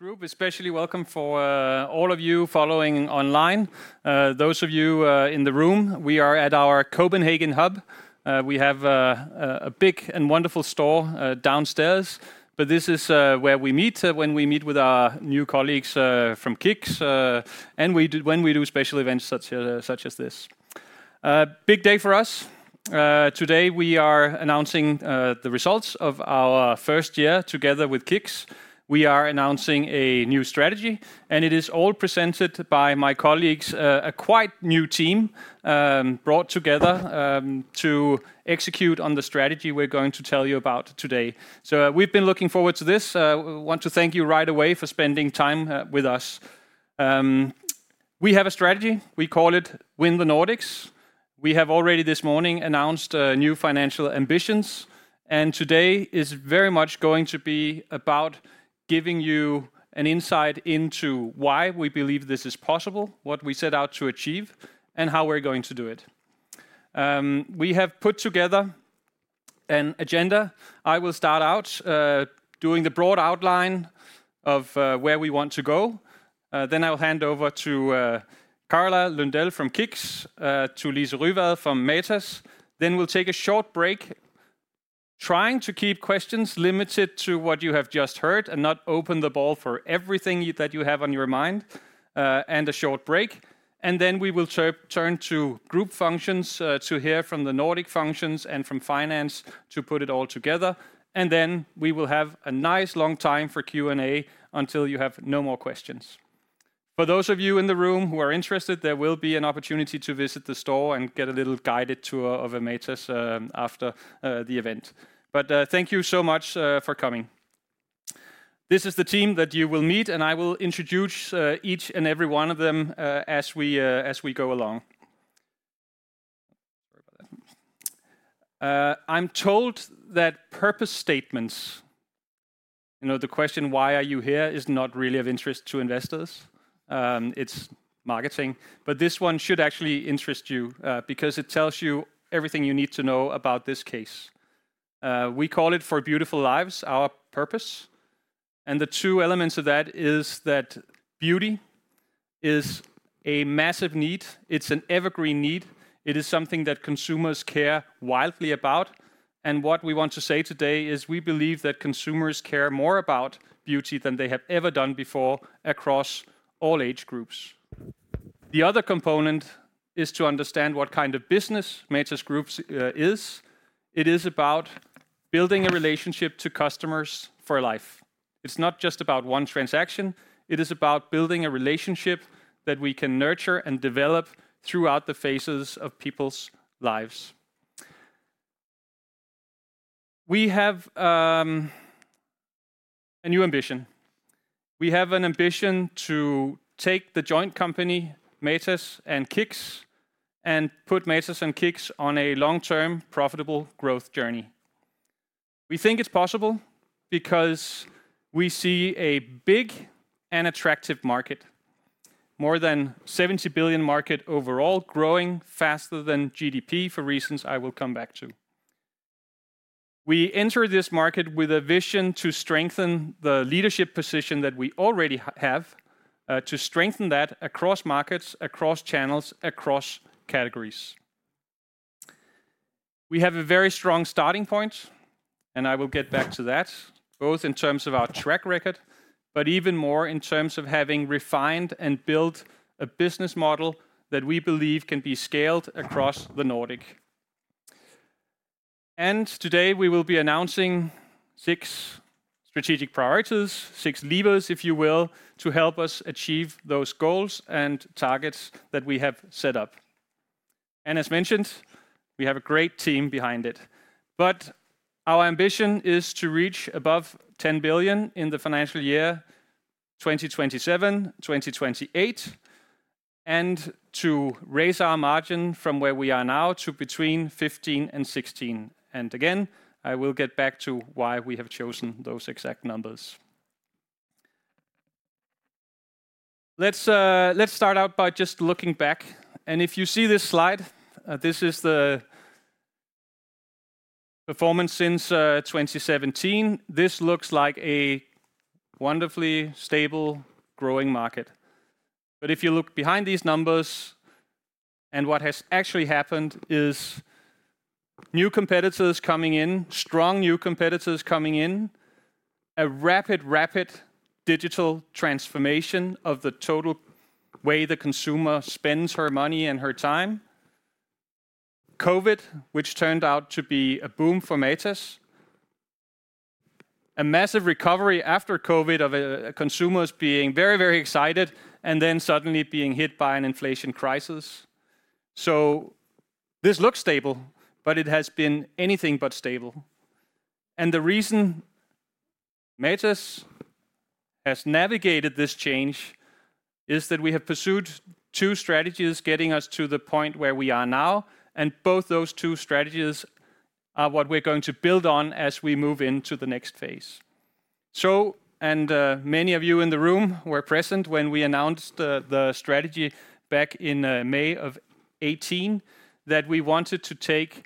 Group, especially welcome for all of you following online. Those of you in the room, we are at our Copenhagen hub. We have a big and wonderful store downstairs, but this is where we meet when we meet with our new colleagues from KICKS and when we do special events such as this. A big day for us. Today we are announcing the results of our first year together with KICKS. We are announcing a new strategy, and it is all presented by my colleagues, a quite new team brought together to execute on the strategy we're going to tell you about today. So we've been looking forward to this. We want to thank you right away for spending time with us. We have a strategy. We call it Win the Nordics. We have already this morning announced new financial ambitions, and today is very much going to be about giving you an insight into why we believe this is possible, what we set out to achieve, and how we're going to do it. We have put together an agenda. I will start out doing the broad outline of where we want to go. Then I'll hand over to Carola Lundell from KICKS, to Lise Ryevad from Matas. Then we'll take a short break, trying to keep questions limited to what you have just heard and not open the floor for everything that you have on your mind. Then a short break, and then we will turn to group functions to hear from the Nordic functions and from finance to put it all together. Then we will have a nice long time for Q&A until you have no more questions. For those of you in the room who are interested, there will be an opportunity to visit the store and get a little guided tour of a Matas after the event. But thank you so much for coming. This is the team that you will meet, and I will introduce each and every one of them as we go along. Sorry about that. I'm told that purpose statements, you know, the question, why are you here, is not really of interest to investors. It's marketing, but this one should actually interest you because it tells you everything you need to know about this case. We call it For Beautiful Lives, our purpose, and the two elements of that is that beauty is a massive need. It's an evergreen need. It is something that consumers care wildly about. And what we want to say today is we believe that consumers care more about beauty than they have ever done before across all age groups. The other component is to understand what kind of business Matas Group is. It is about building a relationship to customers for life. It's not just about one transaction; it is about building a relationship that we can nurture and develop throughout the phases of people's lives. We have a new ambition. We have an ambition to take the joint company, Matas and KICKS, and put Matas and KICKS on a long-term, profitable growth journey. We think it's possible because we see a big and attractive market, more than 70 billion market overall, growing faster than GDP, for reasons I will come back to. We enter this market with a vision to strengthen the leadership position that we already have, to strengthen that across markets, across channels, across categories. We have a very strong starting point, and I will get back to that, both in terms of our track record, but even more in terms of having refined and built a business model that we believe can be scaled across the Nordic. Today, we will be announcing six strategic priorities, six levers, if you will, to help us achieve those goals and targets that we have set up. As mentioned, we have a great team behind it, but our ambition is to reach above 10 billion in the financial year 2027, 2028, and to raise our margin from where we are now to between 15 and 16. And again, I will get back to why we have chosen those exact numbers. Let's start out by just looking back, and if you see this slide, this is the performance since 2017. This looks like a wonderfully stable, growing market. But if you look behind these numbers and what has actually happened is new competitors coming in, strong new competitors coming in, a rapid, rapid digital transformation of the total way the consumer spends her money and her time. Covid, which turned out to be a boom for Matas. A massive recovery after COVID of consumers being very, very excited and then suddenly being hit by an inflation crisis. So this looks stable, but it has been anything but stable. And the reason Matas has navigated this change is that we have pursued two strategies, getting us to the point where we are now, and both those two strategies are what we're going to build on as we move into the next phase. So many of you in the room were present when we announced the strategy back in May of 2018, that we wanted to take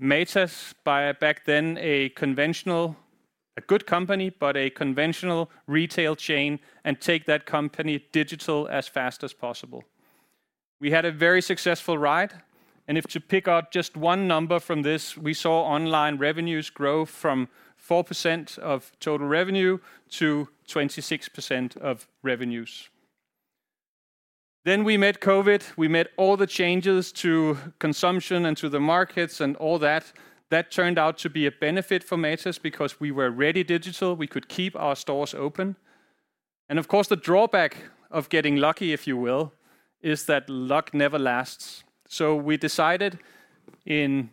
Matas, by back then a conventional, a good company, but a conventional retail chain, and take that company digital as fast as possible. We had a very successful ride, and if to pick out just one number from this, we saw online revenues grow from 4% of total revenue to 26% of revenues. Then we met COVID, we met all the changes to consumption and to the markets, and all that. That turned out to be a benefit for Matas because we were ready digital. We could keep our stores open. And of course, the drawback of getting lucky, if you will, is that luck never lasts. So we decided in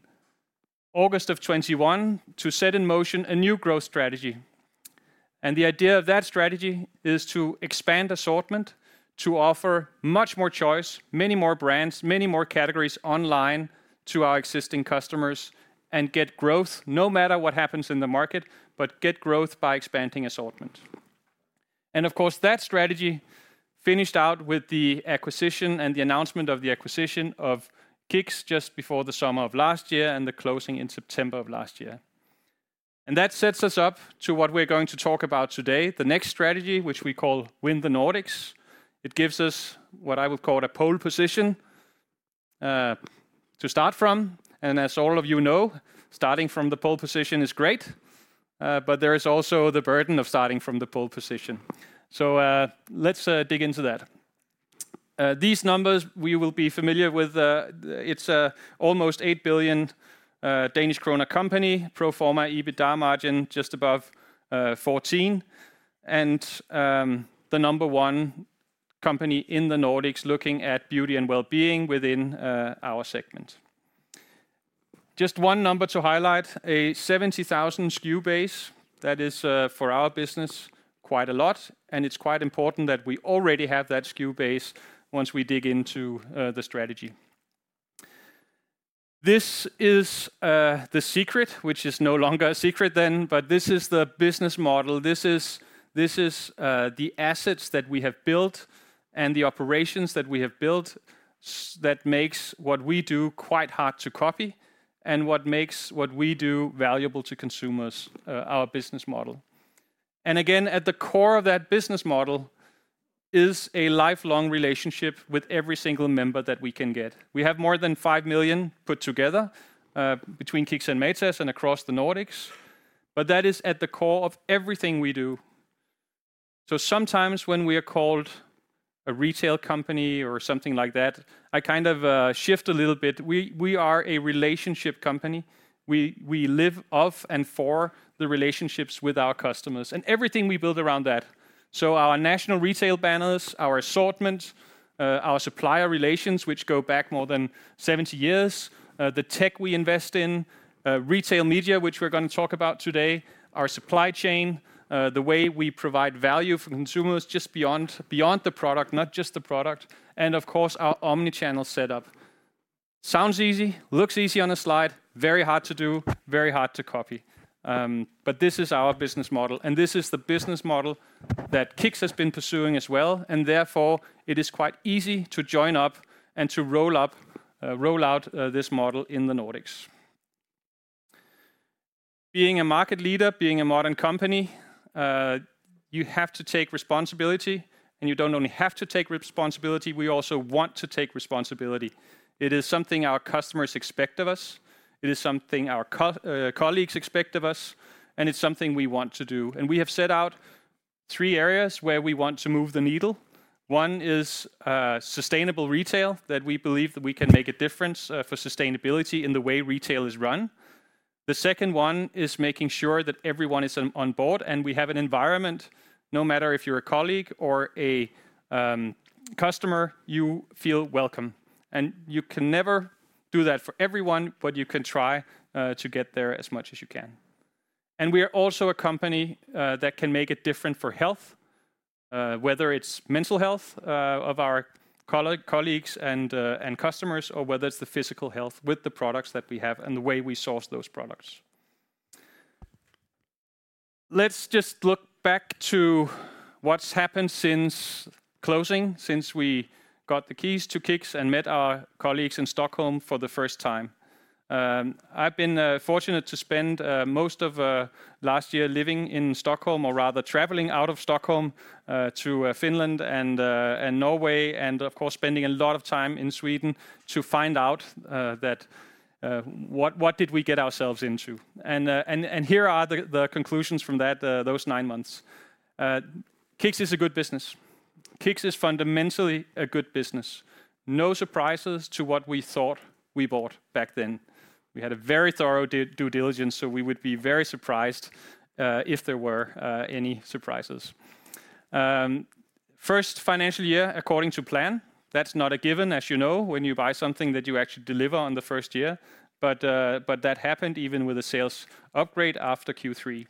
August of 2021 to set in motion a new growth strategy. And the idea of that strategy is to expand assortment, to offer much more choice, many more brands, many more categories online to our existing customers, and get growth no matter what happens in the market, but get growth by expanding assortment. Of course, that strategy finished out with the acquisition and the announcement of the acquisition of KICKS just before the summer of last year and the closing in September of last year. That sets us up to what we're going to talk about today, the next strategy, which we call Win the Nordics. It gives us what I would call a pole position to start from, and as all of you know, starting from the pole position is great, but there is also the burden of starting from the pole position. Let's dig into that. These numbers we will be familiar with, it's almost 8 billion Danish krone company, pro forma EBITDA margin just above 14%, and the number one company in the Nordics looking at beauty and wellbeing within our segment. Just one number to highlight, a 70,000 SKU base. That is, for our business, quite a lot, and it's quite important that we already have that SKU base once we dig into the strategy. This is the secret, which is no longer a secret then, but this is the business model. This is the assets that we have built and the operations that we have built that makes what we do quite hard to copy and what makes what we do valuable to consumers, our business model. And again, at the core of that business model is a lifelong relationship with every single member that we can get. We have more than 5 million put together, between KICKS and Matas and across the Nordics, but that is at the core of everything we do. So sometimes when we are called a retail company or something like that, I kind of, shift a little bit. We, we are a relationship company. We, we live off and for the relationships with our customers, and everything we build around that. So our national retail banners, our assortment, our supplier relations, which go back more than 70 years, the tech we invest in, retail media, which we're gonna talk about today, our supply chain, the way we provide value for consumers, just beyond, beyond the product, not just the product, and of course, our omni-channel setup. Sounds easy, looks easy on a slide, very hard to do, very hard to copy. But this is our business model, and this is the business model that KICKS has been pursuing as well, and therefore, it is quite easy to join up and to roll out this model in the Nordics. Being a market leader, being a modern company, you have to take responsibility, and you don't only have to take responsibility, we also want to take responsibility. It is something our customers expect of us, it is something our colleagues expect of us, and it's something we want to do. And we have set out three areas where we want to move the needle. One is sustainable retail, that we believe that we can make a difference for sustainability in the way retail is run. The second one is making sure that everyone is on board, and we have an environment, no matter if you're a colleague or a customer, you feel welcome. You can never do that for everyone, but you can try to get there as much as you can. We are also a company that can make it different for health, whether it's mental health of our colleagues and customers, or whether it's the physical health with the products that we have and the way we source those products. Let's just look back to what's happened since closing, since we got the keys to KICKS and met our colleagues in Stockholm for the first time. I've been fortunate to spend most of last year living in Stockholm, or rather traveling out of Stockholm, to Finland and Norway, and of course, spending a lot of time in Sweden to find out that what did we get ourselves into? Here are the conclusions from those nine months. KICKS is a good business. KICKS is fundamentally a good business. No surprises to what we thought we bought back then. We had a very thorough due diligence, so we would be very surprised if there were any surprises. First financial year, according to plan, that's not a given, as you know, when you buy something that you actually deliver on the first year. But that happened even with a sales upgrade after Q3.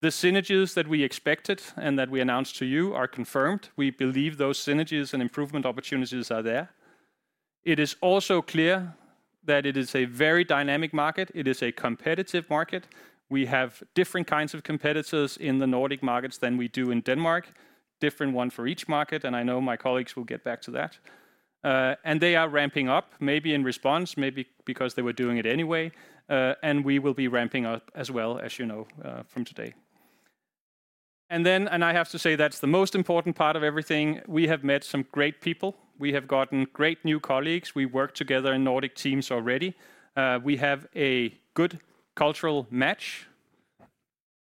The synergies that we expected and that we announced to you are confirmed. We believe those synergies and improvement opportunities are there. It is also clear that it is a very dynamic market. It is a competitive market. We have different kinds of competitors in the Nordic markets than we do in Denmark, different one for each market, and I know my colleagues will get back to that. And they are ramping up, maybe in response, maybe because they were doing it anyway, and we will be ramping up as well, as you know, from today.... And then, I have to say that's the most important part of everything, we have met some great people. We have gotten great new colleagues. We work together in Nordic teams already. We have a good cultural match.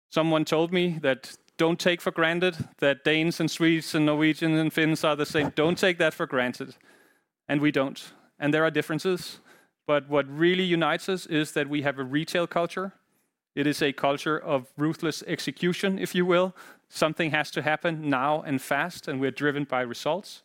Someone told me that, "Don't take for granted that Danes, and Swedes, and Norwegians, and Finns are the same. Don't take that for granted." And we don't, and there are differences, but what really unites us is that we have a retail culture. It is a culture of ruthless execution, if you will. Something has to happen now and fast, and we're driven by results.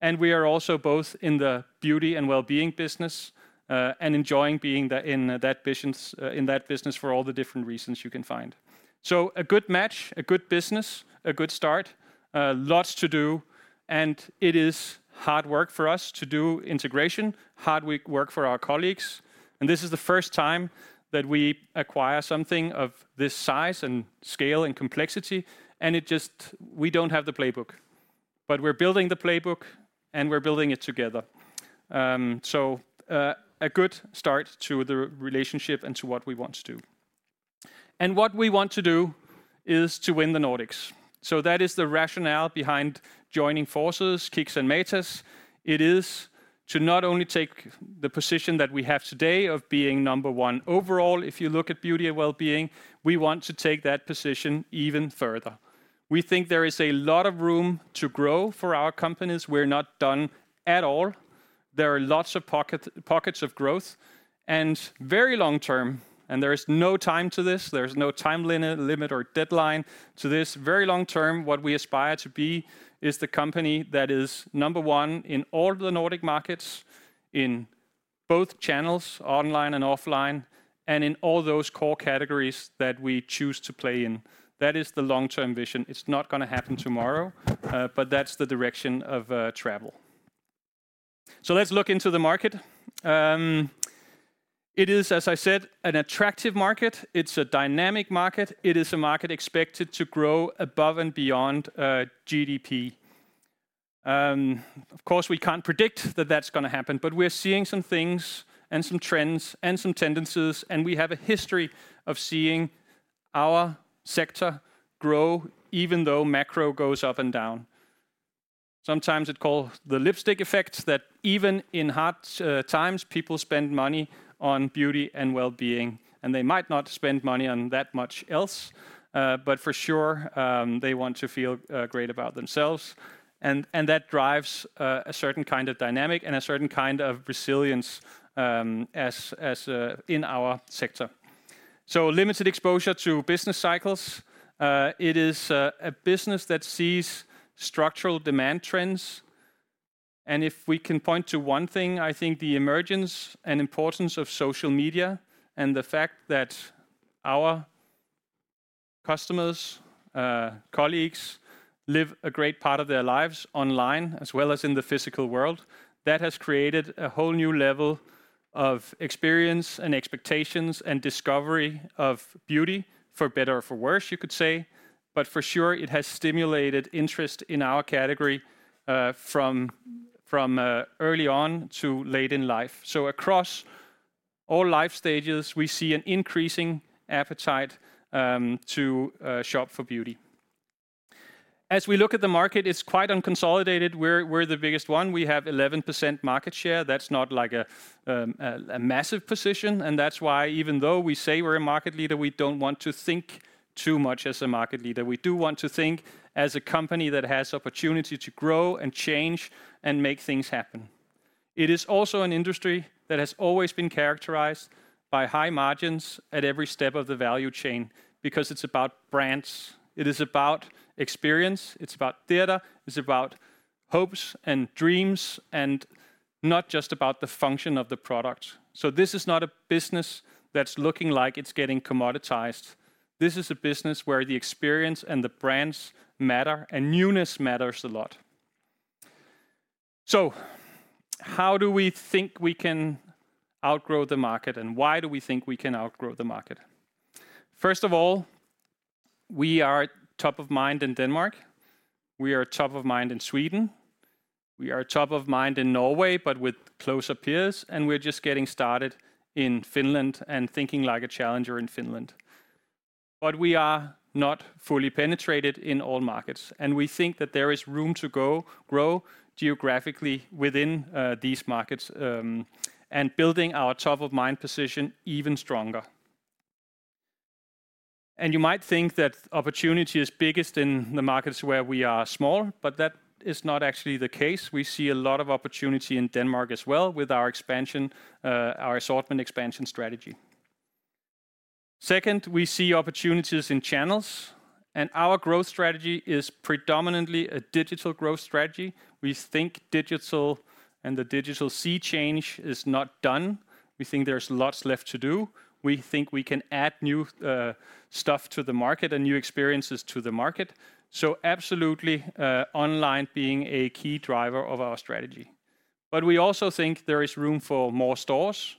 And we are also both in the beauty and well-being business, and enjoying being the, in that business, in that business for all the different reasons you can find. So a good match, a good business, a good start, lots to do, and it is hard work for us to do integration, hard work work for our colleagues. And this is the first time that we acquire something of this size, and scale, and complexity, and it just... We don't have the playbook. But we're building the playbook, and we're building it together. A good start to the relationship and to what we want to do. What we want to do is to win the Nordics. So that is the rationale behind joining forces, KICKS and Matas. It is to not only take the position that we have today of being number one overall, if you look at beauty and well-being, we want to take that position even further. We think there is a lot of room to grow for our companies. We're not done at all. There are lots of pockets of growth, and very long term, and there is no time limit or deadline to this. Very long term, what we aspire to be is the company that is number one in all the Nordic markets, in both channels, online and offline, and in all those core categories that we choose to play in. That is the long-term vision. It's not gonna happen tomorrow, but that's the direction of travel. So let's look into the market. It is, as I said, an attractive market. It's a dynamic market. It is a market expected to grow above and beyond GDP. Of course, we can't predict that that's gonna happen, but we're seeing some things, and some trends, and some tendencies, and we have a history of seeing our sector grow even though macro goes up and down. Sometimes it's called the lipstick effect, that even in hard times, people spend money on beauty and well-being, and they might not spend money on that much else, but for sure, they want to feel great about themselves. And that drives a certain kind of dynamic and a certain kind of resilience, as in our sector. So limited exposure to business cycles, it is a business that sees structural demand trends. And if we can point to one thing, I think the emergence and importance of social media and the fact that our customers, colleagues, live a great part of their lives online, as well as in the physical world, that has created a whole new level of experience, and expectations, and discovery of beauty, for better or for worse, you could say. But for sure, it has stimulated interest in our category, from early on to late in life. So across all life stages, we see an increasing appetite, to shop for beauty. As we look at the market, it's quite unconsolidated. We're the biggest one. We have 11% market share. That's not like a massive position, and that's why even though we say we're a market leader, we don't want to think too much as a market leader. We do want to think as a company that has opportunity to grow, and change, and make things happen. It is also an industry that has always been characterized by high margins at every step of the value chain because it's about brands, it is about experience, it's about theater, it's about hopes and dreams, and not just about the function of the product. So this is not a business that's looking like it's getting commoditized. This is a business where the experience and the brands matter, and newness matters a lot. So how do we think we can outgrow the market, and why do we think we can outgrow the market? First of all, we are top of mind in Denmark, we are top of mind in Sweden, we are top of mind in Norway, but with closer peers, and we're just getting started in Finland and thinking like a challenger in Finland. We are not fully penetrated in all markets, and we think that there is room to go, grow geographically within these markets, and building our top-of-mind position even stronger. You might think that opportunity is biggest in the markets where we are small, but that is not actually the case. We see a lot of opportunity in Denmark as well with our expansion, our assortment expansion strategy. Second, we see opportunities in channels, and our growth strategy is predominantly a digital growth strategy. We think digital and the digital sea change is not done. We think there's lots left to do. We think we can add new stuff to the market and new experiences to the market, so absolutely online being a key driver of our strategy. But we also think there is room for more stores,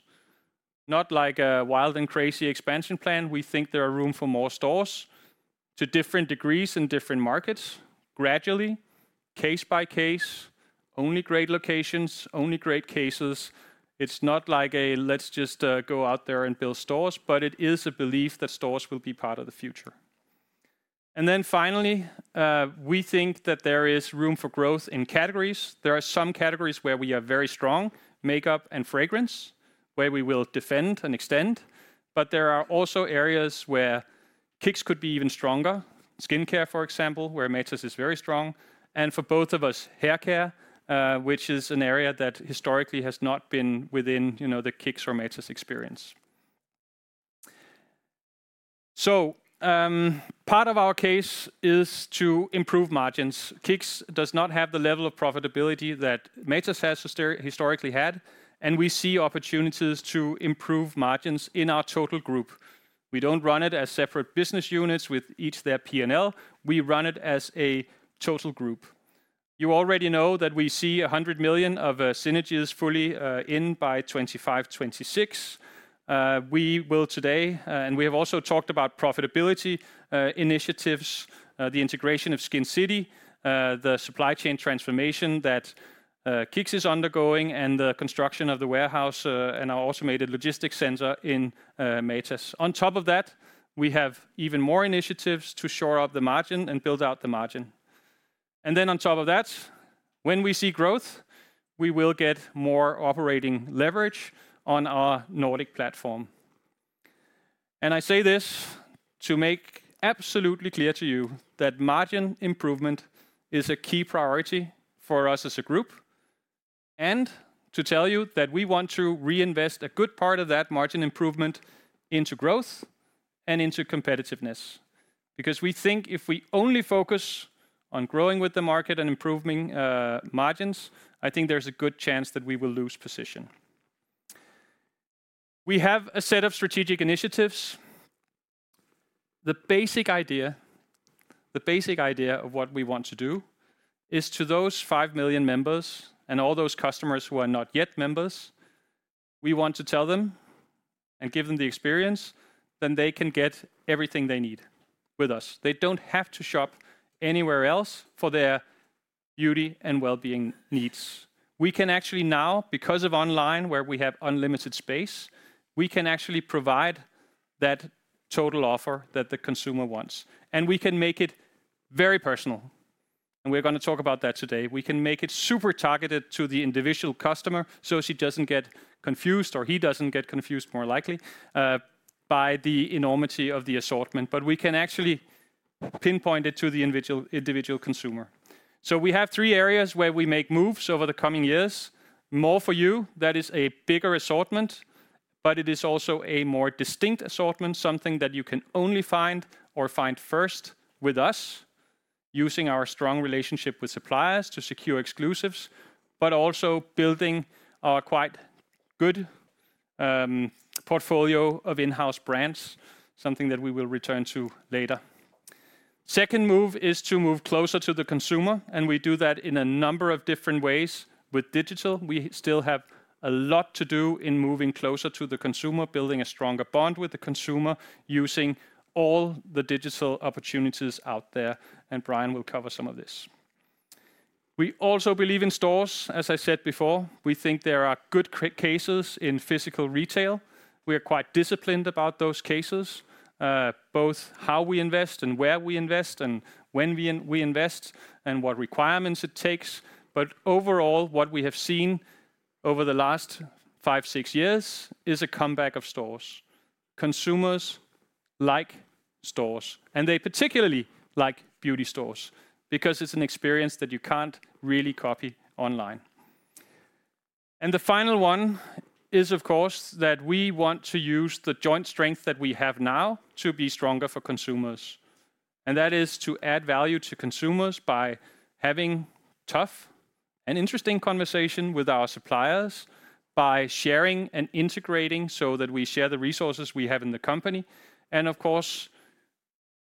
not like a wild and crazy expansion plan. We think there are room for more stores to different degrees in different markets gradually... case by case, only great locations, only great cases. It's not like a, "Let's just go out there and build stores," but it is a belief that stores will be part of the future. And then finally, we think that there is room for growth in categories. There are some categories where we are very strong, makeup and fragrance, where we will defend and extend, but there are also areas where KICKS could be even stronger. Skincare, for example, where Matas is very strong, and for both of us, haircare, which is an area that historically has not been within, you know, the KICKS or Matas experience. So, part of our case is to improve margins. KICKS does not have the level of profitability that Matas has historically had, and we see opportunities to improve margins in our total group. We don't run it as separate business units with each their P&L; we run it as a total group. You already know that we see 100 million of synergies fully in by 2025, 2026. We will today, and we have also talked about profitability initiatives, the integration of Skincity, the supply chain transformation that KICKS is undergoing, and the construction of the warehouse and our automated logistics center in Matas. On top of that, we have even more initiatives to shore up the margin and build out the margin. And then on top of that, when we see growth, we will get more operating leverage on our Nordic platform. And I say this to make absolutely clear to you that margin improvement is a key priority for us as a group, and to tell you that we want to reinvest a good part of that margin improvement into growth and into competitiveness. Because we think if we only focus on growing with the market and improving margins, I think there's a good chance that we will lose position. We have a set of strategic initiatives. The basic idea, the basic idea of what we want to do is to those 5 million members and all those customers who are not yet members, we want to tell them and give them the experience, then they can get everything they need with us. They don't have to shop anywhere else for their beauty and well-being needs. We can actually now, because of online, where we have unlimited space, we can actually provide that total offer that the consumer wants, and we can make it very personal, and we're gonna talk about that today. We can make it super targeted to the individual customer, so she doesn't get confused, or he doesn't get confused, more likely, by the enormity of the assortment, but we can actually pinpoint it to the individual, individual consumer. So we have three areas where we make moves over the coming years. More for You, that is a bigger assortment, but it is also a more distinct assortment, something that you can only find or find first with us, using our strong relationship with suppliers to secure exclusives, but also building our quite good portfolio of in-house brands, something that we will return to later. Second move is to move closer to the consumer, and we do that in a number of different ways. With digital, we still have a lot to do in moving closer to the consumer, building a stronger bond with the consumer, using all the digital opportunities out there, and Brian will cover some of this. We also believe in stores. As I said before, we think there are good cases in physical retail. We are quite disciplined about those cases, both how we invest and where we invest and when we invest, and what requirements it takes. But overall, what we have seen over the last 5, 6 years is a comeback of stores. Consumers like stores, and they particularly like beauty stores because it's an experience that you can't really copy online. The final one is, of course, that we want to use the joint strength that we have now to be stronger for consumers. That is to add value to consumers by having tough and interesting conversation with our suppliers, by sharing and integrating so that we share the resources we have in the company, and of course,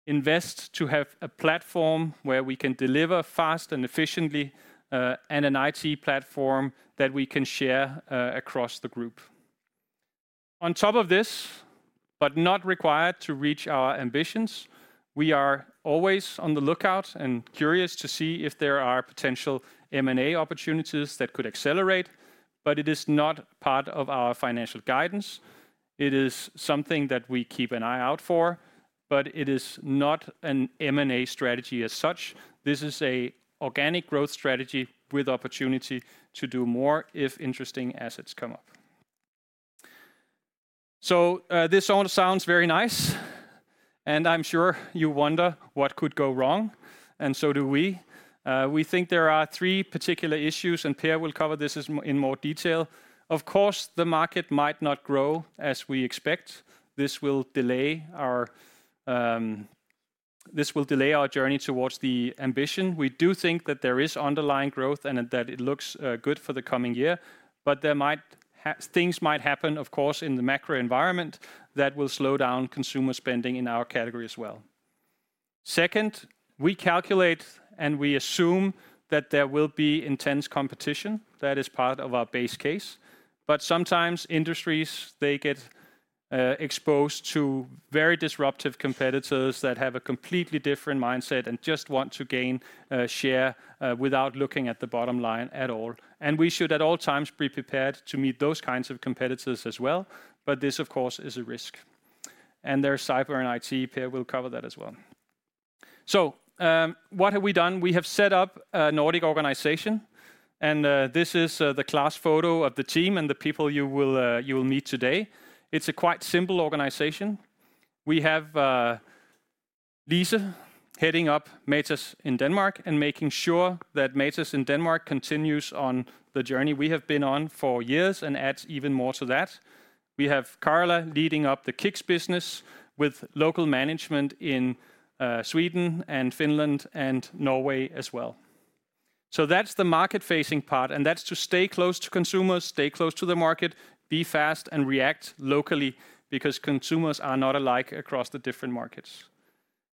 invest to have a platform where we can deliver fast and efficiently, and an IT platform that we can share across the group. On top of this, but not required to reach our ambitions, we are always on the lookout and curious to see if there are potential M&A opportunities that could accelerate, but it is not part of our financial guidance. It is something that we keep an eye out for, but it is not an M&A strategy as such. This is a organic growth strategy with opportunity to do more if interesting assets come up. So, this all sounds very nice, and I'm sure you wonder what could go wrong, and so do we. We think there are three particular issues, and Per will cover this in more detail. Of course, the market might not grow as we expect. This will delay our journey towards the ambition. We do think that there is underlying growth and that it looks good for the coming year, but things might happen, of course, in the macro environment that will slow down consumer spending in our category as well. Second, we calculate and we assume that there will be intense competition. That is part of our base case. But sometimes industries, they get exposed to very disruptive competitors that have a completely different mindset and just want to gain share without looking at the bottom line at all. And we should, at all times, be prepared to meet those kinds of competitors as well, but this, of course, is a risk. And there's cyber and IT, Per will cover that as well. So, what have we done? We have set up a Nordic organization, and this is the class photo of the team and the people you will meet today. It's a quite simple organization. We have Lise heading up Matas in Denmark, and making sure that Matas in Denmark continues on the journey we have been on for years and adds even more to that. We have Carola leading up the KICKS business with local management in Sweden and Finland and Norway as well. So that's the market-facing part, and that's to stay close to consumers, stay close to the market, be fast, and react locally, because consumers are not alike across the different markets.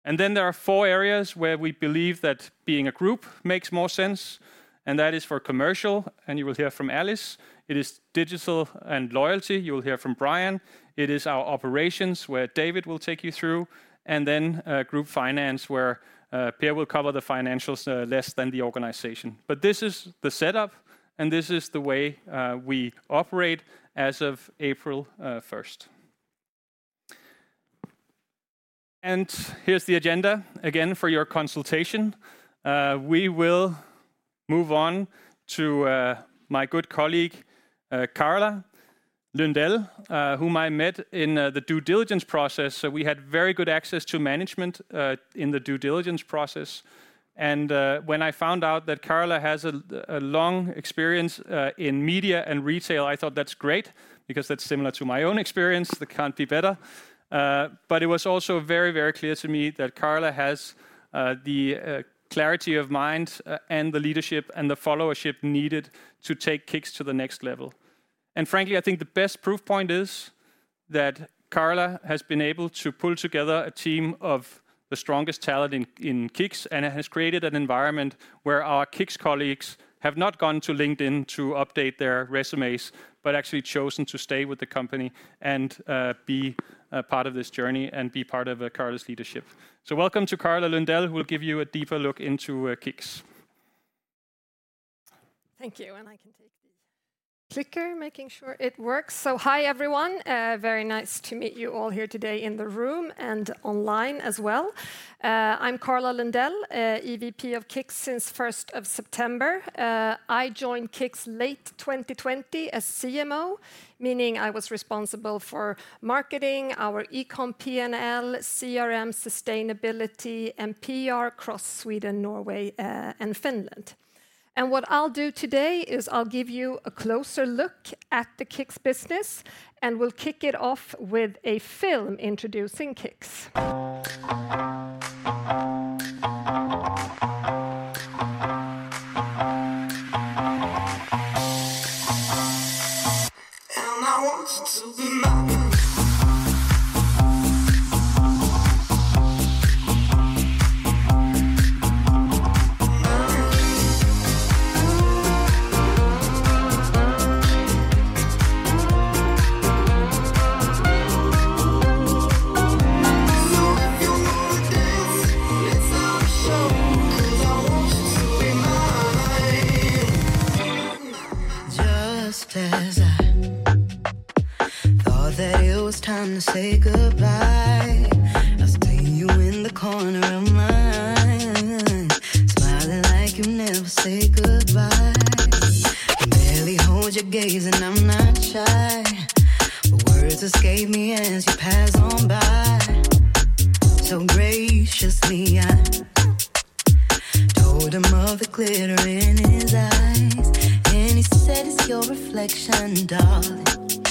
And then there are four areas where we believe that being a group makes more sense, and that is for commercial, and you will hear from Alice. It is digital and loyalty, you will hear from Brian. It is our operations, where David will take you through, and then group finance, where Per will cover the financials, less than the organization. But this is the setup, and this is the way we operate as of April 1st. Here's the agenda, again, for your consultation. We will move on to my good colleague, Carola Lundell, whom I met in the due diligence process. So we had very good access to management in the due diligence process, and when I found out that Carola has a, a long experience in media and retail, I thought, "That's great, because that's similar to my own experience. That can't be better." But it was also very, very clear to me that Carola has the clarity of mind and the leadership and the followership needed to take KICKS to the next level. And frankly, I think the best proof point is that Carola has been able to pull together a team of the strongest talent in KICKS, and has created an environment where our KICKS colleagues have not gone to LinkedIn to update their resumes, but actually chosen to stay with the company and be a part of this journey and be part of Carola's leadership. So welcome to Carola Lundell, who will give you a deeper look into KICKS. Thank you, and I can take the clicker, making sure it works. So hi, everyone. Very nice to meet you all here today in the room and online as well. I'm Carola Lundell, EVP of KICKS since 1st of September. I joined KICKS late 2020 as CMO, meaning I was responsible for marketing, our e-com P&L, CRM, sustainability, and PR across Sweden, Norway, and Finland. And what I'll do today is I'll give you a closer look at the KICKS business, and we'll kick it off with a film introducing KICKS. And I want you to be mine. So if you wanna dance, let's have a show, 'cause I want you to be mine. Just as I thought that it was time to say goodbye, I see you in the corner of my eye, smiling like you never say goodbye. Can barely hold your gaze, and I'm not shy. Words escape me as you pass on by. So graciously, I told him of the glitter in his eyes, and he said, "It's your reflection, darling." Then he said, "It's your reflection, babe." I see the good in you. Do you see it, too? I see the good in you. Do you see it, too? What's your name? Can I call you mine? All I want's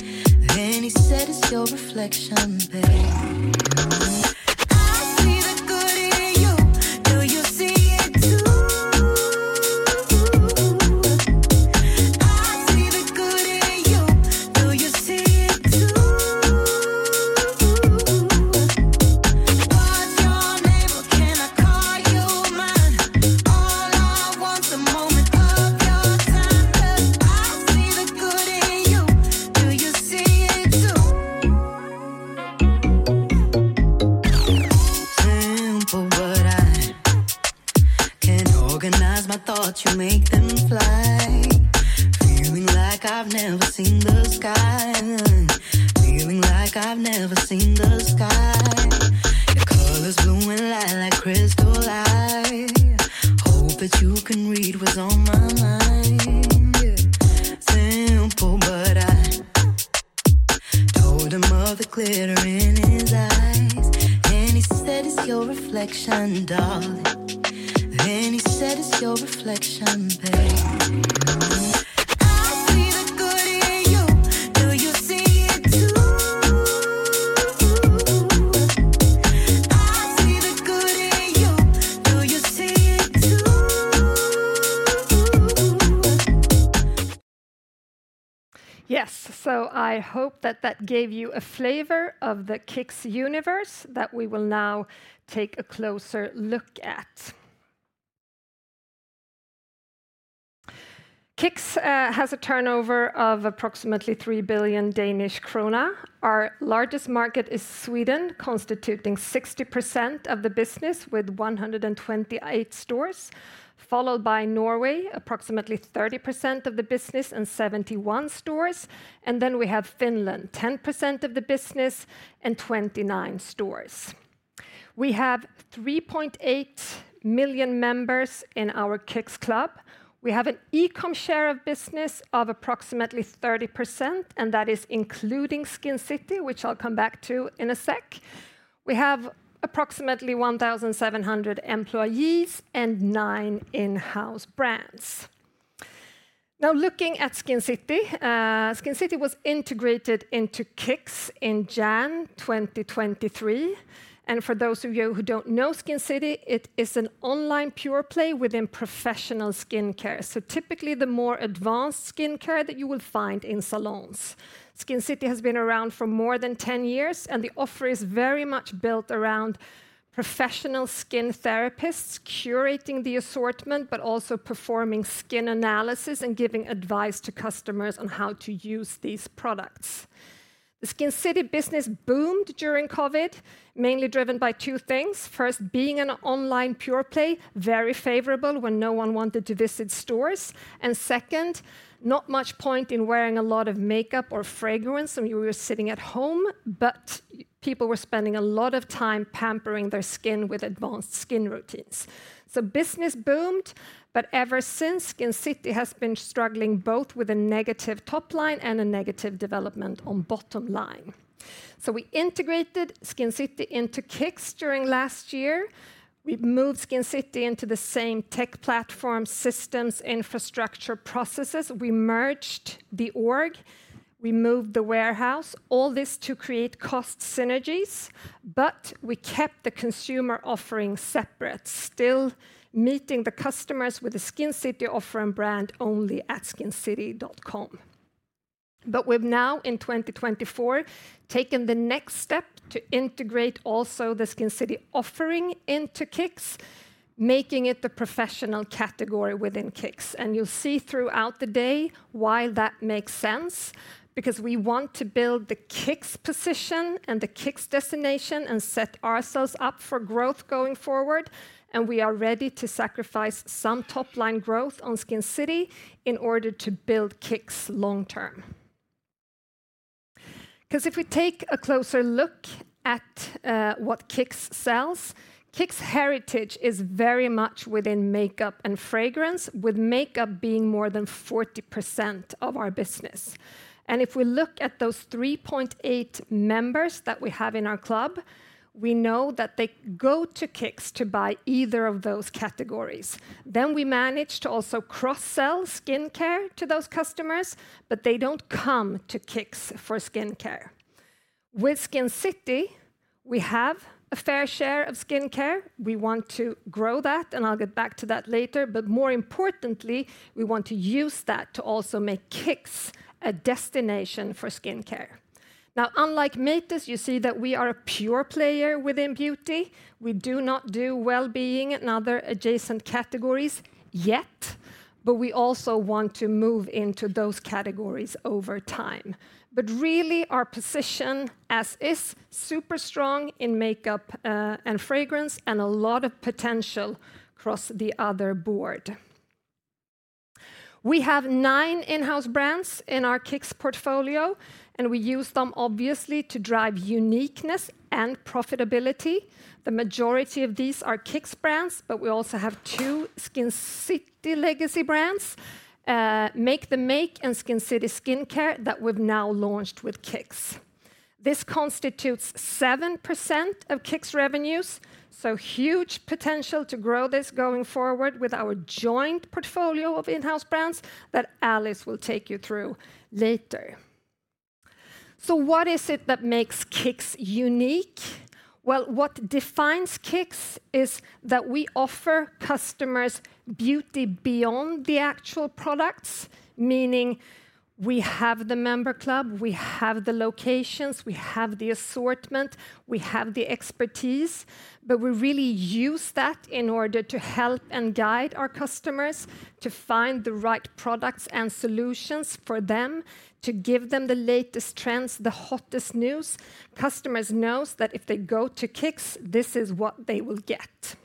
darling." Then he said, "It's your reflection, babe." I see the good in you. Do you see it, too? I see the good in you. Do you see it, too? Yes, so I hope that that gave you a flavor of the KICKS universe that we will now take a closer look at. KICKS has a turnover of approximately 3 billion Danish krone. Our largest market is Sweden, constituting 60% of the business with 128 stores, followed by Norway, approximately 30% of the business and 71 stores, and then we have Finland, 10% of the business and 29 stores. We have 3.8 million members in our KICKS Club. We have an e-com share of business of approximately 30%, and that is including Skincity, which I'll come back to in a sec. We have approximately 1,700 employees and nine in-house brands. Now, looking at Skincity, Skincity was integrated into KICKS in January 2023, and for those of you who don't know Skincity, it is an online pure play within professional skincare, so typically the more advanced skincare that you will find in salons. Skincity has been around for more than 10 years, and the offer is very much built around professional skin therapists curating the assortment, but also performing skin analysis and giving advice to customers on how to use these products. The Skincity business boomed during COVID, mainly driven by two things. First, being an online pure play, very favorable when no one wanted to visit stores, and second, not much point in wearing a lot of makeup or fragrance when you were sitting at home, but people were spending a lot of time pampering their skin with advanced skin routines. So business boomed, but ever since, Skincity has been struggling both with a negative top line and a negative development on bottom line. So we integrated Skincity into KICKS during last year. We've moved Skincity into the same tech platform, systems, infrastructure, processes. We merged the org. We moved the warehouse. All this to create cost synergies, but we kept the consumer offering separate, still meeting the customers with a Skincity offer and brand only at Skincity.com. But we've now, in 2024, taken the next step to integrate also the Skincity offering into KICKS, making it the professional category within KICKS. You'll see throughout the day why that makes sense, because we want to build the KICKS position and the KICKS destination and set ourselves up for growth going forward, and we are ready to sacrifice some top-line growth on Skincity in order to build KICKS long term. 'Cause if we take a closer look at what KICKS sells, KICKS heritage is very much within makeup and fragrance, with makeup being more than 40% of our business. And if we look at those 3.8 members that we have in our club, we know that they go to KICKS to buy either of those categories. Then we manage to also cross-sell skincare to those customers, but they don't come to KICKS for skincare. With Skincity, we have a fair share of skincare. We want to grow that, and I'll get back to that later, but more importantly, we want to use that to also make KICKS a destination for skincare. Now, unlike Matas, you see that we are a pure player within beauty. We do not do well-being and other adjacent categories yet, but we also want to move into those categories over time. But really, our position as is, super strong in makeup, and fragrance, and a lot of potential across the other board. We have nine in-house brands in our KICKS portfolio, and we use them obviously to drive uniqueness and profitability. The majority of these are KICKS brands, but we also have two Skincity legacy brands, MAKETHEMAKE and Skincity Skincare, that we've now launched with KICKS. This constitutes 7% of KICKS revenues, so huge potential to grow this going forward with our joint portfolio of in-house brands that Alice will take you through later. So what is it that makes KICKS unique? Well, what defines KICKS is that we offer customers beauty beyond the actual products, meaning we have the member club, we have the locations, we have the assortment, we have the expertise, but we really use that in order to help and guide our customers to find the right products and solutions for them, to give them the latest trends, the hottest news. Customers knows that if they go to KICKS, this is what they will get.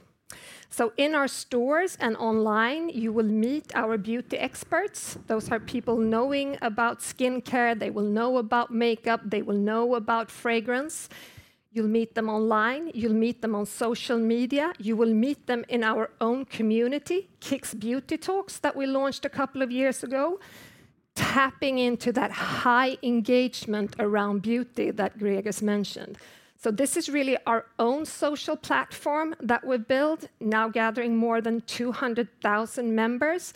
So in our stores and online, you will meet our beauty experts. Those are people knowing about skincare. They will know about makeup. They will know about fragrance. You'll meet them online. You'll meet them on social media. You will meet them in our own community, KICKS Beauty Talks, that we launched a couple of years ago, tapping into that high engagement around beauty that Greg has mentioned. So this is really our own social platform that we've built, now gathering more than 200,000 members,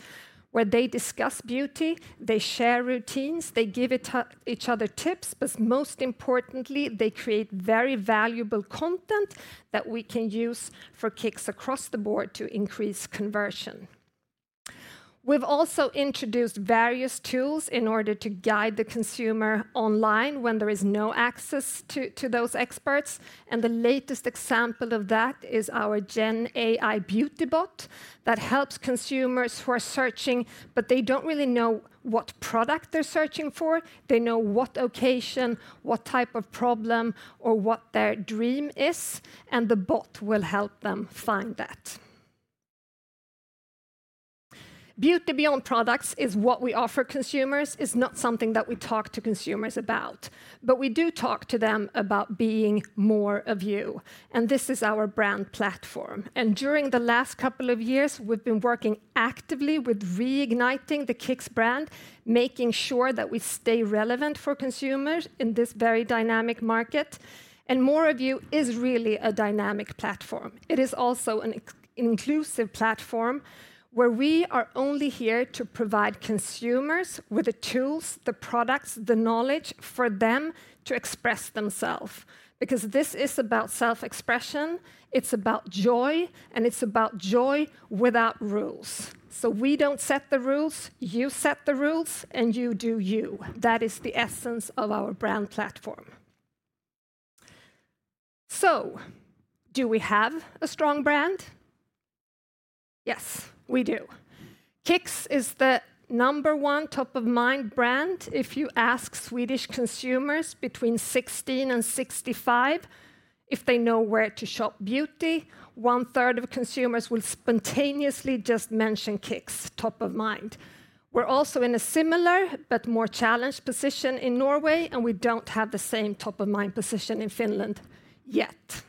where they discuss beauty, they share routines, they give each, each other tips, but most importantly, they create very valuable content that we can use for KICKS across the board to increase conversion. We've also introduced various tools in order to guide the consumer online when there is no access to, to those experts, and the latest example of that is our Gen AI BeautyBot... that helps consumers who are searching, but they don't really know what product they're searching for. They know what occasion, what type of problem, or what their dream is, and the bot will help them find that. Beauty Beyond Products is what we offer consumers. It's not something that we talk to consumers about, but we do talk to them about being More of You, and this is our brand platform. During the last couple of years, we've been working actively with reigniting the KICKS brand, making sure that we stay relevant for consumers in this very dynamic market, and More of You is really a dynamic platform. It is also an exclusive platform where we are only here to provide consumers with the tools, the products, the knowledge for them to express themselves. Because this is about self-expression, it's about joy, and it's about joy without rules. So we don't set the rules, you set the rules, and you do you. That is the essence of our brand platform. So do we have a strong brand? Yes, we do. KICKS is the number one top-of-mind brand if you ask Swedish consumers between 16 and 65, if they know where to shop beauty, one-third of consumers will spontaneously just mention KICKS, top of mind. We're also in a similar but more challenged position in Norway, and we don't have the same top-of-mind position in Finland yet.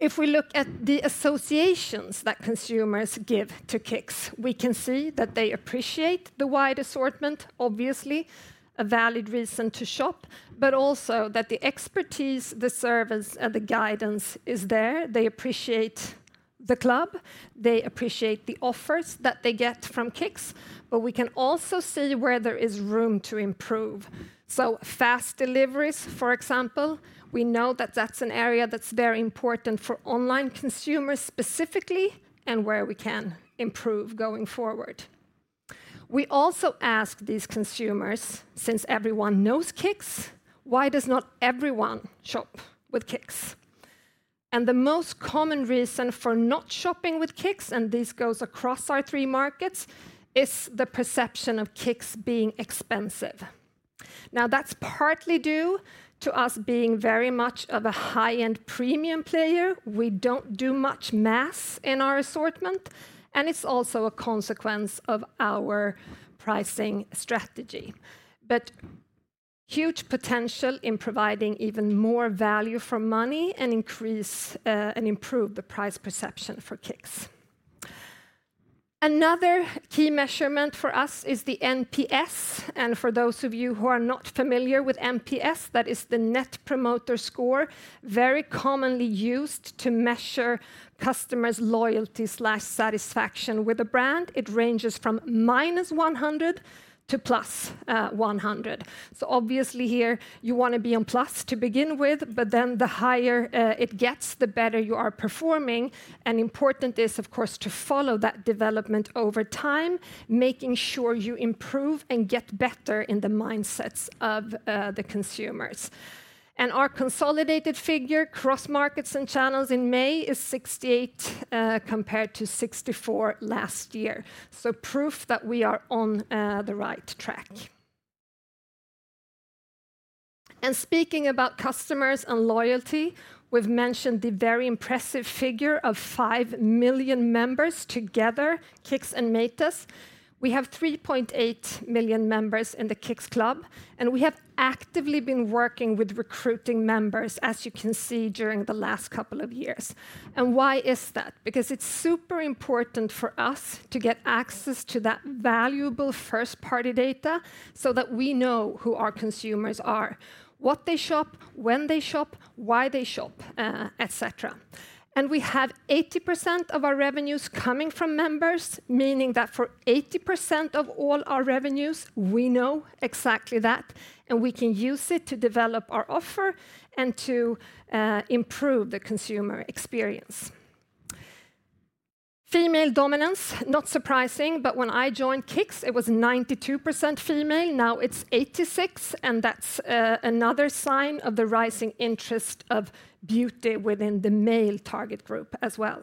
If we look at the associations that consumers give to KICKS, we can see that they appreciate the wide assortment, obviously, a valid reason to shop, but also that the expertise, the service, and the guidance is there. They appreciate the club. They appreciate the offers that they get from KICKS, but we can also see where there is room to improve. So fast deliveries, for example, we know that that's an area that's very important for online consumers specifically, and where we can improve going forward. We also ask these consumers, since everyone knows KICKS, why does not everyone shop with KICKS? The most common reason for not shopping with KICKS, and this goes across our three markets, is the perception of KICKS being expensive. Now, that's partly due to us being very much of a high-end premium player. We don't do much mass in our assortment, and it's also a consequence of our pricing strategy. But huge potential in providing even more value for money and increase, and improve the price perception for KICKS. Another key measurement for us is the NPS, and for those of you who are not familiar with NPS, that is the Net Promoter Score, very commonly used to measure customers' loyalty/satisfaction with a brand. It ranges from -100 to +100. So obviously here you wanna be on plus to begin with, but then the higher it gets, the better you are performing. And important is, of course, to follow that development over time, making sure you improve and get better in the mindsets of the consumers. And our consolidated figure, cross-markets and channels in May, is 68, compared to 64 last year, so proof that we are on the right track. And speaking about customers and loyalty, we've mentioned the very impressive figure of 5 million members together, KICKS and Matas. We have 3.8 million members in the KICKS Club, and we have actively been working with recruiting members, as you can see, during the last couple of years. Why is that? Because it's super important for us to get access to that valuable first-party data so that we know who our consumers are, what they shop, when they shop, why they shop, et cetera. We have 80% of our revenues coming from members, meaning that for 80% of all our revenues, we know exactly that, and we can use it to develop our offer and to improve the consumer experience. Female dominance, not surprising, but when I joined KICKS, it was 92% female. Now it's 86%, and that's another sign of the rising interest of beauty within the male target group as well.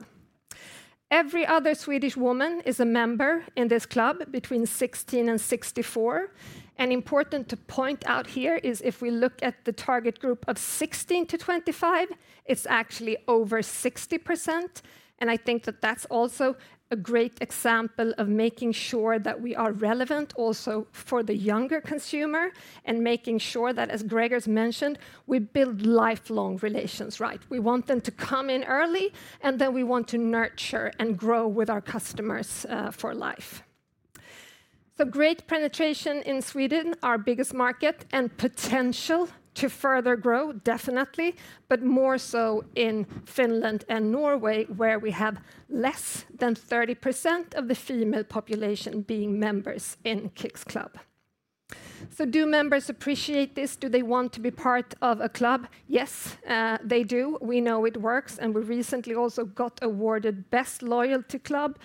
Every other Swedish woman is a member in this club between 16 and 64. Important to point out here is if we look at the target group of 16-25, it's actually over 60%, and I think that that's also a great example of making sure that we are relevant also for the younger consumer and making sure that, as Gregers mentioned, we build lifelong relations, right? We want them to come in early, and then we want to nurture and grow with our customers for life. Great penetration in Sweden, our biggest market, and potential to further grow, definitely, but more so in Finland and Norway, where we have less than 30% of the female population being members in KICKS Club. Do members appreciate this? Do they want to be part of a club? Yes, they do. We know it works, and we recently also got awarded Best Loyalty Club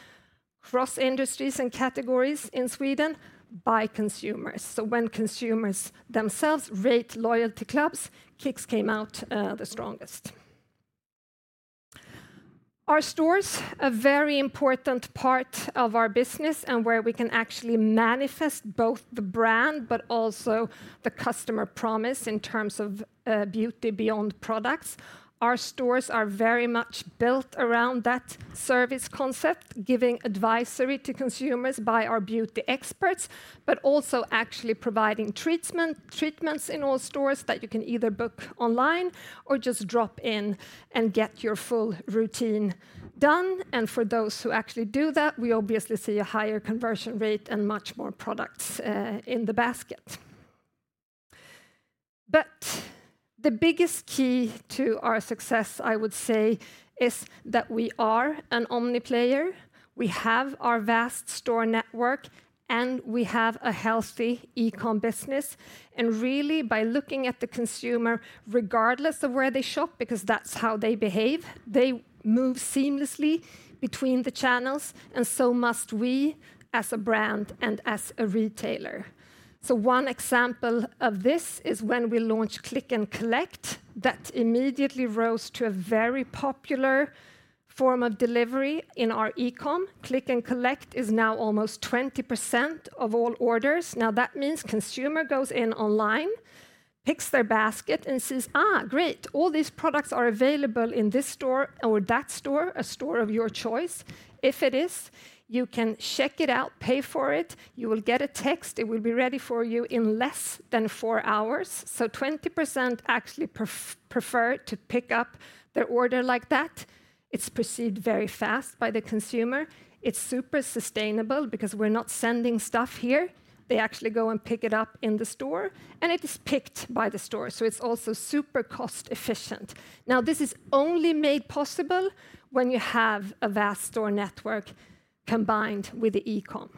cross industries and categories in Sweden by consumers. So when consumers themselves rate loyalty clubs, KICKS came out the strongest. Our stores, a very important part of our business, and where we can actually manifest both the brand, but also the customer promise in terms of Beauty Beyond Products. Our stores are very much built around that service concept, giving advisory to consumers by our beauty experts, but also actually providing treatment, treatments in all stores that you can either book online or just drop in and get your full routine done. And for those who actually do that, we obviously see a higher conversion rate and much more products in the basket. But the biggest key to our success, I would say, is that we are an omni player. We have our vast store network, and we have a healthy e-com business. And really by looking at the consumer, regardless of where they shop, because that's how they behave, they move seamlessly between the channels, and so must we as a brand and as a retailer. So one example of this is when we launched Click & Collect, that immediately rose to a very popular form of delivery in our e-com. Click & Collect is now almost 20% of all orders. Now, that means consumer goes in online, picks their basket and says, "Ah, great! All these products are available in this store or that store," a store of your choice. If it is, you can check it out, pay for it. You will get a text. It will be ready for you in less than four hours. So 20% actually prefer to pick up their order like that. It's perceived very fast by the consumer. It's super sustainable because we're not sending stuff here. They actually go and pick it up in the store, and it is picked by the store, so it's also super cost-efficient. Now, this is only made possible when you have a vast store network combined with the e-com.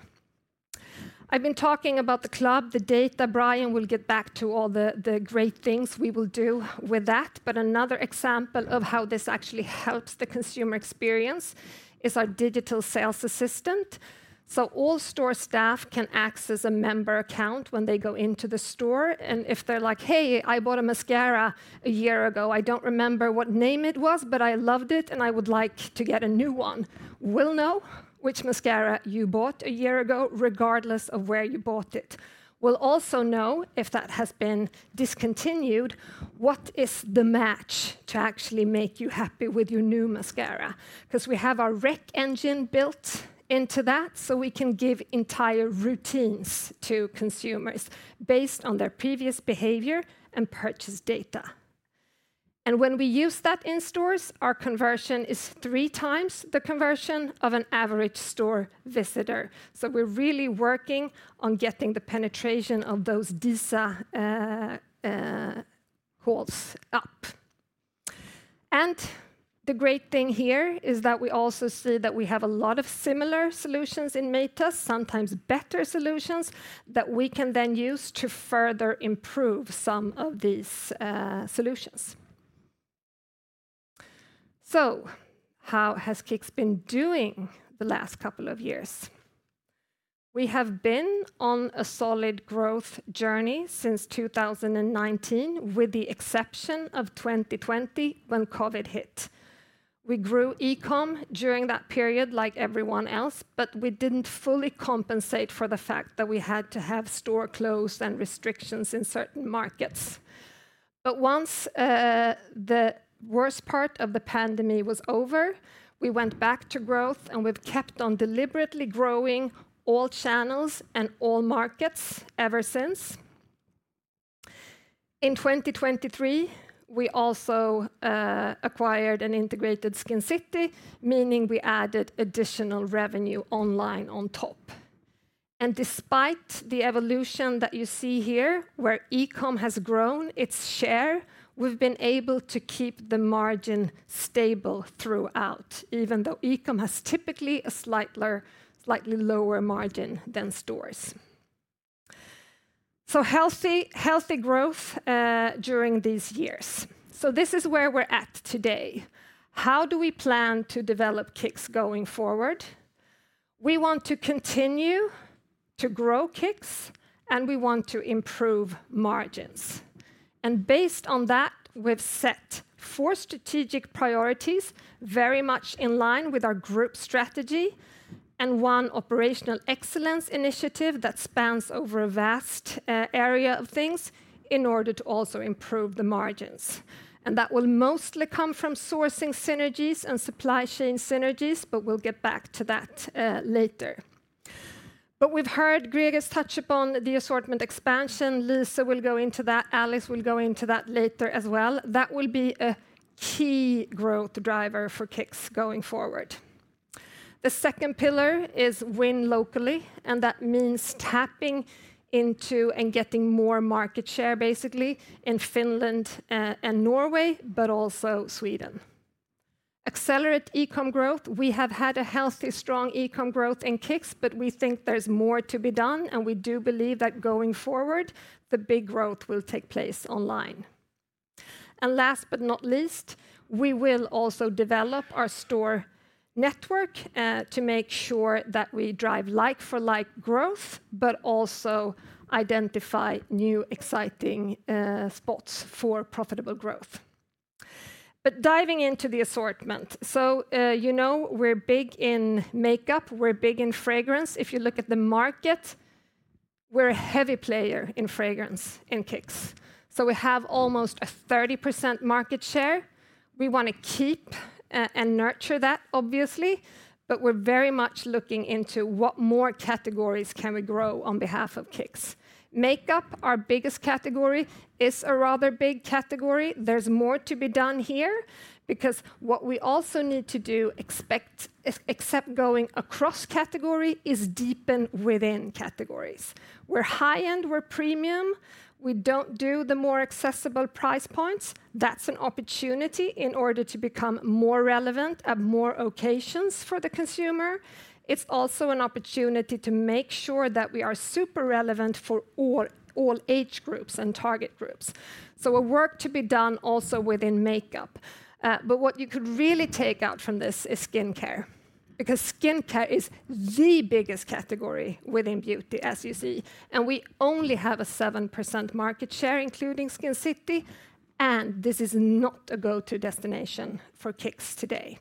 I've been talking about the club, the data. Brian will get back to all the, the great things we will do with that. But another example of how this actually helps the consumer experience is our digital sales assistant. So all store staff can access a member account when they go into the store, and if they're like, "Hey, I bought a mascara a year ago. I don't remember what name it was, but I loved it, and I would like to get a new one." We'll know which mascara you bought a year ago, regardless of where you bought it. We'll also know, if that has been discontinued, what is the match to actually make you happy with your new mascara. 'Cause we have our rec engine built into that, so we can give entire routines to consumers based on their previous behavior and purchase data. And when we use that in stores, our conversion is three times the conversion of an average store visitor. So we're really working on getting the penetration of those DiSA calls up. And the great thing here is that we also see that we have a lot of similar solutions in Matas, sometimes better solutions, that we can then use to further improve some of these, solutions. So how has KICKS been doing the last couple of years? We have been on a solid growth journey since 2019, with the exception of 2020, when COVID hit. We grew e-com during that period, like everyone else, but we didn't fully compensate for the fact that we had to have store closed and restrictions in certain markets. But once, the worst part of the pandemic was over, we went back to growth, and we've kept on deliberately growing all channels and all markets ever since. In 2023, we also, acquired an integrated Skincity, meaning we added additional revenue online on top. Despite the evolution that you see here, where e-com has grown its share, we've been able to keep the margin stable throughout, even though e-com has typically a slightly lower margin than stores. So healthy, healthy growth during these years. So this is where we're at today. How do we plan to develop KICKS going forward? We want to continue to grow KICKS, and we want to improve margins. And based on that, we've set four strategic priorities, very much in line with our group strategy, and one operational excellence initiative that spans over a vast area of things in order to also improve the margins. And that will mostly come from sourcing synergies and supply chain synergies, but we'll get back to that later. But we've heard Gregers touch upon the assortment expansion. Lise will go into that. Alice will go into that later as well. That will be a key growth driver for KICKS going forward. The second pillar is Win Locally, and that means tapping into and getting more market share, basically, in Finland and Norway, but also Sweden. Accelerate e-com growth. We have had a healthy, strong e-com growth in KICKS, but we think there's more to be done, and we do believe that going forward, the big growth will take place online. Last but not least, we will also develop our store network to make sure that we drive like-for-like growth, but also identify new, exciting spots for profitable growth. Diving into the assortment, so, you know, we're big in makeup, we're big in fragrance. If you look at the market, we're a heavy player in fragrance in KICKS. So we have almost a 30% market share. We wanna keep and nurture that, obviously, but we're very much looking into what more categories can we grow on behalf of KICKS. Makeup, our biggest category, is a rather big category. There's more to be done here, because what we also need to do, except going across category, is deepen within categories. We're high-end, we're premium. We don't do the more accessible price points. That's an opportunity in order to become more relevant at more occasions for the consumer. It's also an opportunity to make sure that we are super relevant for all, all age groups and target groups, so a work to be done also within makeup. But what you could really take out from this is skincare, because skincare is the biggest category within beauty, as you see, and we only have a 7% market share, including Skincity, and this is not a go-to destination for KICKS today.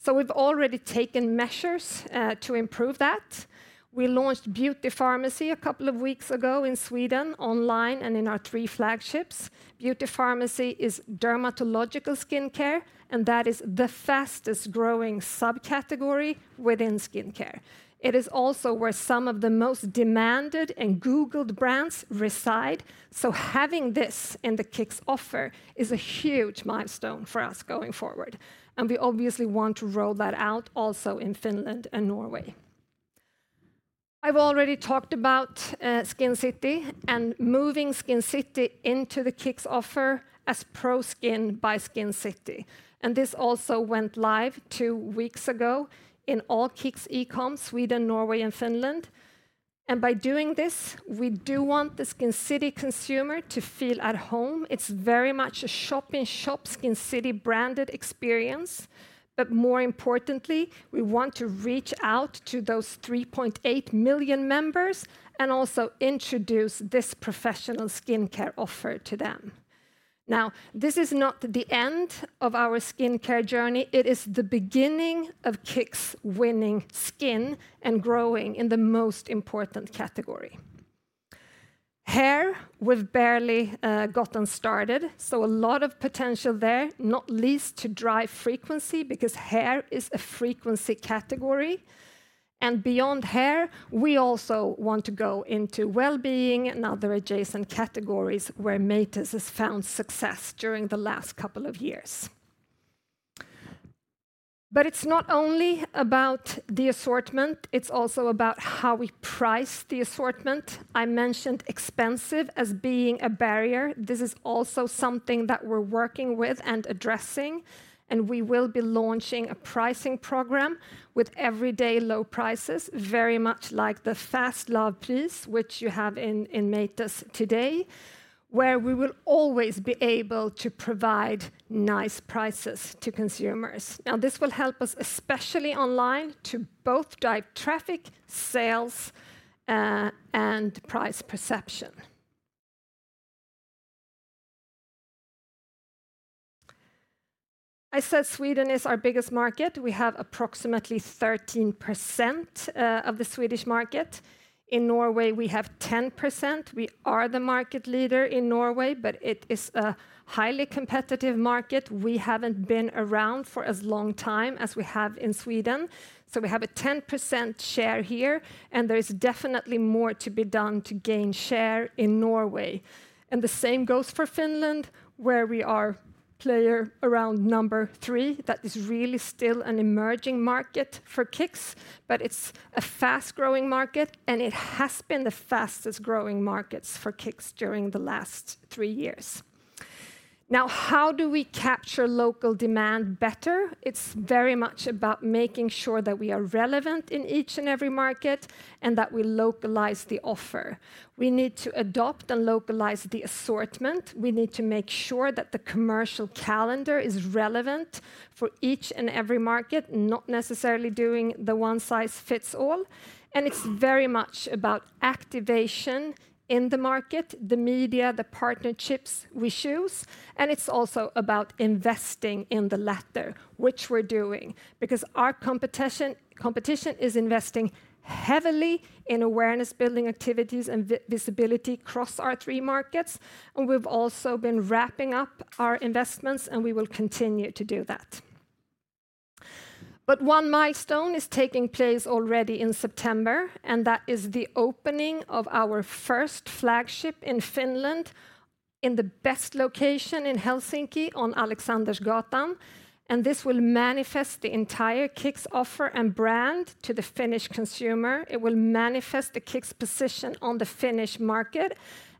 So we've already taken measures to improve that. We launched Beauty Pharmacy a couple of weeks ago in Sweden, online and in our three flagships. Beauty Pharmacy is dermatological skincare, and that is the fastest growing subcategory within skincare. It is also where some of the most demanded and Googled brands reside, so having this in the KICKS offer is a huge milestone for us going forward, and we obviously want to roll that out also in Finland and Norway. I've already talked about Skincity and moving Skincity into the KICKS offer as Pro Skin by Skincity, and this also went live two weeks ago in all KICKS e-com, Sweden, Norway, and Finland. By doing this, we do want the Skincity consumer to feel at home. It's very much a shop-in-shop Skincity branded experience. But more importantly, we want to reach out to those 3.8 million members and also introduce this professional skincare offer to them. Now, this is not the end of our skincare journey. It is the beginning of KICKS winning skin and growing in the most important category. Hair, we've barely gotten started, so a lot of potential there, not least to drive frequency, because hair is a frequency category. Beyond hair, we also want to go into well-being and other adjacent categories where Matas has found success during the last couple of years. But it's not only about the assortment, it's also about how we price the assortment. I mentioned expensive as being a barrier. This is also something that we're working with and addressing, and we will be launching a pricing program with everyday low prices, very much like the Fast Lav Pris, which you have in Matas today, where we will always be able to provide nice prices to consumers. Now, this will help us, especially online, to both drive traffic, sales, and price perception. I said Sweden is our biggest market. We have approximately 13% of the Swedish market. In Norway, we have 10%. We are the market leader in Norway, but it is a highly competitive market. We haven't been around for as long time as we have in Sweden, so we have a 10% share here, and there is definitely more to be done to gain share in Norway. The same goes for Finland, where we are player around number three. That is really still an emerging market for KICKS, but it's a fast-growing market, and it has been the fastest-growing markets for KICKS during the last three years. Now, how do we capture local demand better? It's very much about making sure that we are relevant in each and every market, and that we localize the offer. We need to adopt and localize the assortment. We need to make sure that the commercial calendar is relevant for each and every market, not necessarily doing the one size fits all. And it's very much about activation in the market, the media, the partnerships we choose, and it's also about investing in the latter, which we're doing. Because our competition, competition is investing heavily in awareness-building activities and visibility across our three markets, and we've also been wrapping up our investments, and we will continue to do that. But one milestone is taking place already in September, and that is the opening of our first flagship in Finland, in the best location in Helsinki, on Alexandersgatan, and this will manifest the entire KICKS offer and brand to the Finnish consumer. It will manifest the KICKS position on the Finnish market,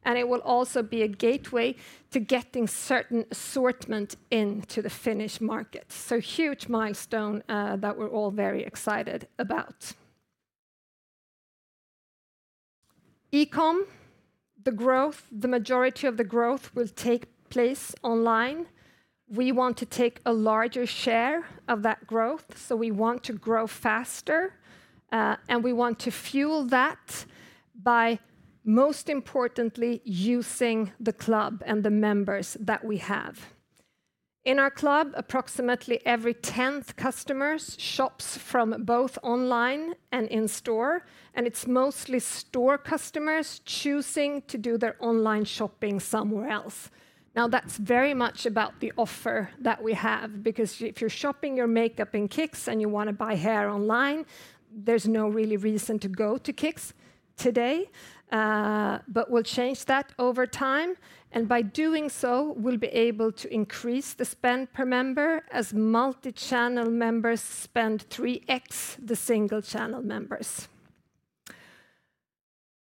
and it will also be a gateway to getting certain assortment into the Finnish market. So, huge milestone that we're all very excited about. E-com, the growth, the majority of the growth will take place online. We want to take a larger share of that growth, so we want to grow faster, and we want to fuel that by most importantly, using the club and the members that we have. In our club, approximately every tenth customers shops from both online and in store, and it's mostly store customers choosing to do their online shopping somewhere else. Now, that's very much about the offer that we have, because if you're shopping your makeup in KICKS and you wanna buy hair online, there's no really reason to go to KICKS today. But we'll change that over time, and by doing so, we'll be able to increase the spend per member as multi-channel members spend 3x the single channel members.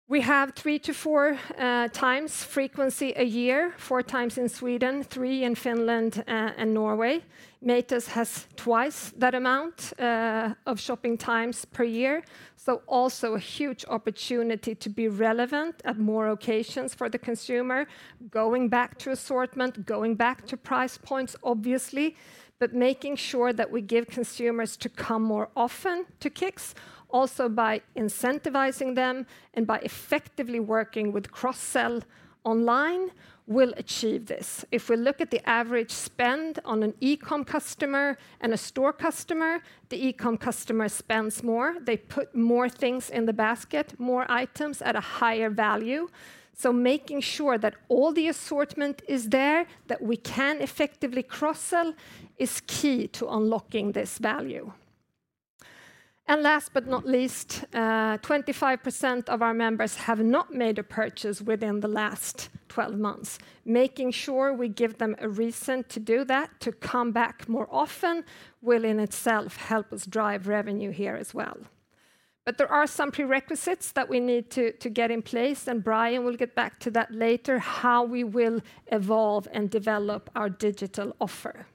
We have 3-4 times frequency a year, 4 times in Sweden, three in Finland, and Norway. Matas has twice that amount of shopping times per year, so also a huge opportunity to be relevant at more occasions for the consumer. Going back to assortment, going back to price points, obviously, but making sure that we give consumers to come more often to KICKS, also by incentivizing them and by effectively working with cross-sell online, we'll achieve this. If we look at the average spend on an e-com customer and a store customer, the e-com customer spends more. They put more things in the basket, more items at a higher value. So making sure that all the assortment is there, that we can effectively cross-sell, is key to unlocking this value. And last but not least, 25% of our members have not made a purchase within the last 12 months. Making sure we give them a reason to do that, to come back more often, will in itself help us drive revenue here as well. But there are some prerequisites that we need to get in place, and Brian will get back to that later, how we will evolve and develop our digital offer.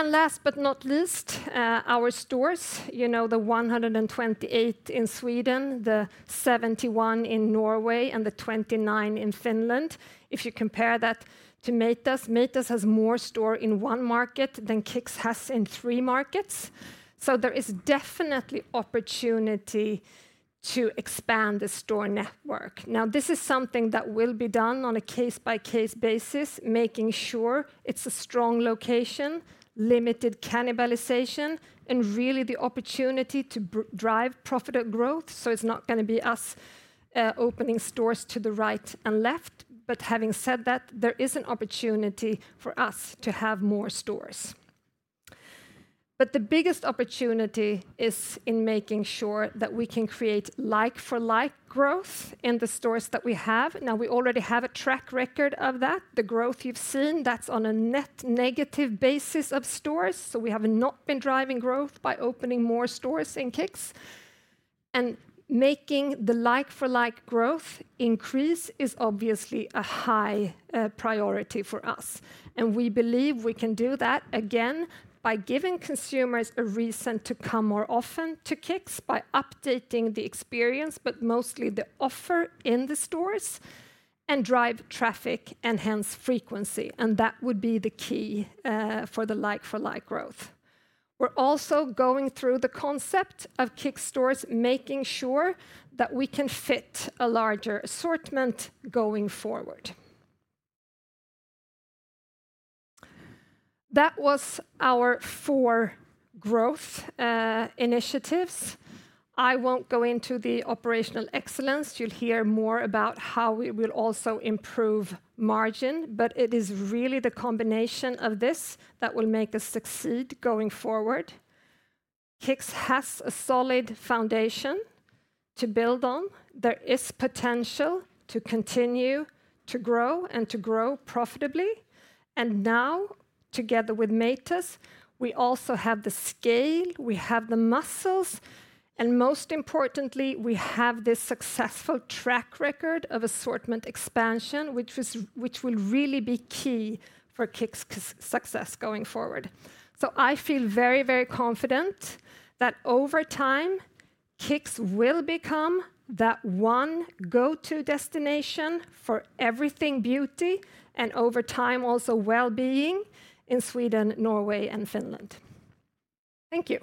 Last but not least, our stores, you know, the 128 in Sweden, the 71 in Norway, and the 29 in Finland. If you compare that to Matas, Matas has more stores in one market than KICKS has in three markets. So there is definitely opportunity to expand the store network. Now, this is something that will be done on a case-by-case basis, making sure it's a strong location, limited cannibalization, and really the opportunity to drive profitable growth. So it's not gonna be us opening stores to the right and left. But having said that, there is an opportunity for us to have more stores. But the biggest opportunity is in making sure that we can create like-for-like growth in the stores that we have. Now, we already have a track record of that. The growth you've seen, that's on a net negative basis of stores, so we have not been driving growth by opening more stores in KICKS. And making the like-for-like growth increase is obviously a high priority for us, and we believe we can do that, again, by giving consumers a reason to come more often to KICKS, by updating the experience, but mostly the offer in the stores, and drive traffic and hence frequency. And that would be the key for the like-for-like growth. We're also going through the concept of KICKS stores, making sure that we can fit a larger assortment going forward. That was our four growth initiatives. I won't go into the operational excellence. You'll hear more about how we will also improve margin, but it is really the combination of this that will make us succeed going forward. KICKS has a solid foundation to build on. There is potential to continue to grow and to grow profitably. And now, together with Matas, we also have the scale, we have the muscles, and most importantly, we have this successful track record of assortment expansion, which is, which will really be key for KICKS' success going forward. So I feel very, very confident that over time, KICKS will become that one go-to destination for everything beauty, and over time, also well-being in Sweden, Norway, and Finland. Thank you.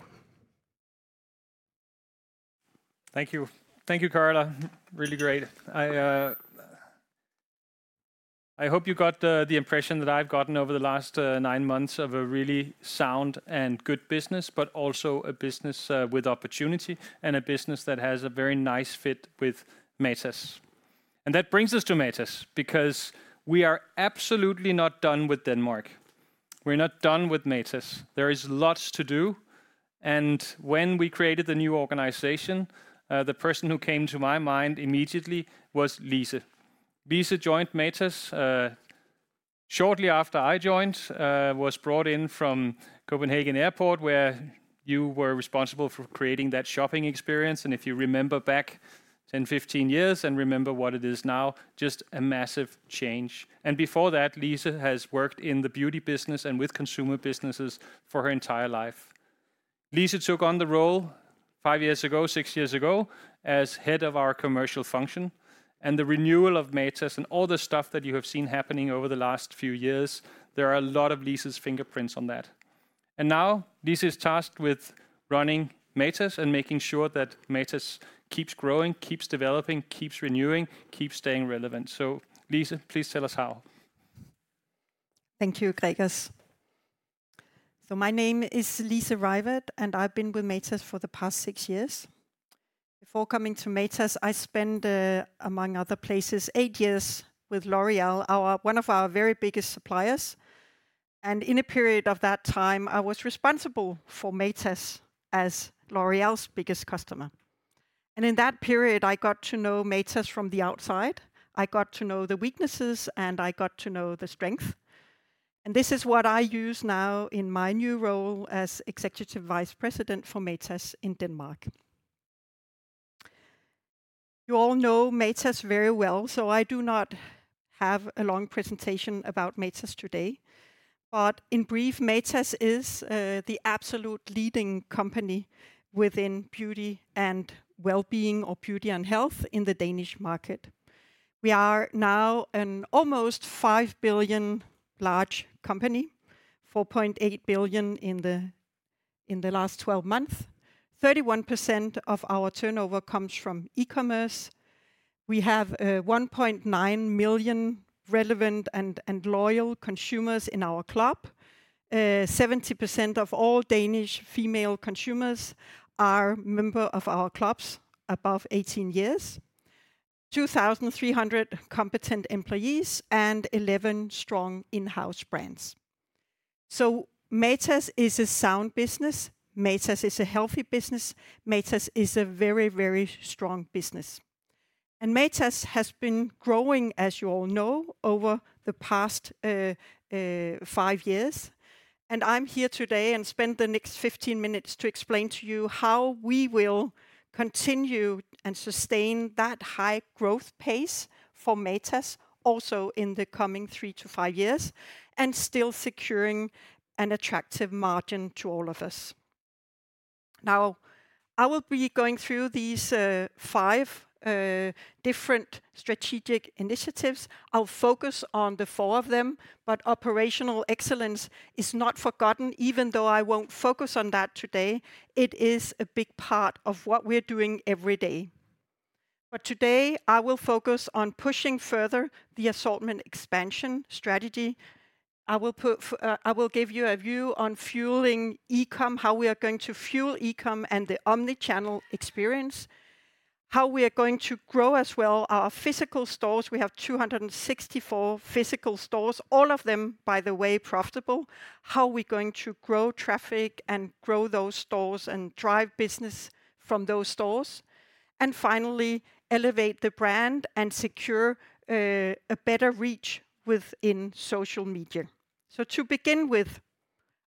Thank you. Thank you, Carola. Really great. I hope you got the impression that I've gotten over the last nine months of a really sound and good business, but also a business with opportunity and a business that has a very nice fit with Matas. And that brings us to Matas, because we are absolutely not done with Denmark. We're not done with Matas. There is lots to do, and when we created the new organization, the person who came to my mind immediately was Lise. Lise joined Matas shortly after I joined, was brought in from Copenhagen Airport, where you were responsible for creating that shopping experience. And if you remember 10, 15 years and remember what it is now, just a massive change. Before that, Lise has worked in the beauty business and with consumer businesses for her entire life. Lise took on the role 5 years ago, 6 years ago, as head of our commercial function, and the renewal of Matas and all the stuff that you have seen happening over the last few years, there are a lot of Lise's fingerprints on that. Now, Lise is tasked with running Matas and making sure that Matas keeps growing, keeps developing, keeps renewing, keeps staying relevant. Lise, please tell us how. Thank you, Gregers. So my name is Lise Ryevad, and I've been with Matas for the past six years. Before coming to Matas, I spent, among other places, eight years with L'Oréal, our, one of our very biggest suppliers. And in a period of that time, I was responsible for Matas as L'Oréal's biggest customer. And in that period, I got to know Matas from the outside. I got to know the weaknesses, and I got to know the strength. And this is what I use now in my new role as Executive Vice President for Matas in Denmark. You all know Matas very well, so I do not have a long presentation about Matas today. But in brief, Matas is, the absolute leading company within beauty and well-being or beauty and health in the Danish market. We are now an almost 5 billion large company, 4.8 billion in the last 12 months. 31% of our turnover comes from e-commerce. We have 1.9 million relevant and loyal consumers in our club. 70% of all Danish female consumers are member of our clubs above 18 years. 2,300 competent employees and 11 strong in-house brands. So Matas is a sound business. Matas is a healthy business. Matas is a very, very strong business. Matas has been growing, as you all know, over the past five years. I'm here today and spend the next 15 minutes to explain to you how we will continue and sustain that high growth pace for Matas, also in the coming 3-5 years, and still securing an attractive margin to all of us. Now, I will be going through these five different strategic initiatives. I'll focus on the four of them, but operational excellence is not forgotten, even though I won't focus on that today. It is a big part of what we're doing every day. But today, I will focus on pushing further the assortment expansion strategy. I will give you a view on fueling e-com, how we are going to fuel e-com and the omni-channel experience. How we are going to grow as well our physical stores. We have 264 physical stores, all of them, by the way, profitable. How we're going to grow traffic and grow those stores and drive business from those stores. And finally, elevate the brand and secure a better reach within social media. So to begin with,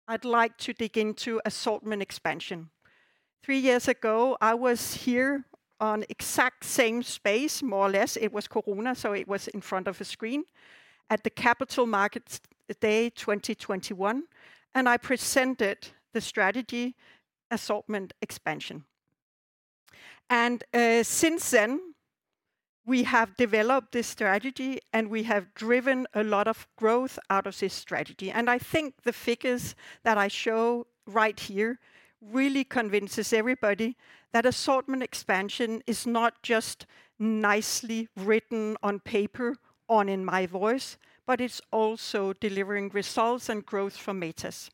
I'd like to dig into assortment expansion. Three years ago, I was here on exact same space, more or less. It was Corona, so it was in front of a screen at the Capital Markets Day 2021, and I presented the strategy assortment expansion. Since then, we have developed this strategy, and we have driven a lot of growth out of this strategy. I think the figures that I show right here really convinces everybody that assortment expansion is not just nicely written on paper or in my voice, but it's also delivering results and growth for Matas.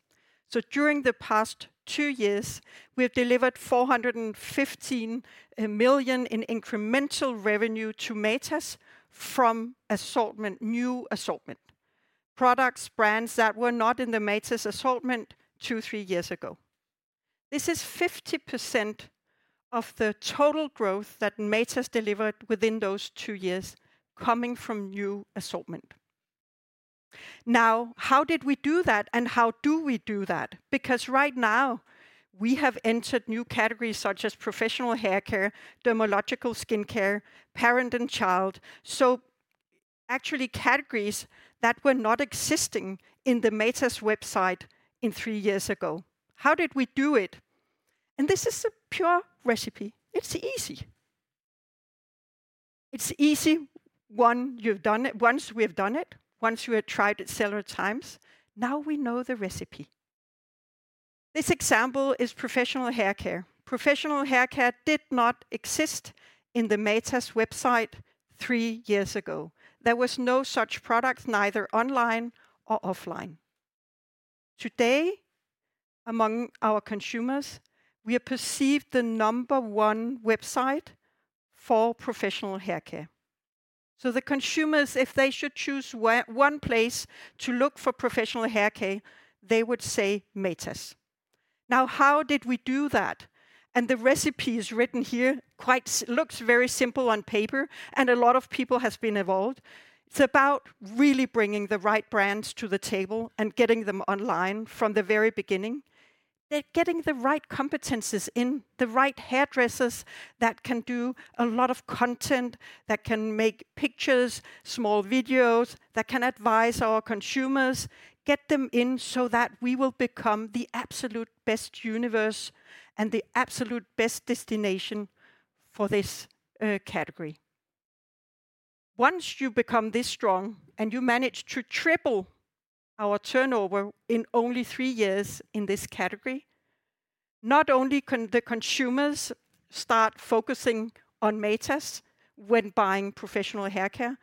During the past two years, we have delivered 415 million in incremental revenue to Matas from assortment, new assortment. Products, brands that were not in the Matas assortment two, three years ago. This is 50% of the total growth that Matas delivered within those two years, coming from new assortment. Now, how did we do that, and how do we do that? Because right now, we have entered new categories such as professional haircare, dermatological skincare, parent and child, so actually categories that were not existing in the Matas website three years ago. How did we do it? And this is a pure recipe. It's easy. It's easy. One, you've done it, once we have done it, once you have tried it several times, now we know the recipe. This example is professional haircare. Professional haircare did not exist in the Matas website three years ago. There was no such product, neither online or offline. Today, among our consumers, we are perceived the number one website for professional haircare. So the consumers, if they should choose one place to look for professional haircare, they would say Matas. Now, how did we do that? And the recipe is written here, quite looks very simple on paper, and a lot of people has been involved. It's about really bringing the right brands to the table and getting them online from the very beginning.... they're getting the right competencies in, the right hairdressers that can do a lot of content, that can make pictures, small videos, that can advise our consumers. Get them in so that we will become the absolute best universe and the absolute best destination for this, category. Once you become this strong, and you manage to triple our turnover in only three years in this category, not only can the consumers start focusing on Matas when buying professional haircare,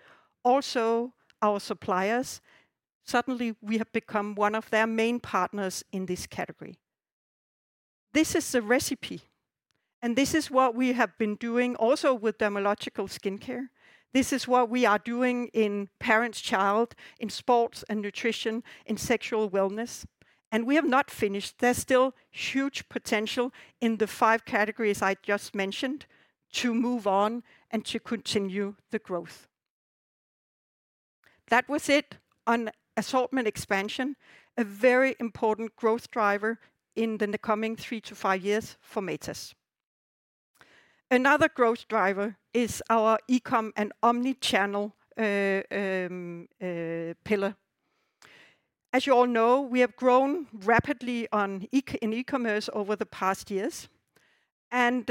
also our suppliers, suddenly we have become one of their main partners in this category. This is the recipe, and this is what we have been doing also with dermatological skincare. This is what we are doing in parents, child, in sports and nutrition, in sexual wellness, and we have not finished. There's still huge potential in the five categories I just mentioned to move on and to continue the growth. That was it on assortment expansion, a very important growth driver in the coming three to five years for Matas. Another growth driver is our e-com and omni-channel pillar. As you all know, we have grown rapidly in e-commerce over the past years, and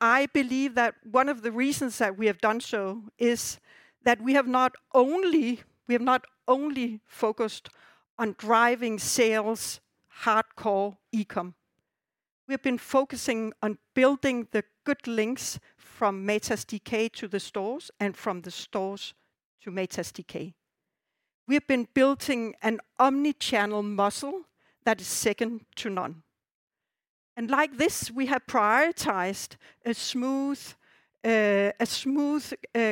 I believe that one of the reasons that we have done so is that we have not only, we have not only focused on driving sales, hardcore e-com. We've been focusing on building the good links from Matas.dk to the stores and from the stores to Matas.dk. We have been building an omni-channel muscle that is second to none, and like this, we have prioritized a smooth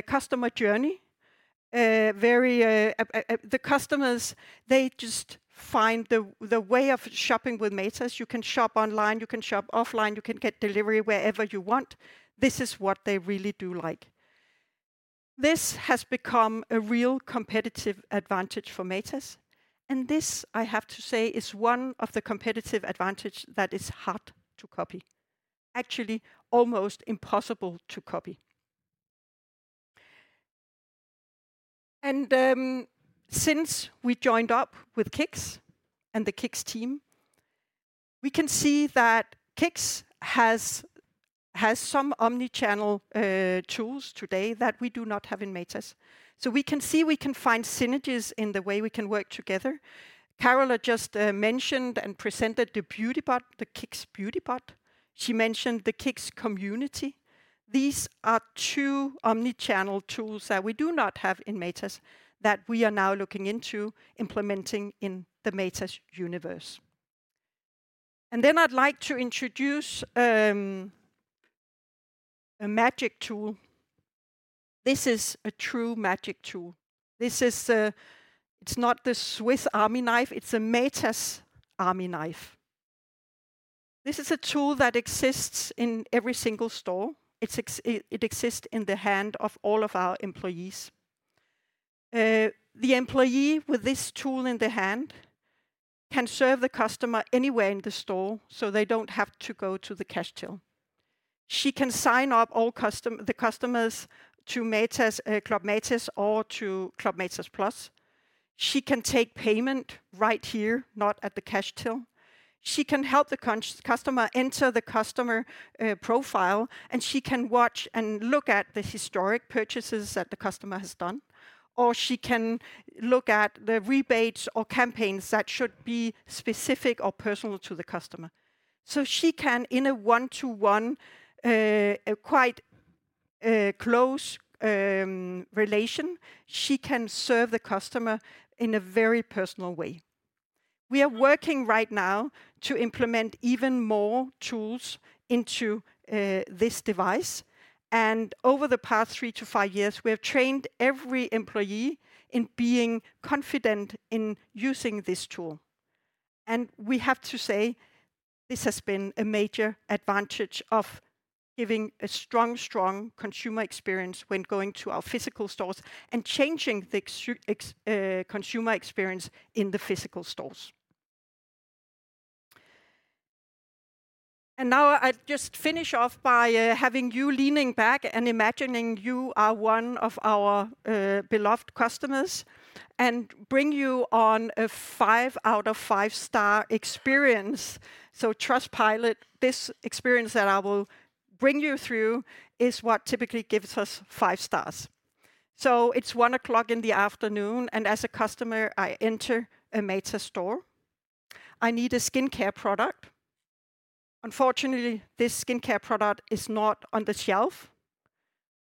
customer journey. The customers, they just find the way of shopping with Matas, you can shop online, you can shop offline, you can get delivery wherever you want. This is what they really do like. This has become a real competitive advantage for Matas, and this, I have to say, is one of the competitive advantage that is hard to copy. Actually, almost impossible to copy. And since we joined up with KICKS and the KICKS team, we can see that KICKS has some omni-channel tools today that we do not have in Matas. So we can see we can find synergies in the way we can work together. Carola just mentioned and presented the Beauty Bot, the KICKS Beauty Bot. She mentioned the KICKS community. These are two omni-channel tools that we do not have in Matas, that we are now looking into implementing in the Matas universe. Then I'd like to introduce a magic tool. This is a true magic tool. This is, it's not the Swiss Army knife; it's a Matas Army Knife. This is a tool that exists in every single store. It exists in the hand of all of our employees. The employee with this tool in their hand can serve the customer anywhere in the store, so they don't have to go to the cash till. She can sign up all the customers to Matas Club Matas or to Club Matas Plus. She can take payment right here, not at the cash till. She can help the customer enter the customer profile, and she can watch and look at the historic purchases that the customer has done, or she can look at the rebates or campaigns that should be specific or personal to the customer. So she can, in a one-to-one, a quite close relation, she can serve the customer in a very personal way. We are working right now to implement even more tools into this device, and over the past three to five years, we have trained every employee in being confident in using this tool. And we have to say, this has been a major advantage of giving a strong, strong consumer experience when going to our physical stores and changing the consumer experience in the physical stores. Now I'd just finish off by having you leaning back and imagining you are one of our beloved customers and bring you on a 5five out of five-star experience. So Trustpilot, this experience that I will bring you through, is what typically gives us five stars. So it's 1:00 P.M. in the afternoon, and as a customer, I enter a Matas store. I need a skincare product. Unfortunately, this skincare product is not on the shelf,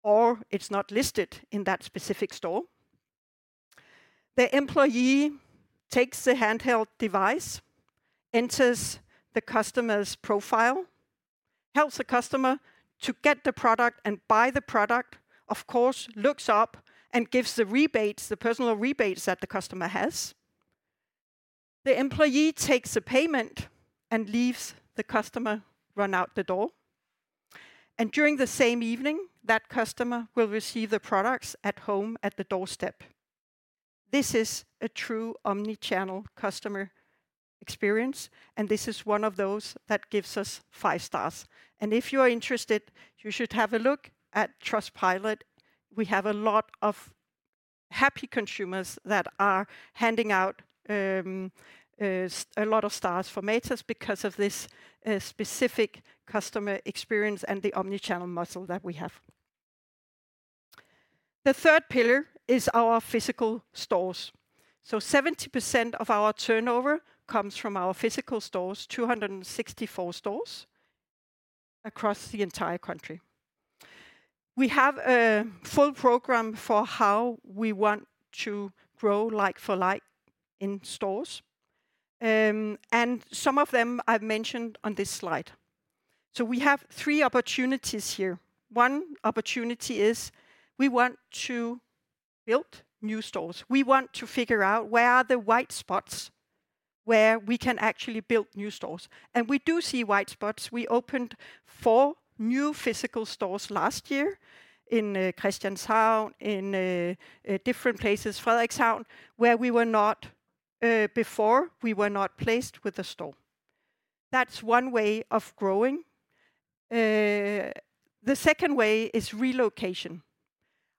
or it's not listed in that specific store. The employee takes the handheld device, enters the customer's profile, helps the customer to get the product and buy the product, of course, looks up and gives the rebates, the personal rebates that the customer has. The employee takes the payment and leaves the customer run out the door. During the same evening, that customer will receive the products at home, at the doorstep. This is a true omni-channel customer experience, and this is one of those that gives us five stars. If you are interested, you should have a look at Trustpilot. We have a lot of happy consumers that are handing out a lot of stars for Matas because of this specific customer experience and the omni-channel model that we have. The third pillar is our physical stores. 70% of our turnover comes from our physical stores, 264 stores across the entire country. We have a full program for how we want to grow like for like in stores. And some of them I've mentioned on this slide. We have three opportunities here. One opportunity is we want to build new stores. We want to figure out where are the white spots, where we can actually build new stores, and we do see white spots. We opened four new physical stores last year in Christianshavn, in different places, Frederikshavn, where we were not before, we were not placed with a store. That's one way of growing. The second way is relocation.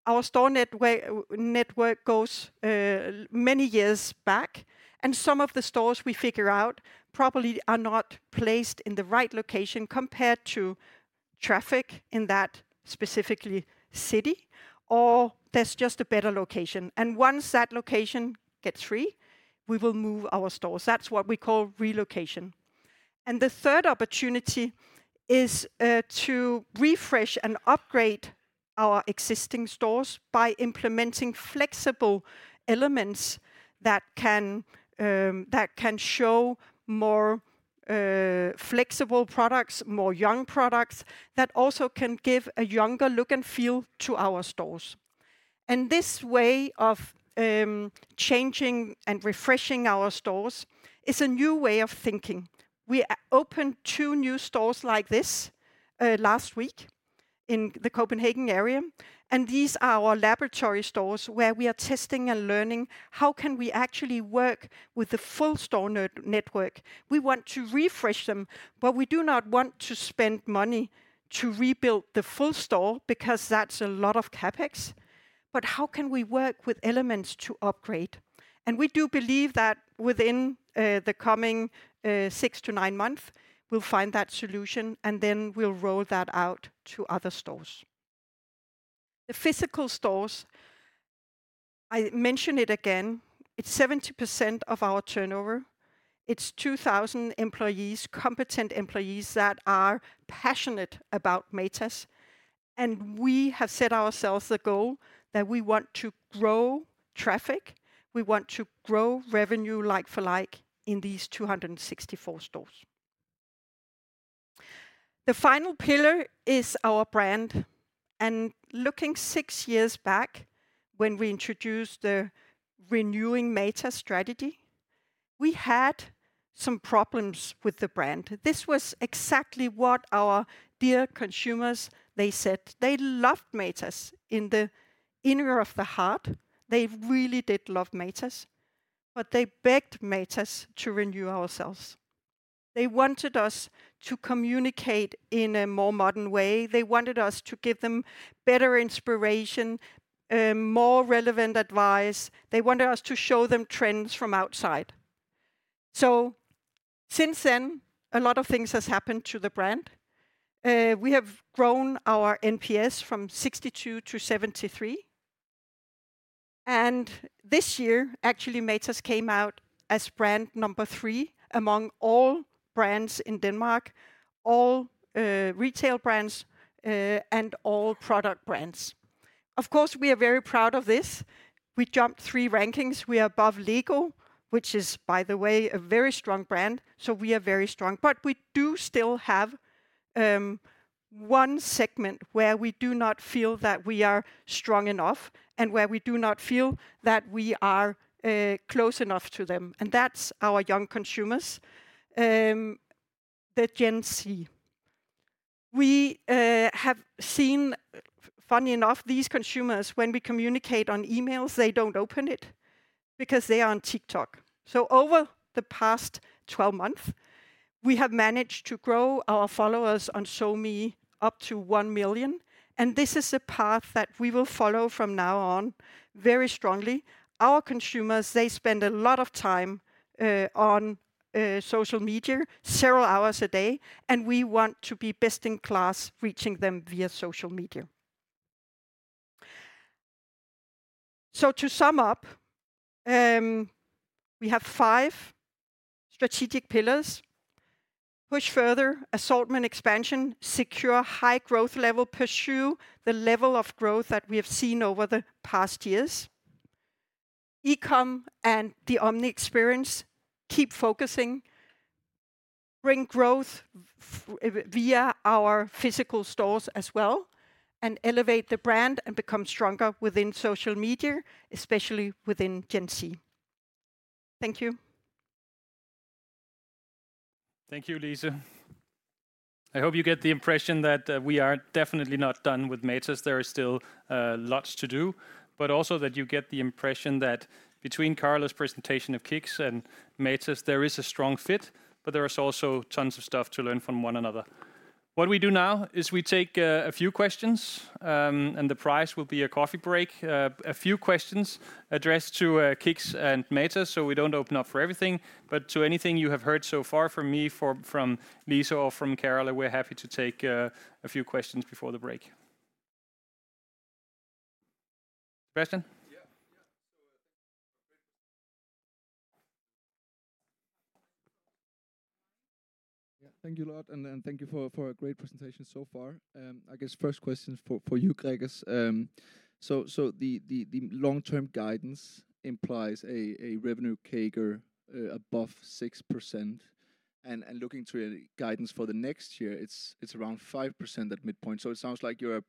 Our store network goes many years back, and some of the stores we figure out probably are not placed in the right location compared to traffic in that specific city, or there's just a better location, and once that location gets free, we will move our stores. That's what we call relocation. And the third opportunity is to refresh and upgrade our existing stores by implementing flexible elements that can show more flexible products, more young products, that also can give a younger look and feel to our stores. And this way of changing and refreshing our stores is a new way of thinking. We opened two new stores like this last week in the Copenhagen area, and these are our laboratory stores, where we are testing and learning, how can we actually work with the full store network? We want to refresh them, but we do not want to spend money to rebuild the full store because that's a lot of CapEx. But how can we work with elements to upgrade? And we do believe that within the coming 6-9 month, we'll find that solution, and then we'll roll that out to other stores. The physical stores, I mention it again, it's 70% of our turnover. It's 2,000 employees, competent employees, that are passionate about Matas, and we have set ourselves the goal that we want to grow traffic, we want to grow revenue like for like in these 264 stores. The final pillar is our brand, and looking six years back, when we introduced the renewing Matas strategy, we had some problems with the brand. This was exactly what our dear consumers, they said. They loved Matas in the inner of the heart. They really did love Matas, but they begged Matas to renew ourselves. They wanted us to communicate in a more modern way. They wanted us to give them better inspiration, more relevant advice. They wanted us to show them trends from outside. So since then, a lot of things has happened to the brand. We have grown our NPS from 62 to 73, and this year, actually, Matas came out as brand number three among all brands in Denmark, all, retail brands, and all product brands. Of course, we are very proud of this. We jumped three rankings. We are above LEGO, which is, by the way, a very strong brand, so we are very strong. But we do still have one segment where we do not feel that we are strong enough and where we do not feel that we are close enough to them, and that's our young consumers, the Gen Z. We have seen, funny enough, these consumers, when we communicate on emails, they don't open it because they are on TikTok. So over the past 12 months, we have managed to grow our followers on SoMe up to 1 million, and this is a path that we will follow from now on very strongly. Our consumers, they spend a lot of time on social media, several hours a day, and we want to be best-in-class, reaching them via social media. So to sum up, we have five strategic pillars: push further assortment expansion, secure high growth level, pursue the level of growth that we have seen over the past years, e-com and the omni experience, keep focusing, bring growth via our physical stores as well, and elevate the brand and become stronger within social media, especially within Gen Z. Thank you! ... Thank you, Lise. I hope you get the impression that we are definitely not done with Matas. There is still lots to do, but also that you get the impression that between Carola's presentation of KICKS and Matas, there is a strong fit, but there is also tons of stuff to learn from one another. What we do now is we take a few questions, and the price will be a coffee break. A few questions addressed to KICKS and Matas, so we don't open up for everything, but to anything you have heard so far from me, from Lise or from Carola, we're happy to take a few questions before the break. Question? Yeah. Yeah, so, thank you for a great... Yeah, thank you a lot, and, thank you for a great presentation so far. I guess first question is for you, Gregers. So, the long-term guidance implies a revenue CAGR above 6%, and looking to a guidance for the next year, it's around 5% at midpoint. So it sounds like you're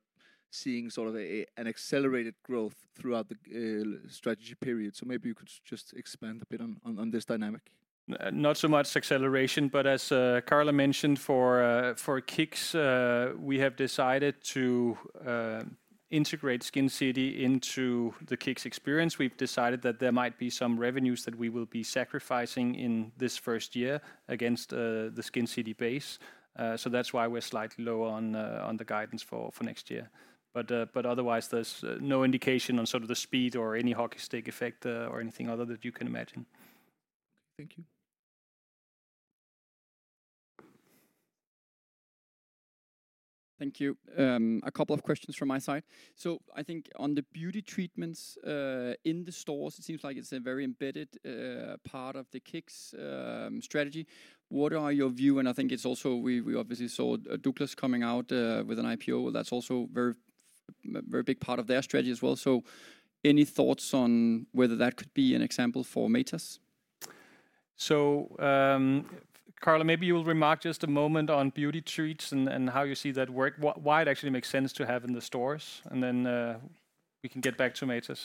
seeing sort of an accelerated growth throughout the strategy period. So maybe you could just expand a bit on this dynamic. Not so much acceleration, but as Carola mentioned, for KICKS, we have decided to integrate Skincity into the KICKS experience. We've decided that there might be some revenues that we will be sacrificing in this first year against the Skincity base. So that's why we're slightly lower on the guidance for next year. But otherwise, there's no indication on sort of the speed or any hockey stick effect, or anything other that you can imagine. Thank you. Thank you. A couple of questions from my side. So I think on the beauty treatments in the stores, it seems like it's a very embedded part of the KICKS strategy. What are your view? And I think it's also we obviously saw Douglas coming out with an IPO that's also very a very big part of their strategy as well. So any thoughts on whether that could be an example for Matas? Carola, maybe you'll remark just a moment on beauty treats and how you see that work, why it actually makes sense to have in the stores, and then we can get back to Matas.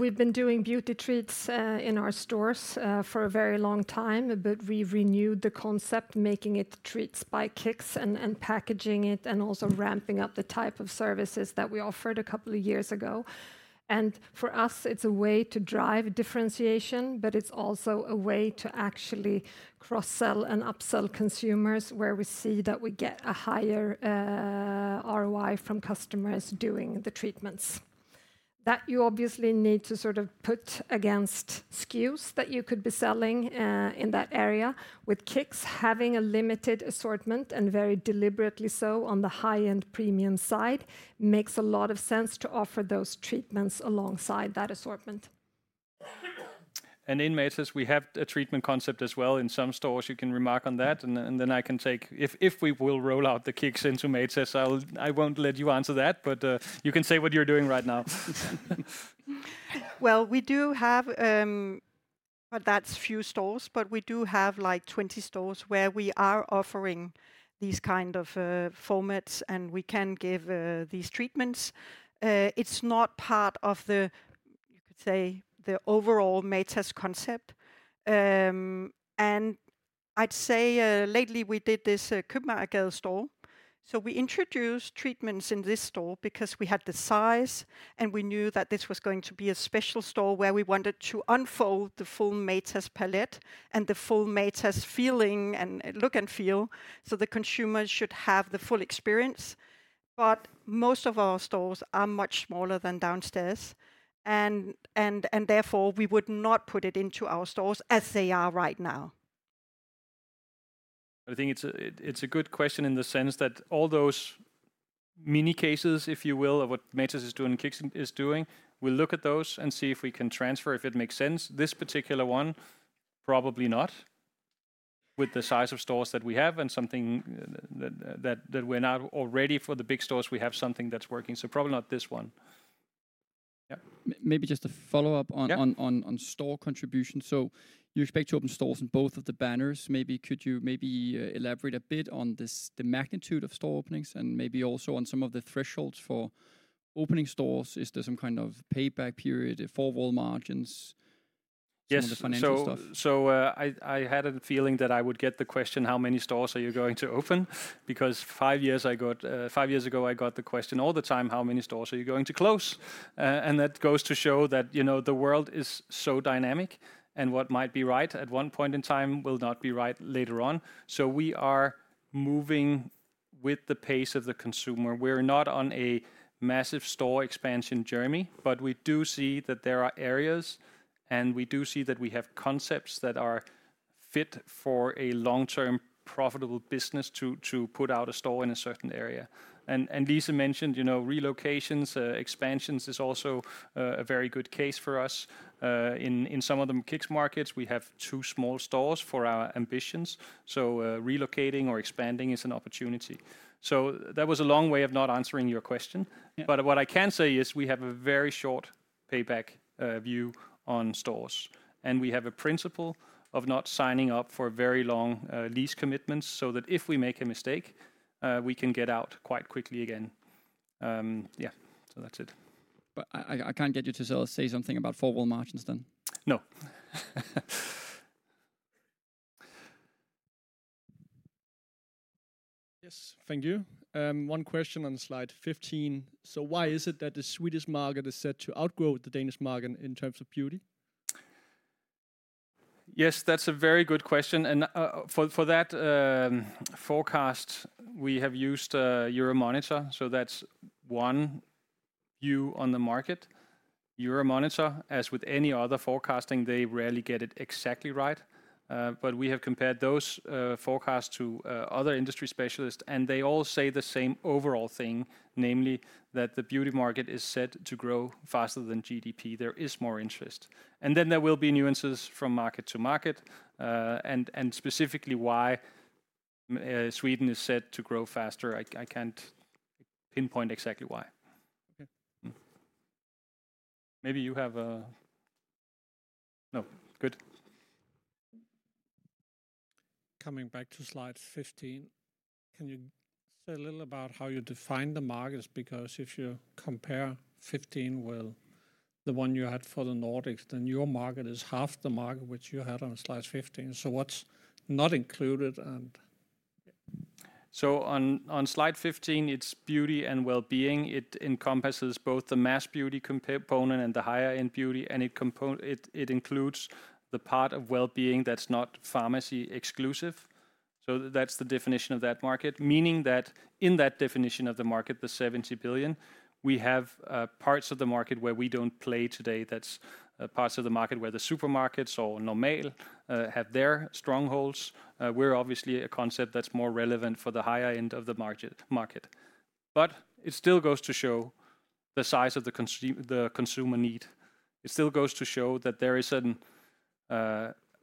We've been doing beauty treats in our stores for a very long time. But we've renewed the concept, making it Treats by KICKS and packaging it, and also ramping up the type of services that we offered a couple of years ago. And for us, it's a way to drive differentiation, but it's also a way to actually cross-sell and upsell consumers, where we see that we get a higher ROI from customers doing the treatments. That you obviously need to sort of put against SKUs that you could be selling in that area. With KICKS, having a limited assortment, and very deliberately so on the high-end premium side, makes a lot of sense to offer those treatments alongside that assortment. And in Matas, we have a treatment concept as well. In some stores, you can remark on that, and then I can take... If we will roll out the KICKS into Matas, I will—I won't let you answer that, but, you can say what you're doing right now. Well, we do have, but that's few stores, but we do have, like, 20 stores where we are offering these kind of formats, and we can give these treatments. It's not part of the, you could say, the overall Matas concept. And I'd say, lately we did this Købmagergade store. So we introduced treatments in this store because we had the size, and we knew that this was going to be a special store where we wanted to unfold the full Matas palette and the full Matas feeling and look and feel, so the consumers should have the full experience. But most of our stores are much smaller than downstairs and therefore, we would not put it into our stores as they are right now. I think it's a good question in the sense that all those mini cases, if you will, of what Matas is doing and KICKS is doing, we'll look at those and see if we can transfer, if it makes sense. This particular one, probably not. With the size of stores that we have and something that we're now already for the big stores, we have something that's working, so probably not this one. Yeah. Maybe just a follow-up on— Yeah... on store contribution. So you expect to open stores in both of the banners. Maybe could you elaborate a bit on this, the magnitude of store openings and maybe also on some of the thresholds for opening stores? Is there some kind of payback period for raw margins- Yes... some of the financial stuff? So, I had a feeling that I would get the question, how many stores are you going to open? Because five years ago, five years ago, I got the question all the time: How many stores are you going to close? And that goes to show that, you know, the world is so dynamic, and what might be right at one point in time will not be right later on. So we are moving with the pace of the consumer. We're not on a massive store expansion journey, but we do see that there are areas, and we do see that we have concepts that are fit for a long-term, profitable business to put out a store in a certain area. And Lise mentioned, you know, relocations, expansions is also a very good case for us. In some of the KICKS markets, we have two small stores for our ambitions, so relocating or expanding is an opportunity. That was a long way of not answering your question. Yeah. But what I can say is we have a very short payback view on stores, and we have a principle of not signing up for very long lease commitments, so that if we make a mistake, we can get out quite quickly again. Yeah, so that's it. But I can't get you to sort of say something about four-wall margins then? No. Yes, thank you. One question on slide 15. So why is it that the Swedish market is set to outgrow the Danish market in terms of beauty? Yes, that's a very good question, and, for, for that, forecast, we have used, Euromonitor, so that's one view on the market. Euromonitor, as with any other forecasting, they rarely get it exactly right. But we have compared those, forecasts to, other industry specialists, and they all say the same overall thing, namely, that the beauty market is set to grow faster than GDP. There is more interest. And then there will be nuances from market to market, and, and specifically why, Sweden is set to grow faster, I, I can't pinpoint exactly why. Okay. Maybe you have a... No. Good. Coming back to slide 15, can you say a little about how you define the markets? Because if you compare 15 with the one you had for the Nordics, then your market is half the market which you had on slide 15. So what's not included, and- So, on slide 15, it's beauty and well-being. It encompasses both the mass beauty component and the higher-end beauty, and it includes the part of well-being that's not pharmacy exclusive. So that's the definition of that market, meaning that in that definition of the market, the 70 billion, we have parts of the market where we don't play today. That's parts of the market where the supermarkets or Normal have their strongholds. We're obviously a concept that's more relevant for the higher end of the market. But it still goes to show the size of the consumer need. It still goes to show that there is an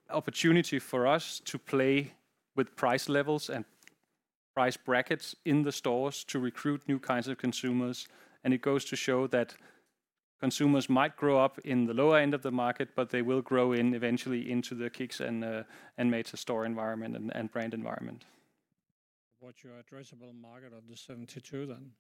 opportunity for us to play with price levels and price brackets in the stores to recruit new kinds of consumers, and it goes to show that consumers might grow up in the lower end of the market, but they will grow in eventually into the KICKS and Matas store environment and brand environment. What's your addressable market on the 72, then?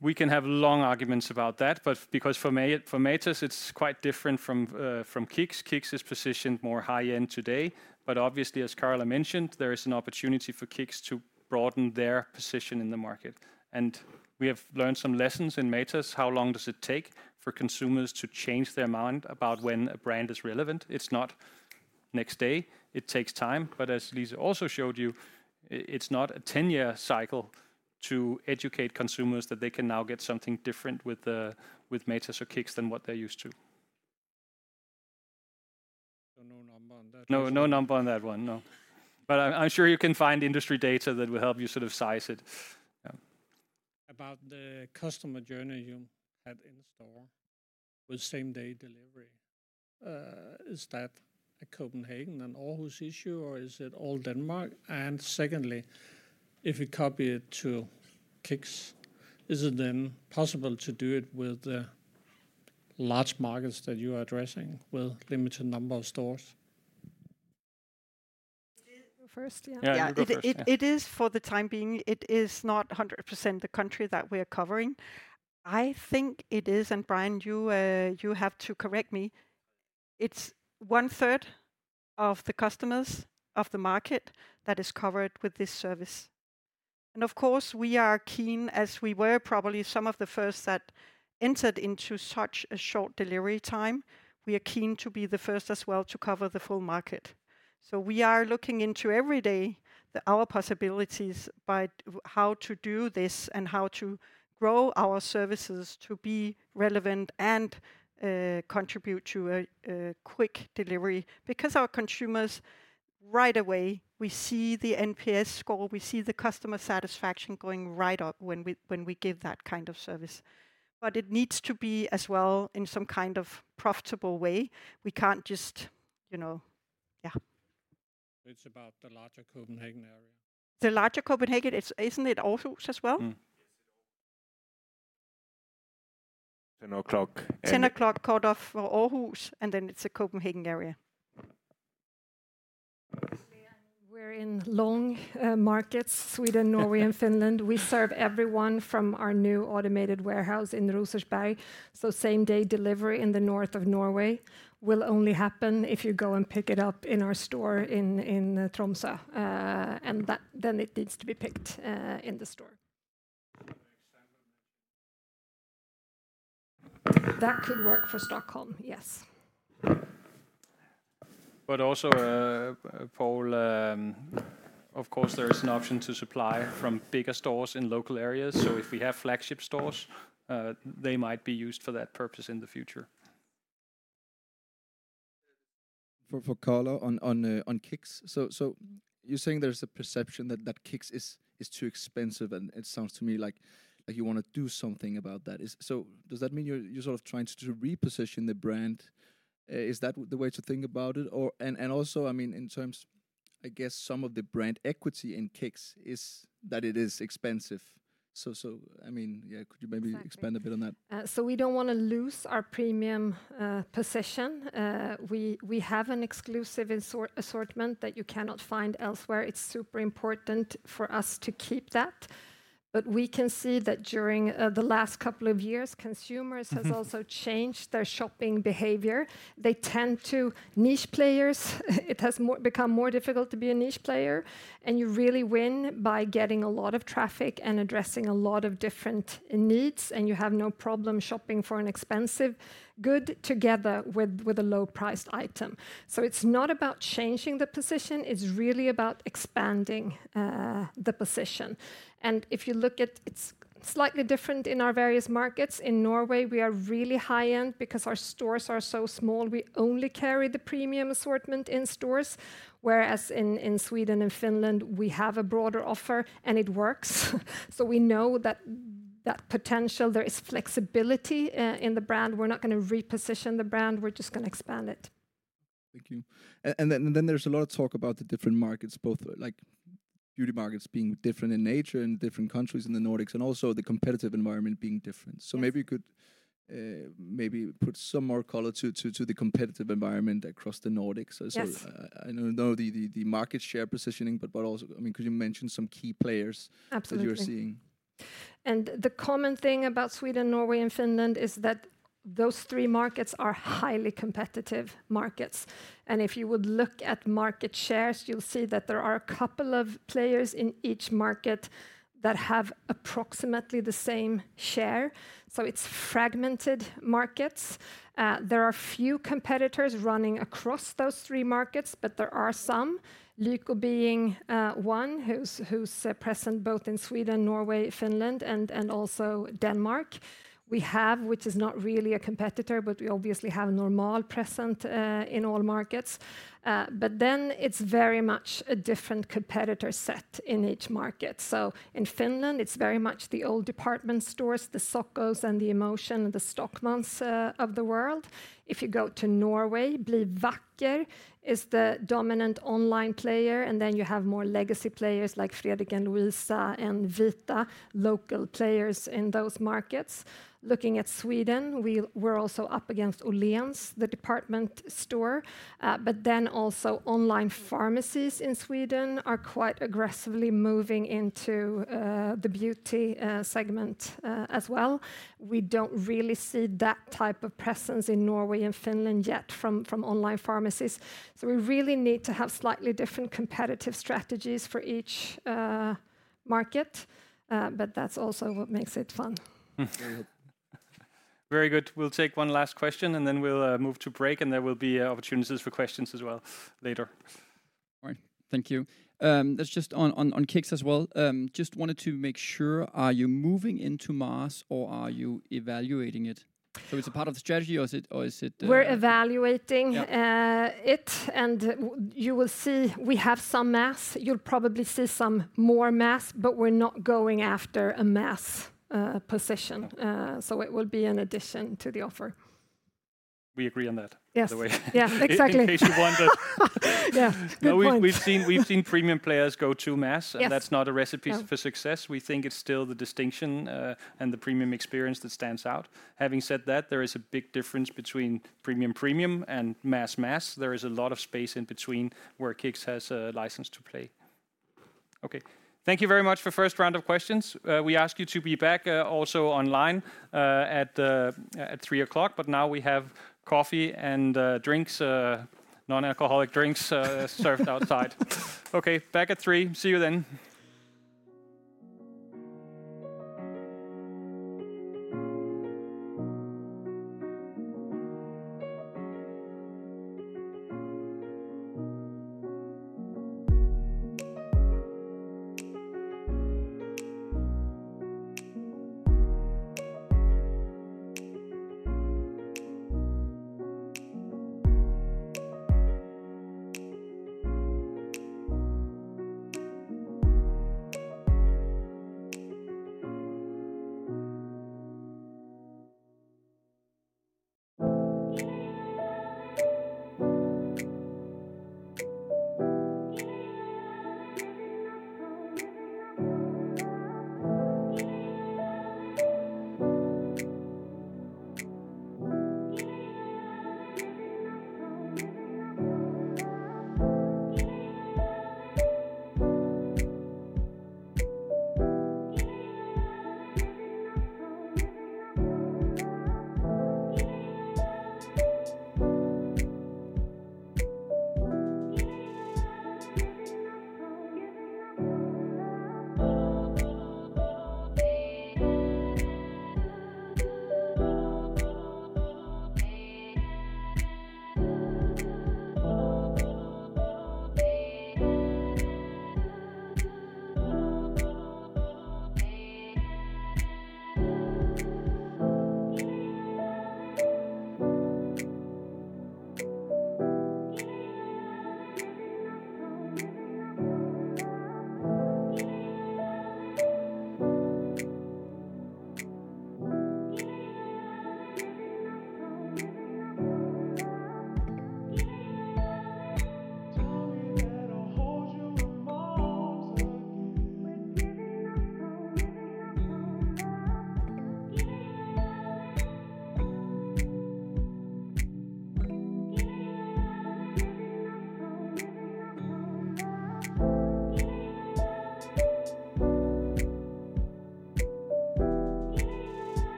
We can have long arguments about that, but because for Matas, it's quite different from KICKS. KICKS is positioned more high end today, but obviously, as Carola mentioned, there is an opportunity for KICKS to broaden their position in the market. We have learned some lessons in Matas. How long does it take for consumers to change their mind about when a brand is relevant? It's not next day. It takes time, but as Lise also showed you, it's not a ten-year cycle to educate consumers that they can now get something different with Matas or KICKS than what they're used to. So no number on that one? No, no number on that one, no. But I'm sure you can find industry data that will help you sort of size it. Yeah. About the customer journey you had in store with same-day delivery, is that a Copenhagen and Aarhus issue, or is it all Denmark? And secondly, if you copy it to KICKS, is it then possible to do it with the large markets that you are addressing, with limited number of stores? Me first, yeah? Yeah, you go first. Yeah. It is for the time being, it is not 100% the country that we are covering. I think it is, and Brian, you have to correct me, it's one third of the customers of the market that is covered with this service. And of course, we are keen, as we were probably some of the first that entered into such a short delivery time. We are keen to be the first as well to cover the full market. So we are looking into every day our possibilities by how to do this and how to grow our services to be relevant and contribute to a quick delivery. Because our consumers, right away, we see the NPS score, we see the customer satisfaction going right up when we give that kind of service. But it needs to be as well in some kind of profitable way. We can't just, you know... Yeah. It's about the larger Copenhagen area? The larger Copenhagen, isn't it Aarhus as well? Mm-hmm. Yes, it's Aarhus. 10:00 A.M., and- 10 o'clock cut off for Aarhus, and then it's the Copenhagen area. We're in long markets, Sweden, Norway, and Finland. We serve everyone from our new automated warehouse in Rosersberg, so same-day delivery in the north of Norway will only happen if you go and pick it up in our store in Tromsø. And then it needs to be picked in the store That could work for Stockholm, yes. But also, Paul, of course, there is an option to supply from bigger stores in local areas. If we have flagship stores, they might be used for that purpose in the future. For Carola, on KICKS. So you're saying there's a perception that KICKS is too expensive, and it sounds to me like you wanna do something about that. So does that mean you're sort of trying to reposition the brand? Is that the way to think about it? And also, I mean, in terms, I guess, some of the brand equity in KICKS is that it is expensive. So I mean, yeah, could you maybe- Exactly... expand a bit on that? So we don't wanna lose our premium position. We have an exclusive assortment that you cannot find elsewhere. It's super important for us to keep that, but we can see that during the last couple of years, consumers- has also changed their shopping behavior. They tend to niche players. It has become more difficult to be a niche player, and you really win by getting a lot of traffic and addressing a lot of different needs, and you have no problem shopping for an expensive good together with a low priced item. So it's not about changing the position, it's really about expanding the position. And if you look at, it's slightly different in our various markets. In Norway, we are really high-end because our stores are so small. We only carry the premium assortment in stores, whereas in Sweden and Finland, we have a broader offer, and it works. So we know that potential, there is flexibility in the brand. We're not gonna reposition the brand, we're just gonna expand it. Thank you. And then, and then there's a lot of talk about the different markets, both like beauty markets being different in nature, in different countries in the Nordics, and also the competitive environment being different. Yes. So maybe you could maybe put some more color to the competitive environment across the Nordics. Yes. So I know the market share positioning, but also, I mean, could you mention some key players- Absolutely... that you're seeing? The common thing about Sweden, Norway, and Finland is that those three markets are highly competitive markets. If you would look at market shares, you'll see that there are a couple of players in each market that have approximately the same share. So it's fragmented markets. There are few competitors running across those three markets, but there are some, Lyko being one, who's present both in Sweden, Norway, Finland, and also Denmark. We have, which is not really a competitor, but we obviously have Normal present in all markets. But then it's very much a different competitor set in each market. So in Finland, it's very much the old department stores, the Stockmann, and the Emotion, and the Stockmanns of the world. If you go to Norway, BliVakker is the dominant online player, and then you have more legacy players like Fredrik & Louisa and VITA, local players in those markets. Looking at Sweden, we're also up against Åhléns, the department store. But then also online pharmacies in Sweden are quite aggressively moving into the beauty segment as well. We don't really see that type of presence in Norway and Finland yet from online pharmacies. So we really need to have slightly different competitive strategies for each market, but that's also what makes it fun. Very good. Very good. We'll take one last question, and then we'll move to break, and there will be opportunities for questions as well later. All right. Thank you. That's just on KICKS as well. Just wanted to make sure, are you moving into mass, or are you evaluating it? So it's a part of the strategy, or is it- We're evaluating- Yeah... you will see we have some mass. You'll probably see some more mass, but we're not going after a mass position. Okay. So it will be an addition to the offer. We agree on that- Yes... by the way. Yeah, exactly. In case you wondered. Yeah, good point. Well, we've seen premium players go to mass- Yes... and that's not a recipe for success. No. We think it's still the distinction, and the premium experience that stands out. Having said that, there is a big difference between premium premium and mass mass. There is a lot of space in between where KICKS has a license to play. Okay. Thank you very much for first round of questions. We ask you to be back, also online, at 3:00 P.M., but now we have coffee and, drinks, non-alcoholic drinks, served outside. Okay, back at 3:00 P.M. See you then.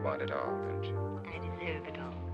You want it all, don't you? I deserve it all. ...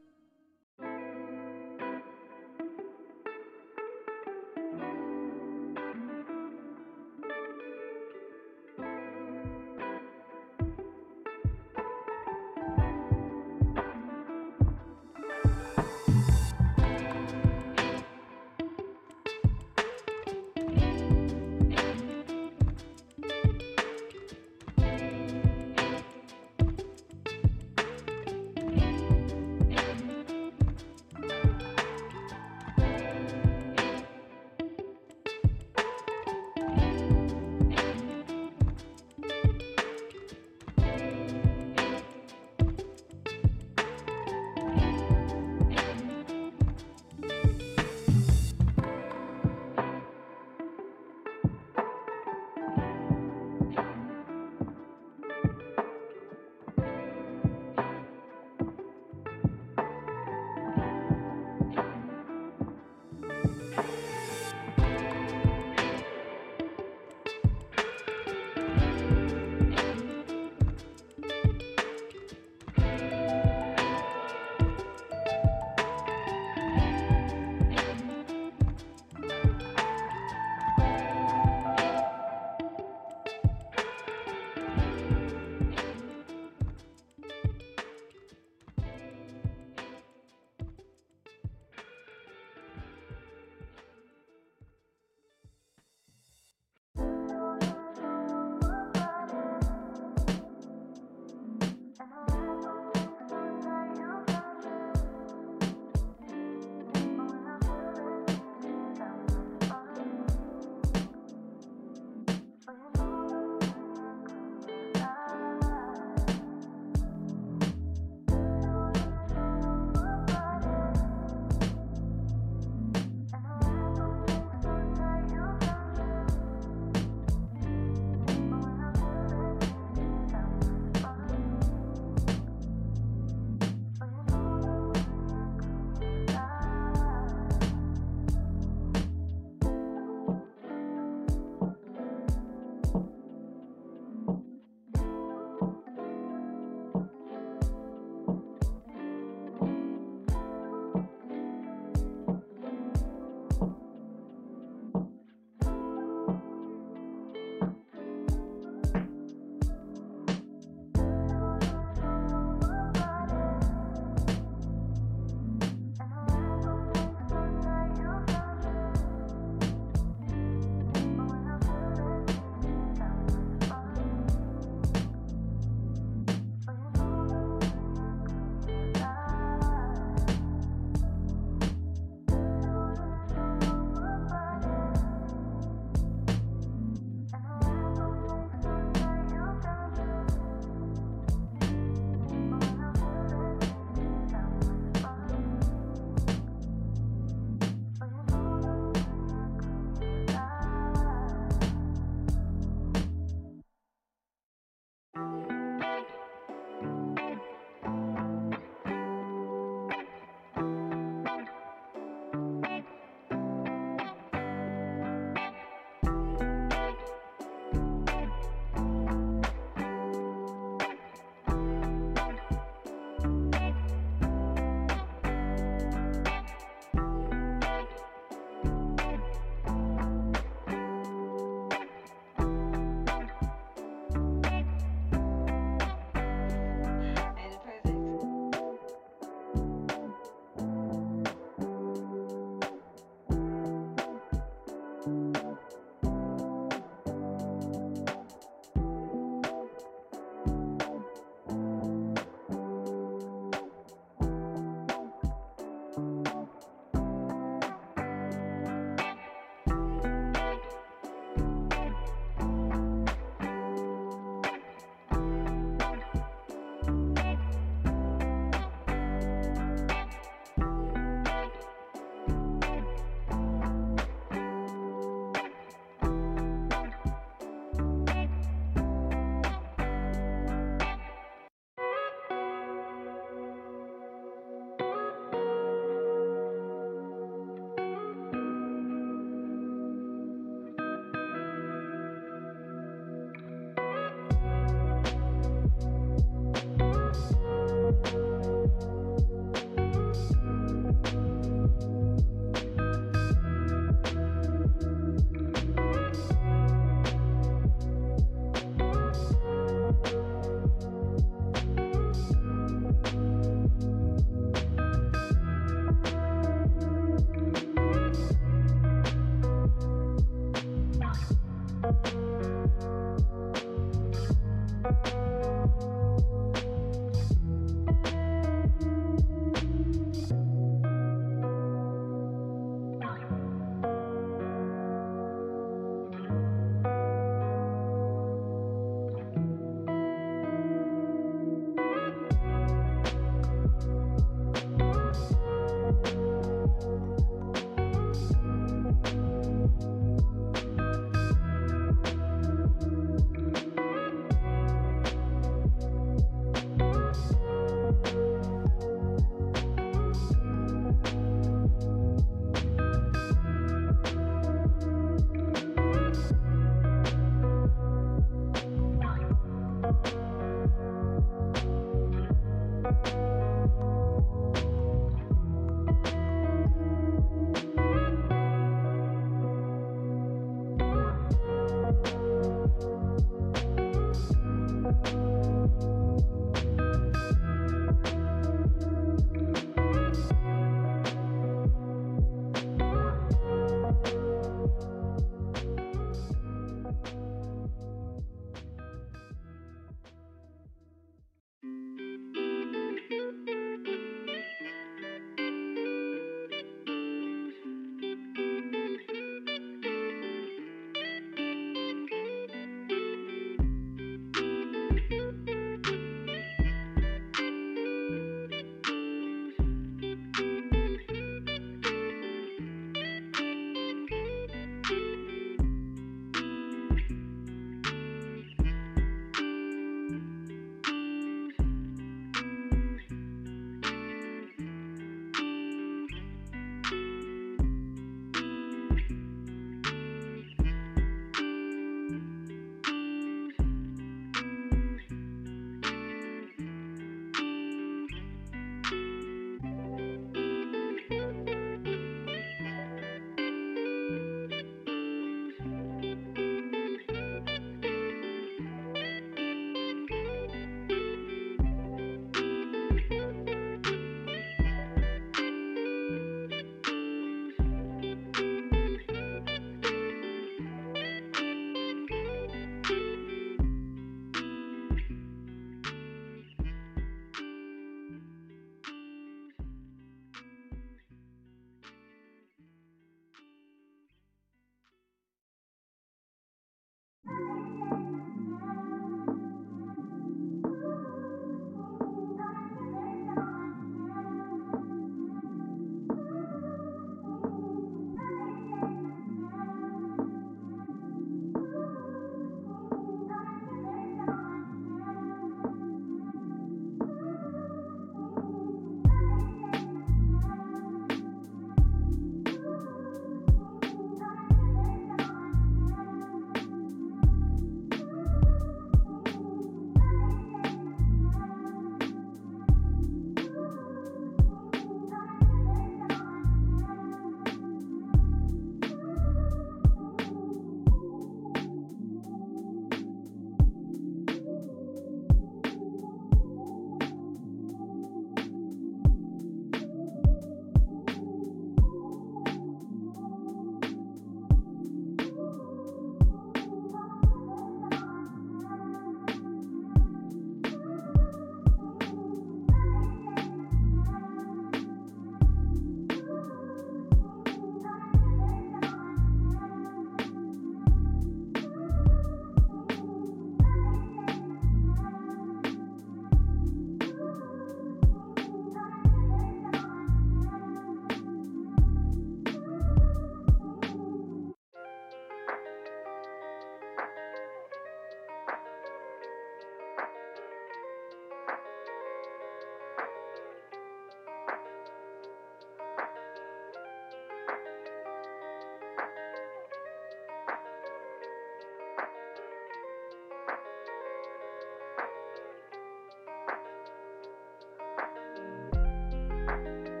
All right,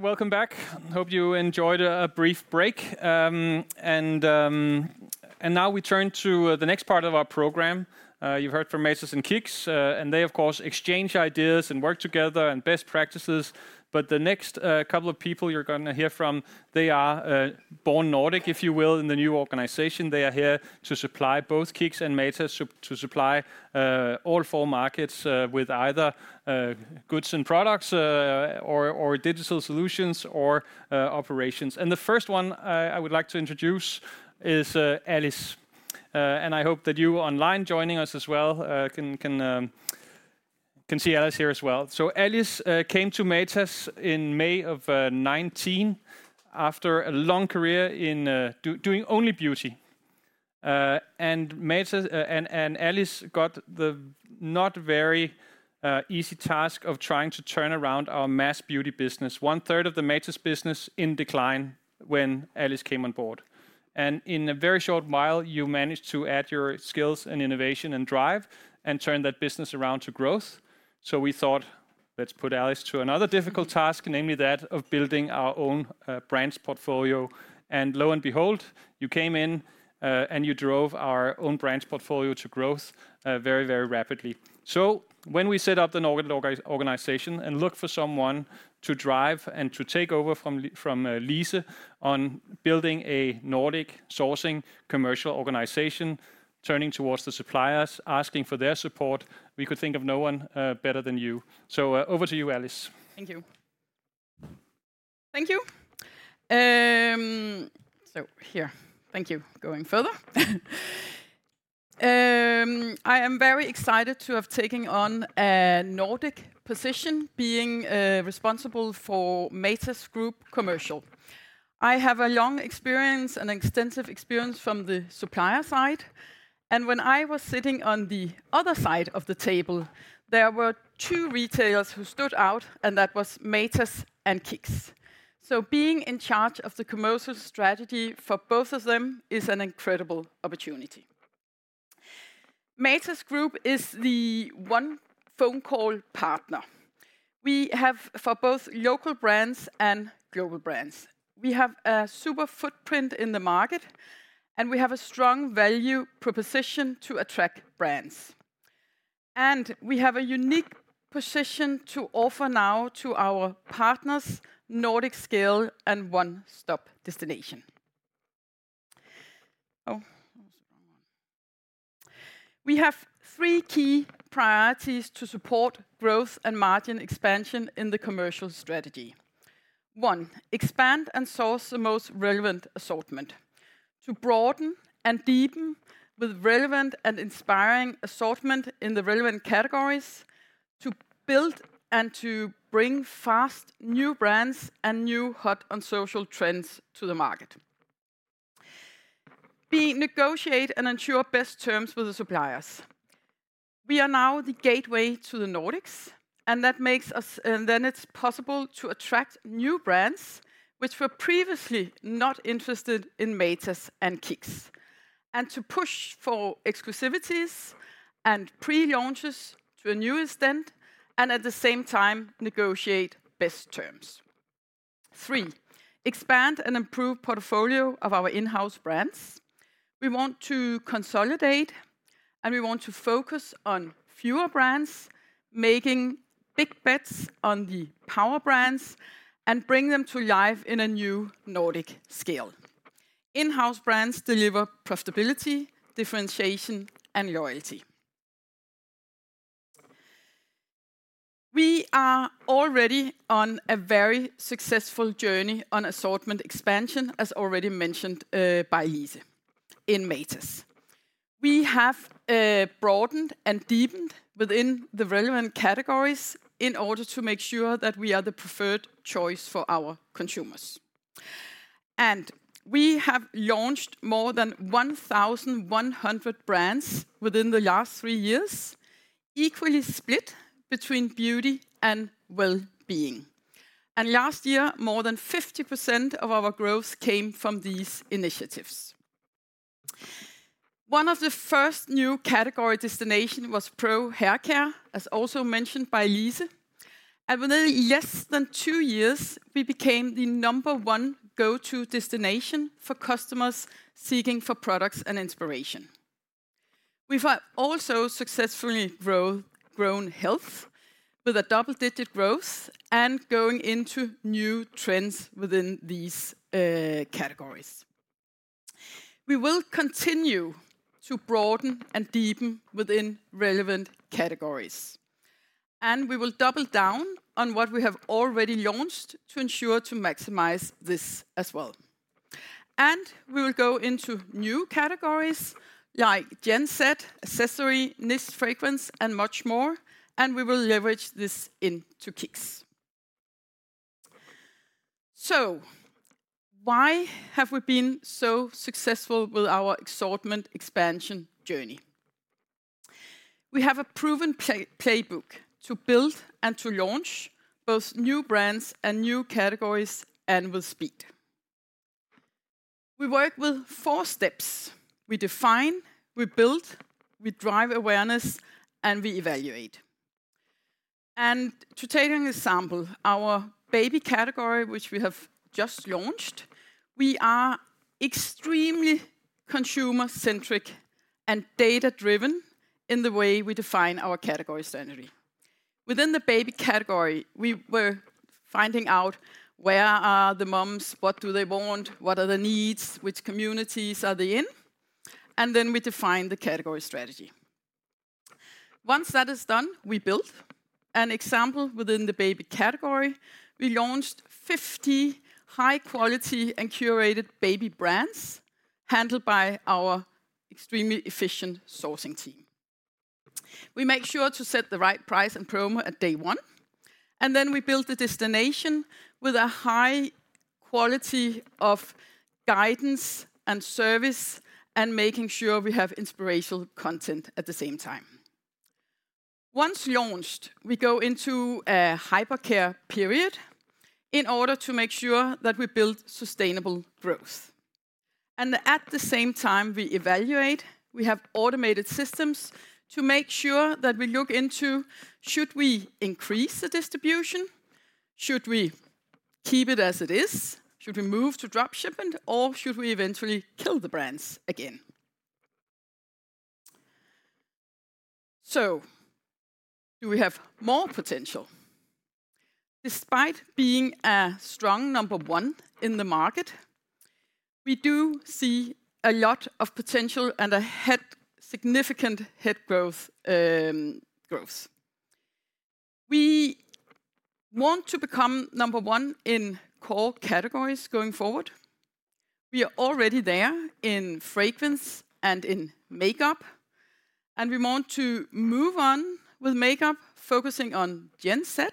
welcome back. Hope you enjoyed a brief break. And now we turn to the next part of our program. You've heard from Matas and KICKS, and they, of course, exchange ideas and work together and best practices. But the next couple of people you're gonna hear from, they are born Nordic, if you will, in the new organization. They are here to supply both KICKS and Matas, to supply all four markets with either goods and products or digital solutions or operations. And the first one I would like to introduce is Alice. And I hope that you online joining us as well can see Alice here as well. So Alice came to Matas in May of 2019, after a long career in doing only beauty. And Matas, and Alice got the not very easy task of trying to turn around our mass beauty business. One third of the Matas business in decline when Alice came on board, and in a very short while, you managed to add your skills and innovation and drive and turn that business around to growth. So we thought, let's put Alice to another difficult task, namely that of building our own brands portfolio. And lo and behold, you came in, and you drove our own brands portfolio to growth very, very rapidly. So when we set up the Nordic organization and looked for someone to drive and to take over from Lise on building a Nordic sourcing commercial organization, turning towards the suppliers, asking for their support, we could think of no one better than you. So, over to you, Alice. Thank you. Thank you. So here. Thank you. Going further. I am very excited to have taking on a Nordic position, being responsible for Matas Group Commercial. I have a long experience and extensive experience from the supplier side, and when I was sitting on the other side of the table, there were two retailers who stood out, and that was Matas and KICKS. So being in charge of the commercial strategy for both of them is an incredible opportunity. Matas Group is the one phone call partner we have for both local brands and global brands. We have a super footprint in the market, and we have a strong value proposition to attract brands. And we have a unique position to offer now to our partners Nordic scale and one-stop destination. Oh, that was the wrong one. We have three key priorities to support growth and margin expansion in the commercial strategy. One, expand and source the most relevant assortment to broaden and deepen with relevant and inspiring assortment in the relevant categories to build and to bring fast new brands and new hot and social trends to the market. We negotiate and ensure best terms with the suppliers. We are now the gateway to the Nordics, and that makes us and then it's possible to attract new brands which were previously not interested in Matas and KICKS, and to push for exclusivities and pre-launches to a new extent, and at the same time negotiate best terms. Three, expand and improve portfolio of our in-house brands. We want to consolidate, and we want to focus on fewer brands, making big bets on the power brands and bring them to life in a new Nordic scale. In-house brands deliver profitability, differentiation, and loyalty. We are already on a very successful journey on assortment expansion, as already mentioned by Lise in Matas. We have broadened and deepened within the relevant categories in order to make sure that we are the preferred choice for our consumers. We have launched more than 1,100 brands within the last three years, equally split between beauty and well-being. Last year, more than 50% of our growth came from these initiatives. One of the first new category destination was pro haircare, as also mentioned by Lise. Within less than two years, we became the number one go-to destination for customers seeking for products and inspiration. We've also successfully grown health with a double-digit growth and going into new trends within these categories. We will continue to broaden and deepen within relevant categories, and we will double down on what we have already launched to ensure to maximize this as well. And we will go into new categories like Gen Z, accessory, niche fragrance, and much more, and we will leverage this into KICKS. So why have we been so successful with our assortment expansion journey? We have a proven play, playbook to build and to launch both new brands and new categories, and with speed. We work with four steps: We define, we build, we drive awareness, and we evaluate. And to take an example, our baby category, which we have just launched, we are extremely consumer-centric and data-driven in the way we define our category strategy. Within the baby category, we were finding out where are the moms, what do they want, what are the needs, which communities are they in? Then we define the category strategy. Once that is done, we build. An example, within the baby category, we launched 50 high-quality and curated baby brands, handled by our extremely efficient sourcing team. We make sure to set the right price and promo at day one, and then we build the destination with a high quality of guidance and service and making sure we have inspirational content at the same time. Once launched, we go into a hyper care period in order to make sure that we build sustainable growth. And at the same time, we evaluate. We have automated systems to make sure that we look into, should we increase the distribution? Should we keep it as it is? Should we move to drop shipment, or should we eventually kill the brands again? So do we have more potential? Despite being a strong number one in the market, we do see a lot of potential and ahead, significant head growth, growth. We want to become number one in core categories going forward. We are already there in fragrance and in makeup, and we want to move on with makeup, focusing on Gen Z,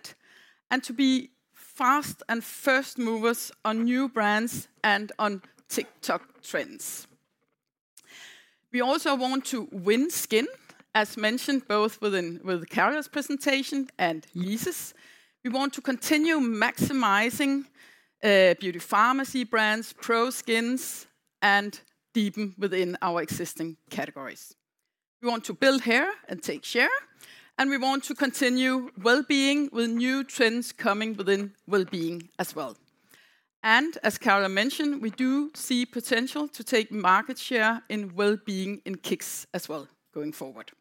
and to be fast and first movers on new brands and on TikTok trends. We also want to win skin, as mentioned, both within, with Carola's presentation and Lise's. We want to continue maximizing, beauty pharmacy brands, pro skin, and deepen within our existing categories. We want to build hair and take share, and we want to continue well-being with new trends coming within well-being as well. And as Carola mentioned, we do see potential to take market share in well-being in KICKS as well, going forward.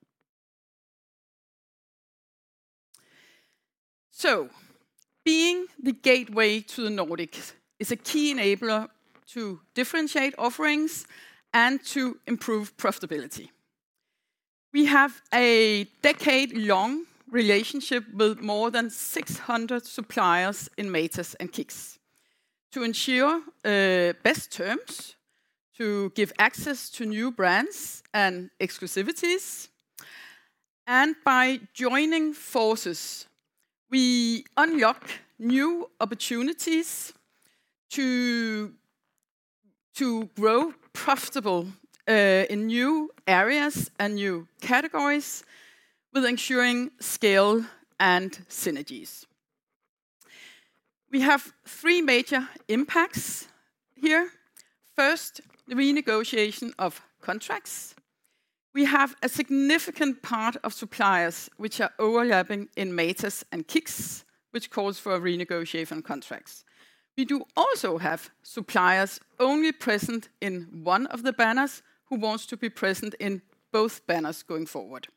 Being the gateway to the Nordics is a key enabler to differentiate offerings and to improve profitability. We have a decade-long relationship with more than 600 suppliers in Matas and KICKS to ensure best terms, to give access to new brands and exclusivities. And by joining forces, we unlock new opportunities to grow profitable in new areas and new categories with ensuring scale and synergies. We have three major impacts here. First, the renegotiation of contracts. We have a significant part of suppliers which are overlapping in Matas and KICKS, which calls for a renegotiation of contracts. We do also have suppliers only present in one of the banners, who wants to be present in both banners going forward,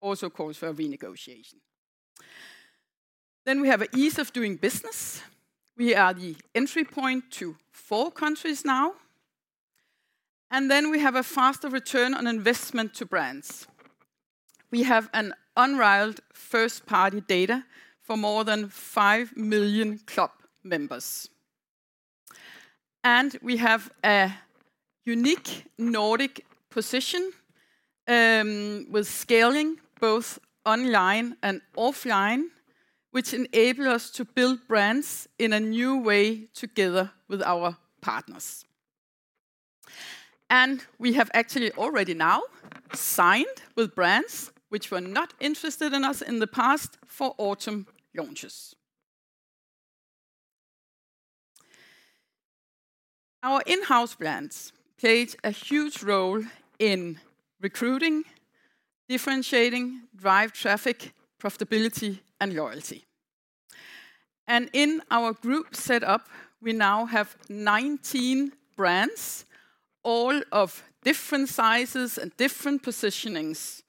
also calls for a renegotiation. Then we have an ease of doing business. We are the entry point to 4 countries now, and then we have a faster return on investment to brands. We have an unrivaled first-party data for more than 5 million club members. And we have a unique Nordic position, with scaling both online and offline, which enable us to build brands in a new way together with our partners. And we have actually already now signed with brands which were not interested in us in the past for autumn launches. Our in-house brands played a huge role in recruiting, differentiating, drive traffic, profitability, and loyalty. And in our group set up, we now have 19 brands, all of different sizes and different positionings,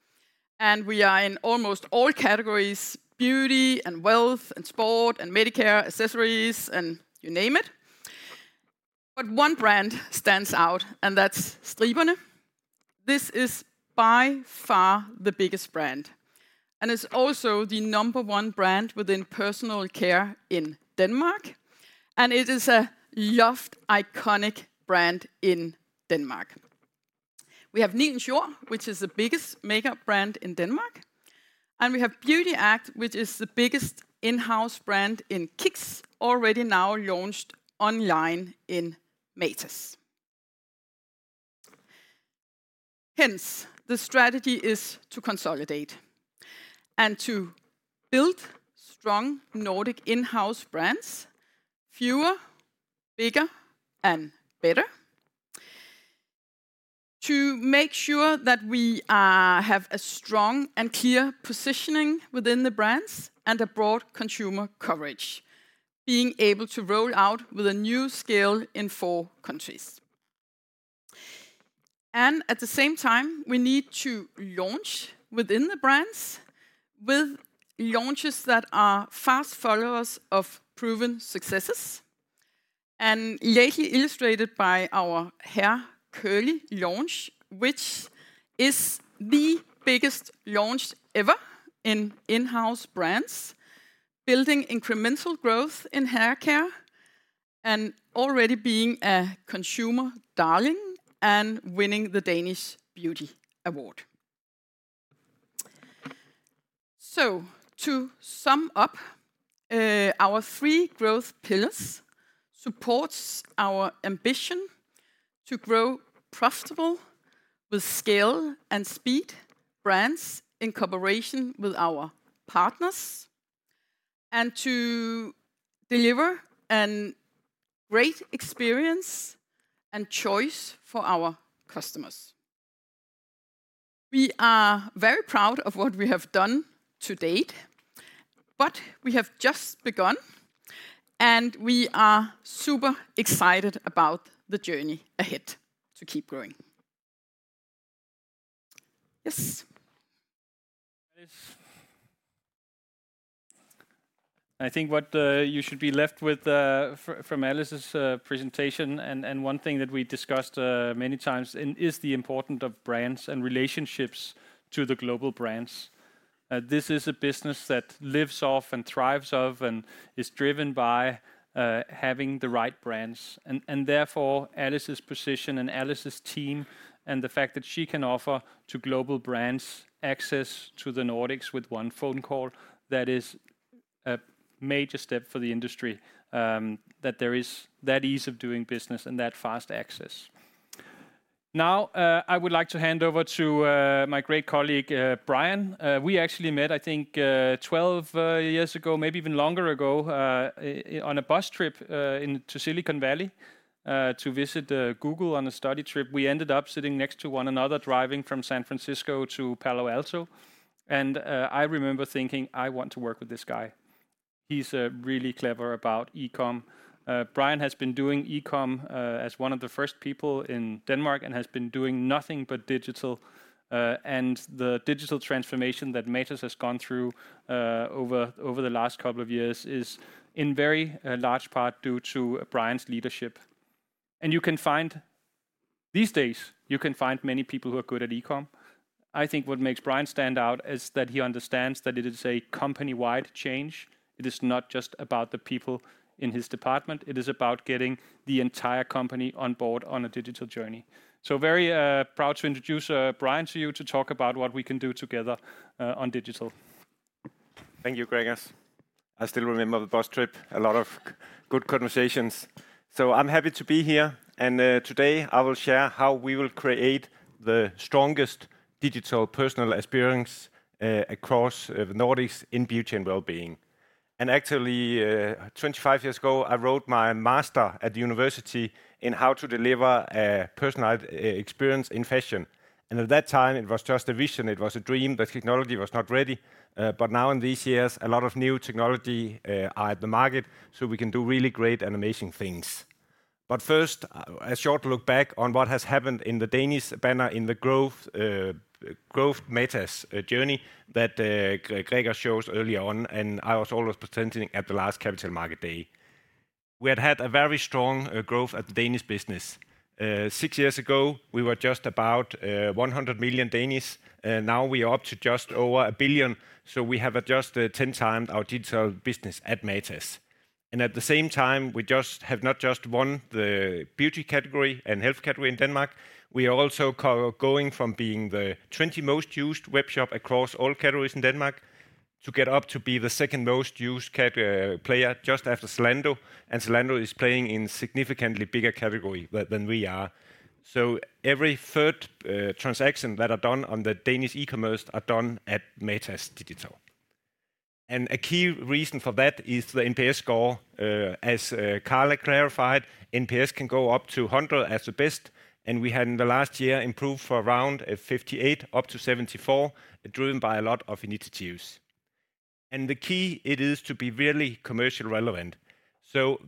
and we are in almost all categories: beauty and health and sport and healthcare, accessories, and you name it. But one brand stands out, and that's Striberne. This is by far the biggest brand, and it's also the number one brand within personal care in Denmark, and it is a loved, iconic brand in Denmark. We have Nilens Jord, which is the biggest makeup brand in Denmark, and we have BeautyAct, which is the biggest in-house brand in KICKS, already now launched online in Matas. Hence, the strategy is to consolidate and to build strong Nordic in-house brands, fewer, bigger and better. To make sure that we have a strong and clear positioning within the brands and a broad consumer coverage, being able to roll out with a new scale in four countries. And at the same time, we need to launch within the brands with launches that are fast followers of proven successes, and lately illustrated by our Curly launch, which is the biggest launch ever in-house brands, building incremental growth in haircare and already being a consumer darling and winning the Danish Beauty Award. So to sum up, our three growth pillars supports our ambition to grow profitable with scale and speed brands in cooperation with our partners, and to deliver an great experience and choice for our customers. We are very proud of what we have done to date, but we have just begun, and we are super excited about the journey ahead to keep growing. Yes. I think what you should be left with from Alice's presentation, and one thing that we discussed many times, is the importance of brands and relationships to the global brands. This is a business that lives off and thrives off and is driven by having the right brands, and therefore, Alice's position and Alice's team, and the fact that she can offer to global brands access to the Nordics with one phone call, that is a major step for the industry, that there is that ease of doing business and that fast access. Now, I would like to hand over to my great colleague, Brian. We actually met, I think, 12 years ago, maybe even longer ago, on a bus trip in to Silicon Valley to visit Google on a study trip. We ended up sitting next to one another, driving from San Francisco to Palo Alto, and I remember thinking, "I want to work with this guy. He's really clever about e-com." Brian has been doing e-com as one of the first people in Denmark and has been doing nothing but digital, and the digital transformation that Matas has gone through over the last couple of years is in very large part due to Brian's leadership. You can find, these days, you can find many people who are good at e-com. I think what makes Brian stand out is that he understands that it is a company-wide change. It is not just about the people in his department, it is about getting the entire company on board on a digital journey. So very proud to introduce Brian to you to talk about what we can do together on digital. Thank you, Gregers. I still remember the bus trip, a lot of good conversations. So I'm happy to be here, and today I will share how we will create the strongest digital personal experience across the Nordics in beauty and wellbeing. And actually, 25 years ago, I wrote my master's at university in how to deliver a personalized e-experience in fashion, and at that time, it was just a vision. It was a dream, but technology was not ready. But now in these years, a lot of new technology are at the market, so we can do really great and amazing things. But first, a short look back on what has happened in the Danish banner in the growth Matas journey that Gregers showed earlier on, and I was also presenting at the last Capital Market Day. We had a very strong growth at the Danish business. Six years ago, we were just about 100 million, now we are up to just over 1 billion, so we have adjusted 10 times our digital business at Matas. At the same time, we just have not just won the beauty category and health category in Denmark, we are also going from being the 20 most used webshop across all categories in Denmark to get up to be the second most used e-com player, just after Zalando. Zalando is playing in significantly bigger category than we are. So every third transaction that are done on the Danish e-commerce are done at Matas Digital. A key reason for that is the NPS score. As Carola clarified, NPS can go up to 100 as the best, and we had, in the last year, improved from around 58 to 74, driven by a lot of initiatives. The key it is to be really commercial relevant.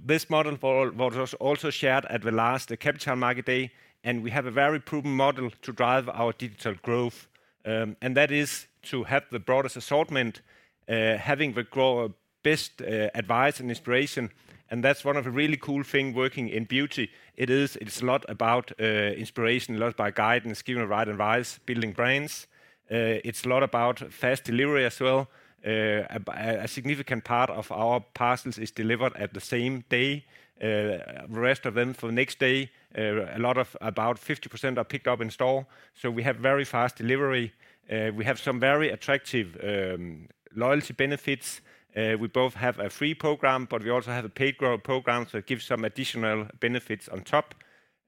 This model was also shared at the last Capital Market Day, and we have a very proven model to drive our digital growth. And that is to have the broadest assortment, having the best advice and inspiration, and that's one of the really cool thing working in beauty. It is, it's a lot about inspiration, a lot about guidance, giving the right advice, building brands. It's a lot about fast delivery as well. A significant part of our parcels is delivered at the same day, the rest of them for the next day. A lot of, about 50% are picked up in store, so we have very fast delivery. We have some very attractive loyalty benefits. We both have a free program, but we also have a paid grow program, so it gives some additional benefits on top.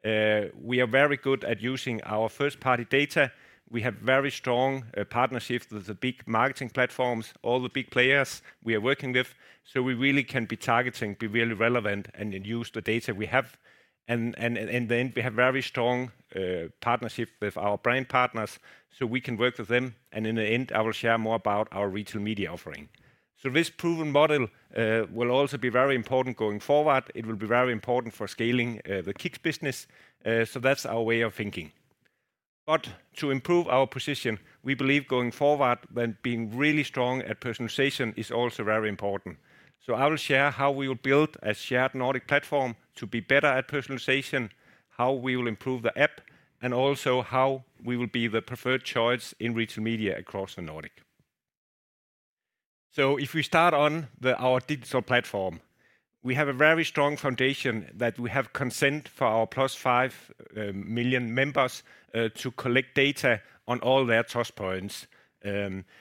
We are very good at using our first-party data. We have very strong partnerships with the big marketing platforms, all the big players we are working with, so we really can be targeting, be really relevant, and then we have very strong partnership with our brand partners, so we can work with them. And in the end, I will share more about our retail media offering. So this proven model will also be very important going forward. It will be very important for scaling, the KICKS business, so that's our way of thinking. But to improve our position, we believe going forward that being really strong at personalization is also very important. So I will share how we will build a shared Nordic platform to be better at personalization, how we will improve the app, and also how we will be the preferred choice in retail media across the Nordic. So if we start on our digital platform, we have a very strong foundation that we have consent for our +5 million members to collect data on all their touch points.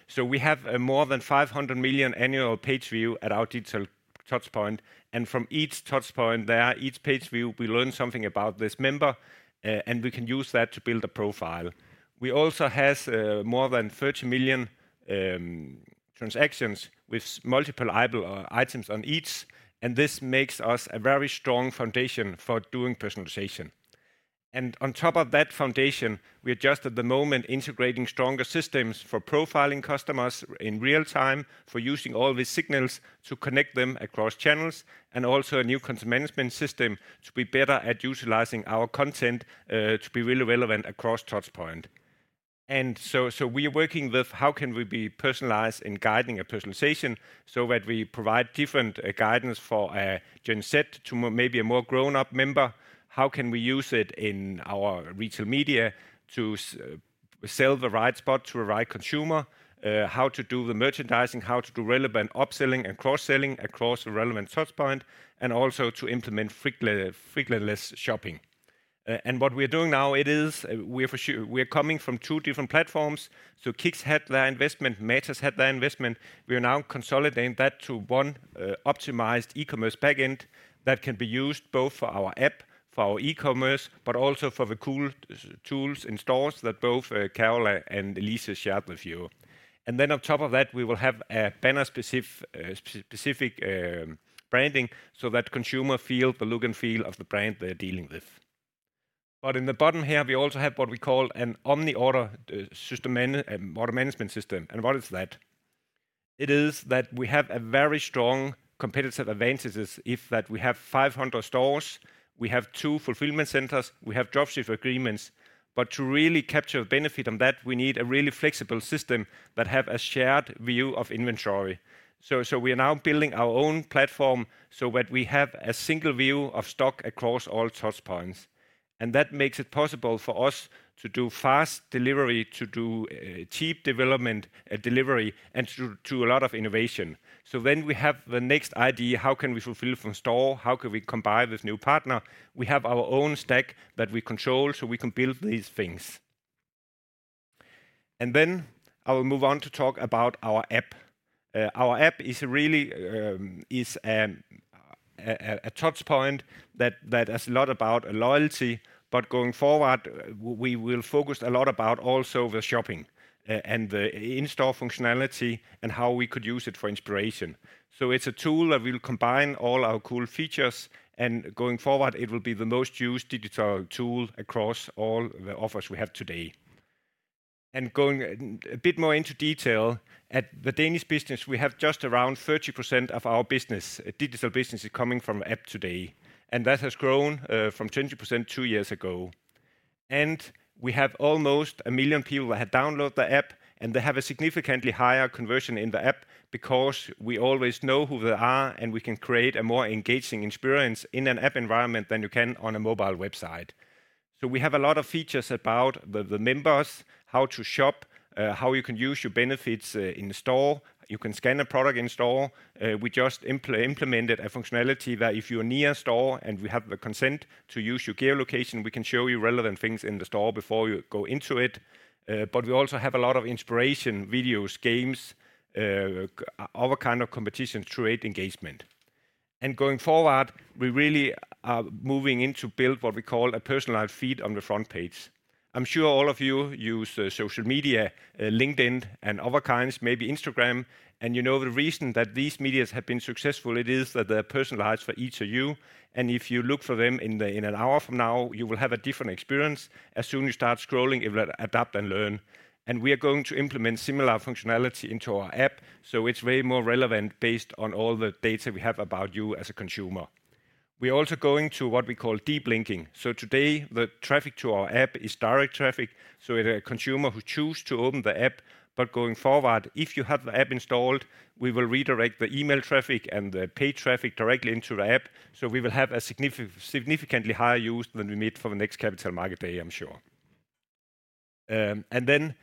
So, we have more than 500 million annual page views at our digital touchpoints, and from each touchpoint there, each page view, we learn something about this member, and we can use that to build a profile. We also has more than 30 million transactions with multiple items on each, and this makes us a very strong foundation for doing personalization. On top of that foundation, we are just at the moment integrating stronger systems for profiling customers in real time, for using all these signals to connect them across channels, and also a new content management system to be better at utilizing our content to be really relevant across touchpoints. We are working with how can we be personalized in guiding a personalization, so that we provide different guidance for Gen Z to maybe a more grown-up member? How can we use it in our retail media to sell the right spot to the right consumer? How to do the merchandising, how to do relevant upselling and cross-selling across the relevant touchpoint, and also to implement frictionless shopping. What we're doing now, it is, we are for sure. We are coming from two different platforms. So KICKS had their investment, Matas had their investment. We are now consolidating that to one optimized e-commerce back end that can be used both for our app, for our e-commerce, but also for the cool tools in stores that both Carola and Lise shared with you. And then on top of that, we will have a banner-specific branding, so that consumer feel the look and feel of the brand they're dealing with. But in the bottom here, we also have what we call an omni-order management system. And what is that? It is that we have a very strong competitive advantages in that we have 500 stores, we have two fulfillment centers, we have drop ship agreements. But to really capture benefit on that, we need a really flexible system that have a shared view of inventory. So we are now building our own platform, so that we have a single view of stock across all touchpoints. And that makes it possible for us to do fast delivery, to do cheap delivery, and to do a lot of innovation. So when we have the next idea, how can we fulfill from store? How can we combine this new partner? We have our own stack that we control, so we can build these things. And then I will move on to talk about our app. Our app is really a touchpoint that is a lot about loyalty, but going forward, we will focus a lot about also the shopping and the in-store functionality, and how we could use it for inspiration. So it's a tool that will combine all our cool features, and going forward, it will be the most used digital tool across all the offers we have today. And going a bit more into detail, at the Danish business, we have just around 30% of our business, digital business, is coming from app today, and that has grown from 20% two years ago. And we have almost 1 million people who have downloaded the app, and they have a significantly higher conversion in the app because we always know who they are, and we can create a more engaging experience in an app environment than you can on a mobile website. So we have a lot of features about the, the members, how to shop, how you can use your benefits, in the store. You can scan a product in store. We just implemented a functionality that if you're near a store and we have the consent to use your geolocation, we can show you relevant things in the store before you go into it. But we also have a lot of inspiration, videos, games, other kind of competition to aid engagement. And going forward, we really are moving in to build what we call a personalized feed on the front page. I'm sure all of you use social media, LinkedIn and other kinds, maybe Instagram. And you know, the reason that these medias have been successful, it is that they're personalized for each of you, and if you look for them in an hour from now, you will have a different experience. As soon as you start scrolling, it will adapt and learn. We are going to implement similar functionality into our app, so it's way more relevant based on all the data we have about you as a consumer. We are also going to what we call deep linking. So today, the traffic to our app is direct traffic, so a consumer who choose to open the app. But going forward, if you have the app installed, we will redirect the email traffic and the paid traffic directly into the app, so we will have a significantly higher use than we meet for the next Capital Market Day, I'm sure. And then,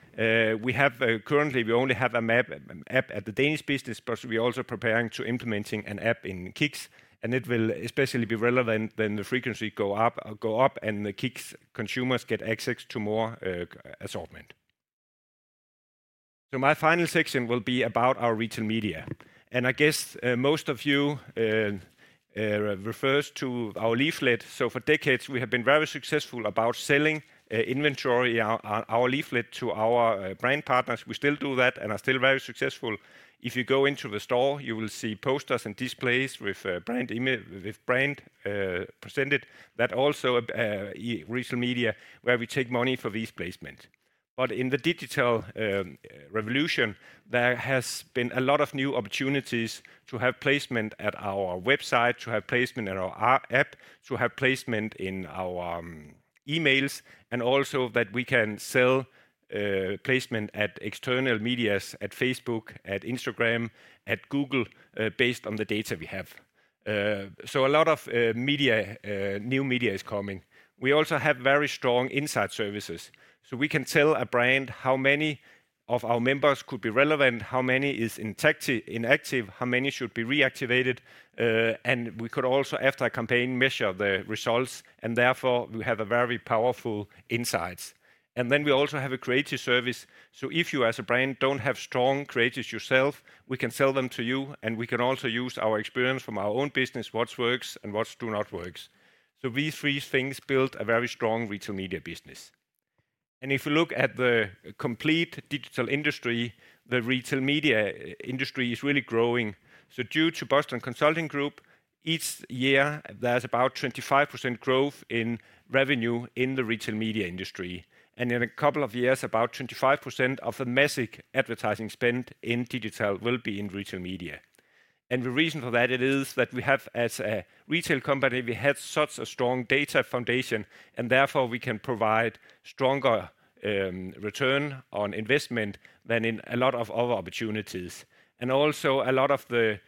we have currently we only have a Matas app at the Danish business, but we're also preparing to implementing an app in KICKS, and it will especially be relevant when the frequency go up, go up and the KICKS consumers get access to more assortment. So my final section will be about our retail media, and I guess most of you refers to our leaflet. So for decades, we have been very successful about selling inventory, our leaflet to our brand partners. We still do that and are still very successful. If you go into the store, you will see posters and displays with brand image, with brand presented. That also retail media, where we take money for these placement. But in the digital revolution, there has been a lot of new opportunities to have placement at our website, to have placement at our app, to have placement in our emails, and also that we can sell placement at external media, at Facebook, at Instagram, at Google, based on the data we have. So a lot of new media is coming. We also have very strong insight services, so we can tell a brand how many of our members could be relevant, how many is inactive, how many should be reactivated. And we could also, after a campaign, measure the results, and therefore we have a very powerful insights. And then we also have a creative service. So if you, as a brand, don't have strong creatives yourself, we can sell them to you, and we can also use our experience from our own business, what works and what do not works. So these three things build a very strong retail media business. And if you look at the complete digital industry, the retail media industry is really growing. So due to Boston Consulting Group, each year, there's about 25% growth in revenue in the retail media industry. And in a couple of years, about 25% of the massive advertising spend in digital will be in retail media. And the reason for that, it is that we have, as a retail company, we have such a strong data foundation, and therefore we can provide stronger, return on investment than in a lot of other opportunities. Also, a lot of the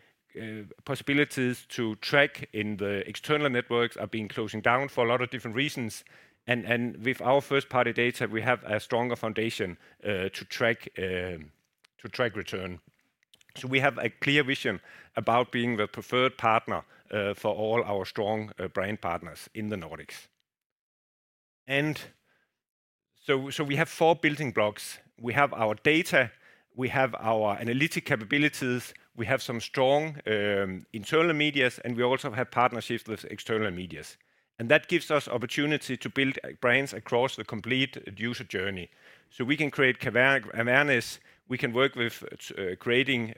possibilities to track in the external networks are being closing down for a lot of different reasons. With our first-party data, we have a stronger foundation to track return. So we have a clear vision about being the preferred partner for all our strong brand partners in the Nordics. We have four building blocks. We have our data, we have our analytic capabilities, we have some strong internal medias, and we also have partnerships with external medias. That gives us opportunity to build brands across the complete user journey. So we can create awareness, we can work with creating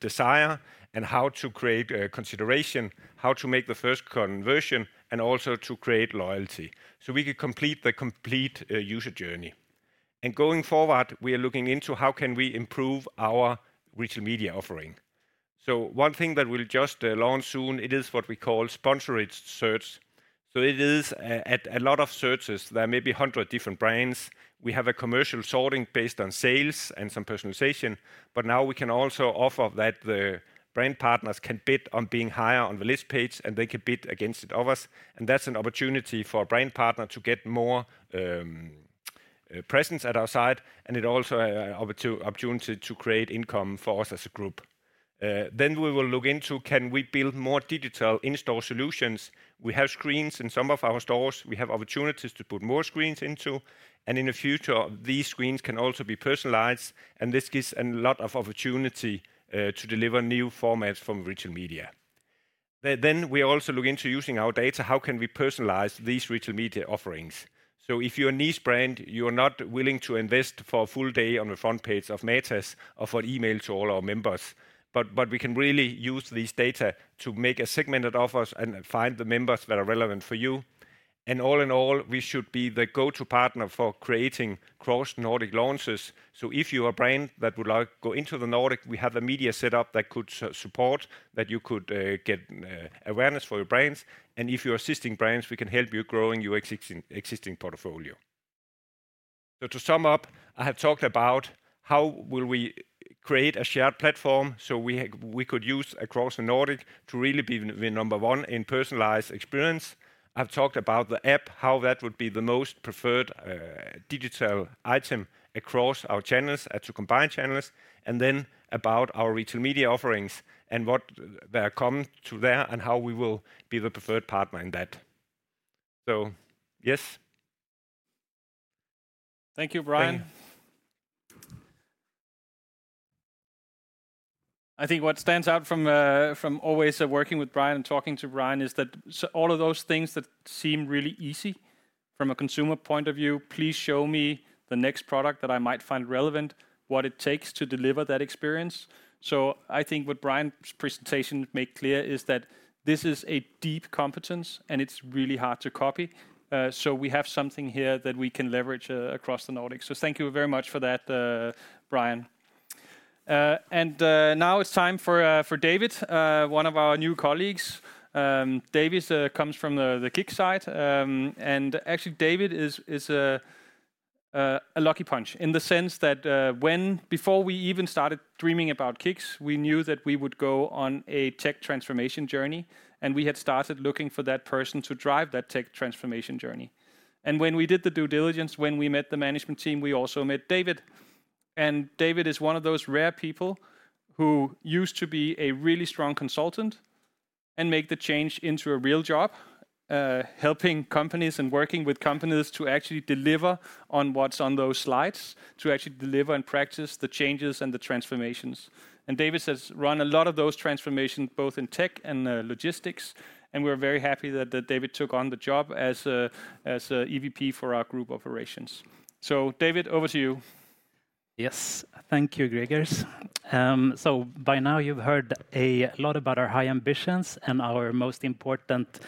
desire and how to create consideration, how to make the first conversion, and also to create loyalty. So we can complete the user journey. And going forward, we are looking into how can we improve our retail media offering? So one thing that we'll just launch soon, it is what we call sponsored search. So it is, at a lot of searches, there may be 100 different brands. We have a commercial sorting based on sales and some personalization, but now we can also offer that the brand partners can bid on being higher on the list page, and they can bid against others. And that's an opportunity for a brand partner to get more presence at our site, and it also a opportunity to create income for us as a group. Then we will look into, can we build more digital in-store solutions? We have screens in some of our stores. We have opportunities to put more screens into, and in the future, these screens can also be personalized, and this gives a lot of opportunity to deliver new formats from retail media. Then we also look into using our data. How can we personalize these retail media offerings? So if you're a niche brand, you are not willing to invest for a full day on the front page of Matas or for email to all our members, but, but we can really use this data to make a segmented offers and find the members that are relevant for you. And all in all, we should be the go-to partner for creating cross-Nordic launches. So if you are a brand that would like go into the Nordic, we have a media setup that could support, that you could get awareness for your brands. If you're assisting brands, we can help you growing your existing, existing portfolio. To sum up, I have talked about how will we create a shared platform so we could use across the Nordic to really be the number one in personalized experience. I've talked about the app, how that would be the most preferred, digital item across our channels, to combine channels, and then about our retail media offerings and what they are coming to there, and how we will be the preferred partner in that. Yes. Thank you, Brian. Thank you. I think what stands out from, from always working with Brian and talking to Brian is that all of those things that seem really easy from a consumer point of view, please show me the next product that I might find relevant, what it takes to deliver that experience. So I think what Brian's presentation made clear is that this is a deep competence, and it's really hard to copy. So we have something here that we can leverage across the Nordics. So thank you very much for that, Brian. And now it's time for David, one of our new colleagues. David comes from the KICKS side. Actually, David is a lucky punch in the sense that when before we even started dreaming about KICKS, we knew that we would go on a tech transformation journey, and we had started looking for that person to drive that tech transformation journey. When we did the due diligence, when we met the management team, we also met David, and David is one of those rare people who used to be a really strong consultant and make the change into a real job, helping companies and working with companies to actually deliver on what's on those slides, to actually deliver and practice the changes and the transformations. David has run a lot of those transformations, both in tech and logistics, and we're very happy that David took on the job as a EVP for our Group Operations. David, over to you. Yes. Thank you, Gregers. So by now you've heard a lot about our high ambitions and our most important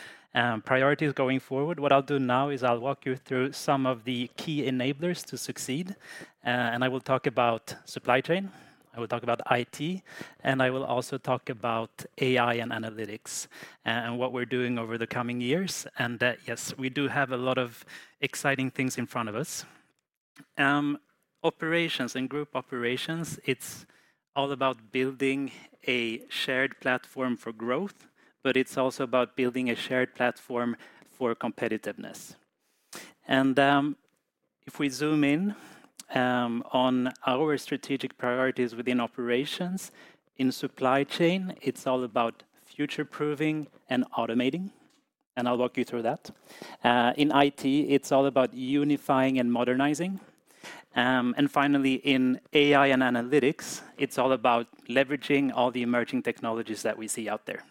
priorities going forward. What I'll do now is I'll walk you through some of the key enablers to succeed, and I will talk about supply chain, I will talk about IT, and I will also talk about AI and analytics, and what we're doing over the coming years. And yes, we do have a lot of exciting things in front of us. Operations and group operations, it's all about building a shared platform for growth, but it's also about building a shared platform for competitiveness. And if we zoom in on our strategic priorities within operations, in supply chain, it's all about future-proofing and automating, and I'll walk you through that. In IT, it's all about unifying and modernizing. And finally, in AI and analytics, it's all about leveraging all the emerging technologies that we see out there.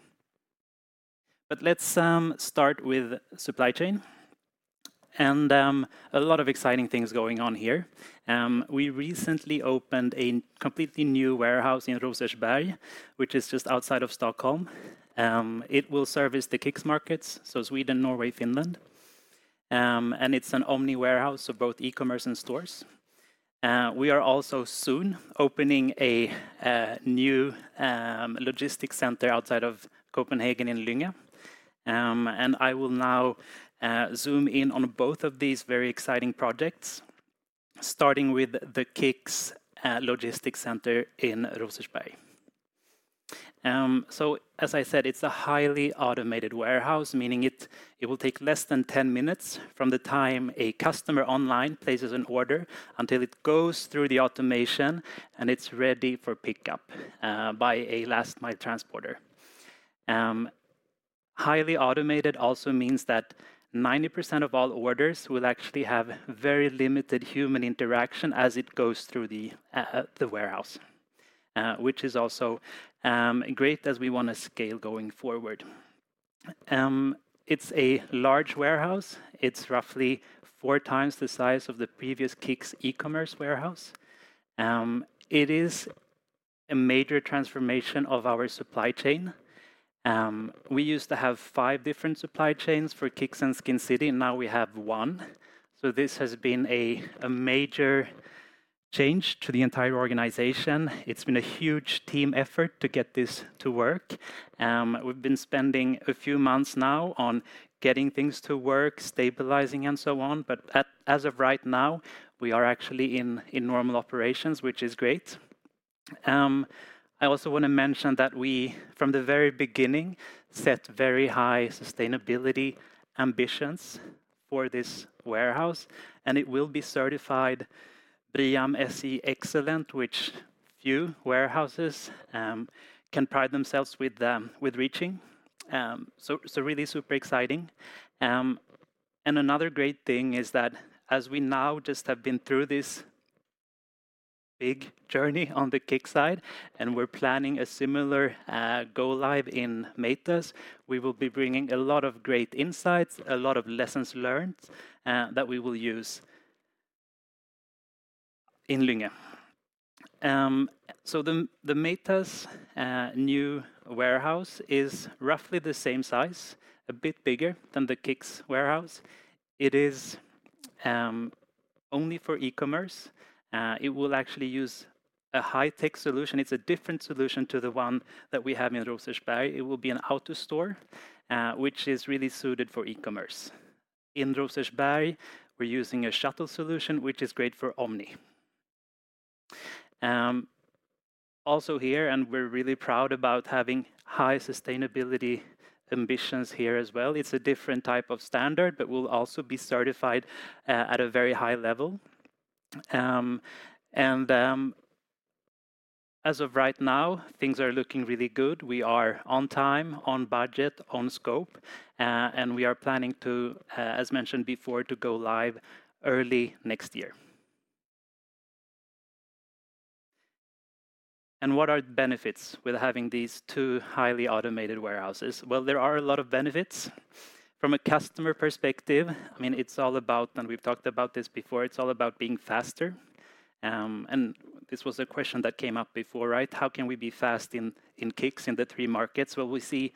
But let's start with supply chain, and a lot of exciting things going on here. We recently opened a completely new warehouse in Rosersberg, which is just outside of Stockholm. It will service the KICKS markets, so Sweden, Norway, Finland, and it's an omni warehouse, so both e-commerce and stores. We are also soon opening a new logistics center outside of Copenhagen in Lynge. And I will now zoom in on both of these very exciting projects, starting with the KICKS logistics center in Rosersberg. So as I said, it's a highly automated warehouse, meaning it will take less than 10 minutes from the time a customer online places an order until it goes through the automation, and it's ready for pickup by a last mile transporter. Highly automated also means that 90% of all orders will actually have very limited human interaction as it goes through the warehouse, which is also great as we wanna scale going forward. It's a large warehouse. It's roughly four times the size of the previous KICKS e-commerce warehouse. It is a major transformation of our supply chain. We used to have 5 different supply chains for KICKS and Skincity, and now we have one. So this has been a major change to the entire organization. It's been a huge team effort to get this to work. We've been spending a few months now on getting things to work, stabilizing, and so on. But as of right now, we are actually in normal operations, which is great. I also wanna mention that we, from the very beginning, set very high sustainability ambitions for this warehouse, and it will be certified BREEAM-SE Excellent, which few warehouses can pride themselves with reaching. So really super exciting. And another great thing is that as we now just have been through this big journey on the KICKS side, and we're planning a similar go live in Matas, we will be bringing a lot of great insights, a lot of lessons learned that we will use in Lynge. So the Matas new warehouse is roughly the same size, a bit bigger than the KICKS warehouse. It is only for e-commerce. It will actually use a high-tech solution. It's a different solution to the one that we have in Rosersberg. It will be an AutoStore, which is really suited for e-commerce. In Rosersberg, we're using a shuttle solution, which is great for omni. Also here, and we're really proud about having high sustainability ambitions here as well. It's a different type of standard, but we'll also be certified at a very high level. And as of right now, things are looking really good. We are on time, on budget, on scope, and we are planning to, as mentioned before, to go live early next year. What are the benefits with having these two highly automated warehouses? Well, there are a lot of benefits. From a customer perspective, I mean, it's all about... And we've talked about this before, it's all about being faster. And this was a question that came up before, right? How can we be fast in KICKS in the three markets? Well, we see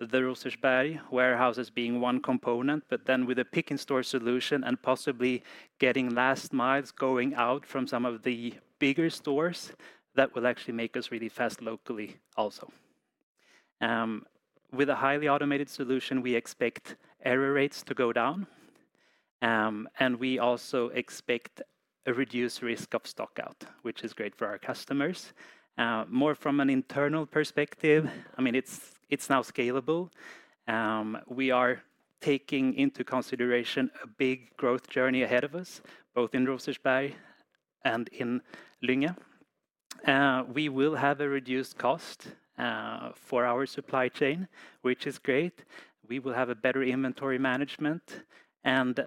the Rosersberg warehouse being one component, but then with a pick-in-store solution and possibly getting last miles going out from some of the bigger stores, that will actually make us really fast locally also. With a highly automated solution, we expect error rates to go down, and we also expect a reduced risk of stock out, which is great for our customers. More from an internal perspective, I mean, it's now scalable. We are taking into consideration a big growth journey ahead of us, both in Rosersberg and in Lynge. We will have a reduced cost for our supply chain, which is great. We will have a better inventory management. And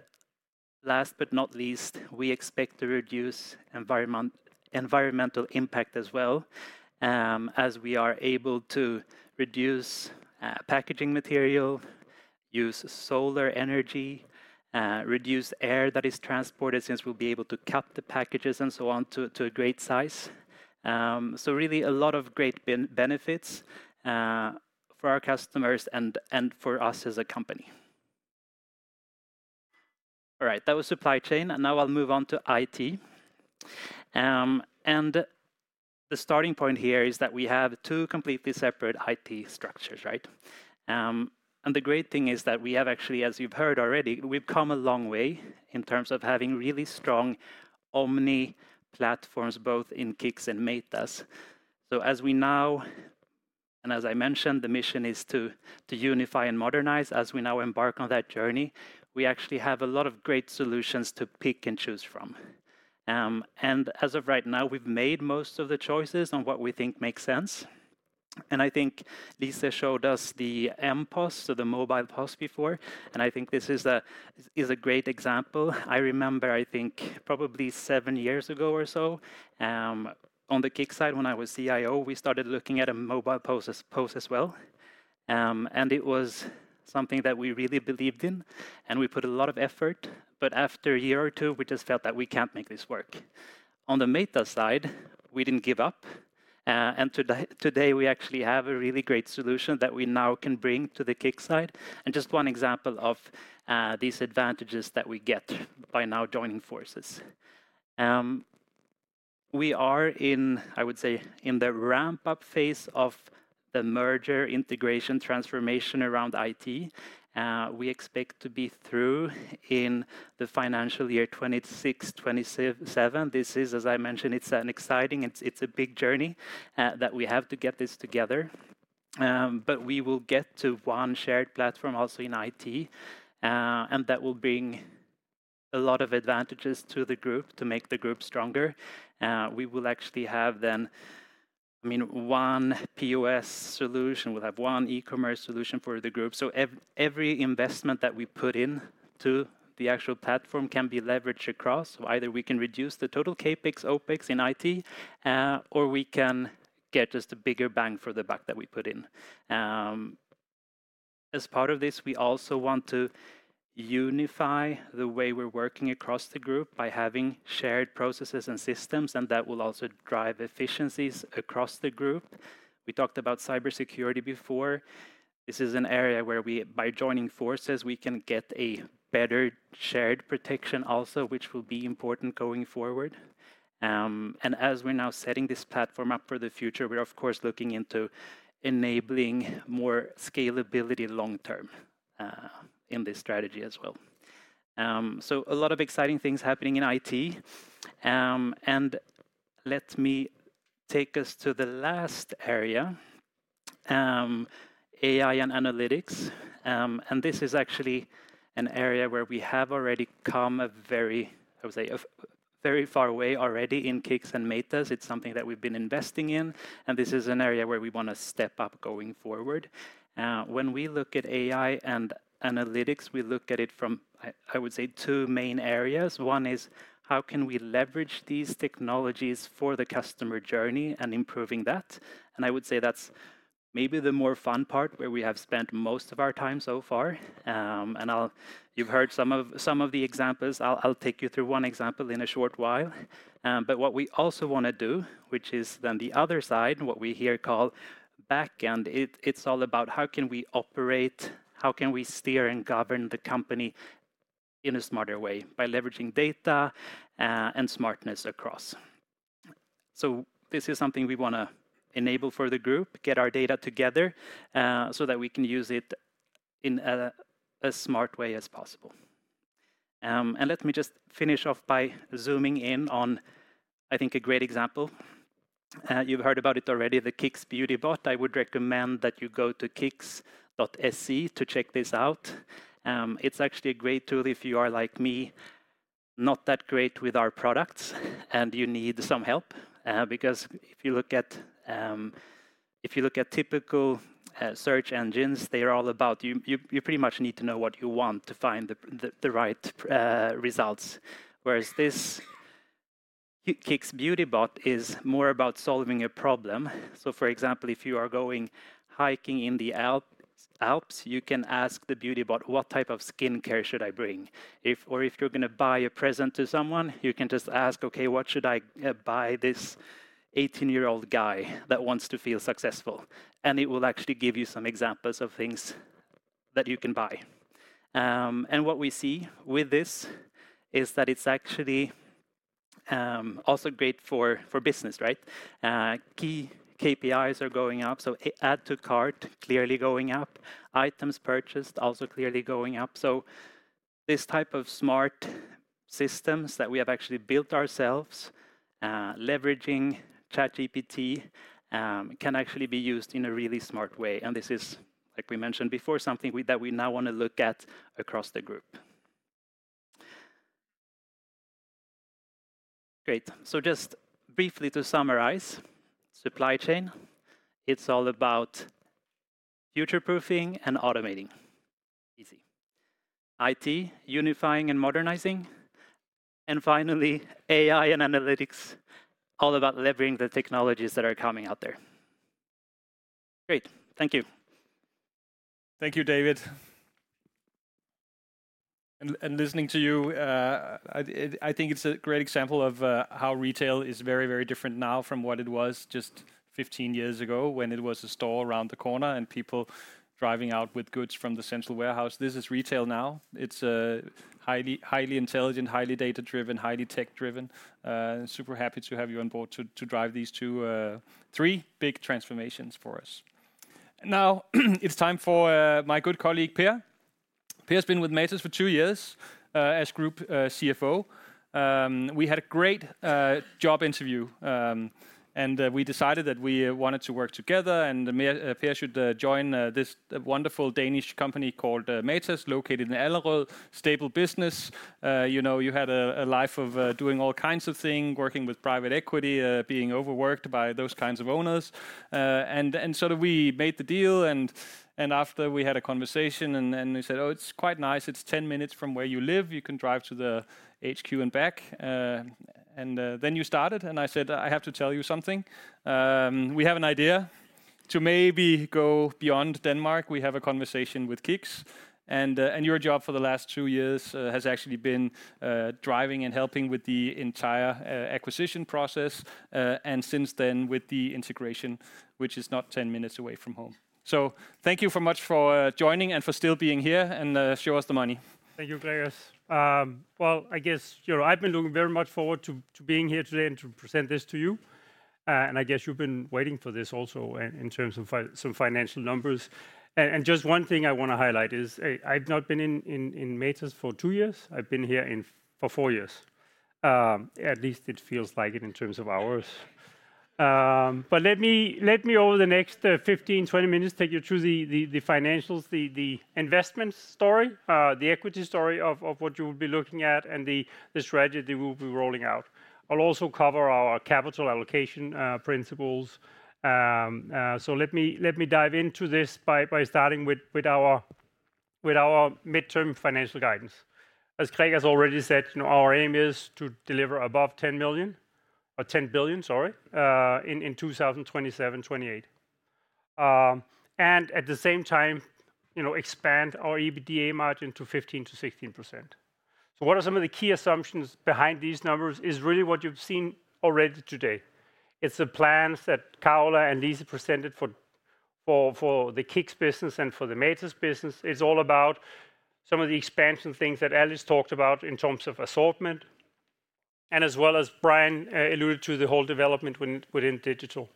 last but not least, we expect to reduce environmental impact as well, as we are able to reduce packaging material, use solar energy, reduce air that is transported, since we'll be able to cut the packages and so on, to a great size. So really a lot of great benefits for our customers and for us as a company. All right, that was supply chain, and now I'll move on to IT. The starting point here is that we have two completely separate IT structures, right? And the great thing is that we have actually, as you've heard already, we've come a long way in terms of having really strong omni platforms, both in KICKS and Matas. So as we now... And as I mentioned, the mission is to, to unify and modernize. As we now embark on that journey, we actually have a lot of great solutions to pick and choose from. And as of right now, we've made most of the choices on what we think makes sense. And I think Lise showed us the mPOS, so the mobile POS before, and I think this is a, is a great example. I remember, I think, probably seven years ago or so, on the KICKS side, when I was CIO, we started looking at a mobile POS, POS as well. And it was something that we really believed in, and we put a lot of effort, but after a year or two, we just felt that we can't make this work. On the Matas side, we didn't give up, and today, we actually have a really great solution that we now can bring to the KICKS side, and just one example of these advantages that we get by now joining forces. We are in, I would say, in the ramp-up phase of the merger, integration, transformation around IT. We expect to be through in the financial year 2026, 2027. This is, as I mentioned, it's an exciting, it's, it's a big journey that we have to get this together. But we will get to one shared platform also in IT, and that will bring a lot of advantages to the group, to make the group stronger. We will actually have then, I mean, one POS solution, we'll have one e-commerce solution for the group. So every investment that we put in to the actual platform can be leveraged across. So either we can reduce the total CapEx, OpEx in IT, or we can get just a bigger bang for the buck that we put in. As part of this, we also want to unify the way we're working across the group by having shared processes and systems, and that will also drive efficiencies across the group. We talked about cybersecurity before. This is an area where we, by joining forces, we can get a better shared protection also, which will be important going forward. And as we're now setting this platform up for the future, we're of course looking into enabling more scalability long term, in this strategy as well. So a lot of exciting things happening in IT. And let me take us to the last area, AI and analytics. And this is actually an area where we have already come a very, I would say, very far already in KICKS and Matas. It's something that we've been investing in, and this is an area where we wanna step up going forward. When we look at AI and analytics, we look at it from, I would say, two main areas. One is, how can we leverage these technologies for the customer journey and improving that? And I would say that's maybe the more fun part, where we have spent most of our time so far. And I'll, you've heard some of the examples. I'll take you through one example in a short while. But what we also wanna do, which is then the other side, what we here call backend, it's all about how can we operate, how can we steer and govern the company in a smarter way by leveraging data and smartness across? So this is something we wanna enable for the group, get our data together, so that we can use it in a smart way as possible. And let me just finish off by zooming in on, I think, a great example. You've heard about it already, the KICKS Beauty Bot. I would recommend that you go to KICKS.se to check this out. It's actually a great tool if you are like me, not that great with our products, and you need some help. Because if you look at typical search engines, they are all about you—you pretty much need to know what you want to find the right results. Whereas this KICKS Beauty Bot is more about solving a problem. So, for example, if you are going hiking in the Alps, you can ask the Beauty Bot, "What type of skincare should I bring?" If... Or if you're gonna buy a present to someone, you can just ask, "Okay, what should I buy this 18-year-old guy that wants to feel successful?" And it will actually give you some examples of things that you can buy. And what we see with this is that it's actually also great for business, right? Key KPIs are going up, so add to cart, clearly going up. Items purchased, also clearly going up. So this type of smart systems that we have actually built ourselves, leveraging ChatGPT, can actually be used in a really smart way. And this is, like we mentioned before, something that we now wanna look at across the group. Great. So just briefly to summarize, supply chain, it's all about future-proofing and automating. Easy. IT, unifying and modernizing. Finally, AI and analytics, all about leveraging the technologies that are coming out there. Great. Thank you. Thank you, David. Listening to you, I think it's a great example of how retail is very, very different now from what it was just 15 years ago, when it was a store around the corner and people driving out with goods from the central warehouse. This is retail now. It's highly, highly intelligent, highly data-driven, highly tech-driven. Super happy to have you on board to drive these 2, 3 big transformations for us. Now, it's time for my good colleague, Per. Per's been with Matas for two years as Group CFO. We had a great job interview, and we decided that we wanted to work together, and Per should join this wonderful Danish company called Matas, located in Allerød. Stable business. You know, you had a life of doing all kinds of things, working with private equity, being overworked by those kinds of owners. And so we made the deal, and after we had a conversation, and then we said, "Oh, it's quite nice. It's 10 minutes from where you live. You can drive to the HQ and back." And then you started, and I said, "I have to tell you something. We have an idea to maybe go beyond Denmark. We have a conversation with KICKS." And your job for the last two years has actually been driving and helping with the entire acquisition process, and since then, with the integration, which is not 10 minutes away from home. Thank you very much for joining and for still being here, and show us the money. Thank you, Gregers. Well, I guess, you know, I've been looking very much forward to being here today and to present this to you. And I guess you've been waiting for this also in terms of some financial numbers. And just one thing I wanna highlight is, I've not been in Matas for two years. I've been here for four years. At least it feels like it in terms of hours. But let me, over the next 15, 20 minutes, take you through the financials, the investment story, the equity story of what you will be looking at, and the strategy we will be rolling out. I'll also cover our capital allocation principles. So let me dive into this by starting with our-... with our midterm financial guidance. As Craig has already said, you know, our aim is to deliver above 10 million, or 10 billion, sorry, in 2027-28. And at the same time, you know, expand our EBITDA margin to 15%-16%. So what are some of the key assumptions behind these numbers? It's really what you've seen already today. It's the plans that Carola and Lise presented for the KICKS business and for the Matas business. It's all about some of the expansion things that Alice talked about in terms of assortment, and as well as Brian alluded to the whole development within digital.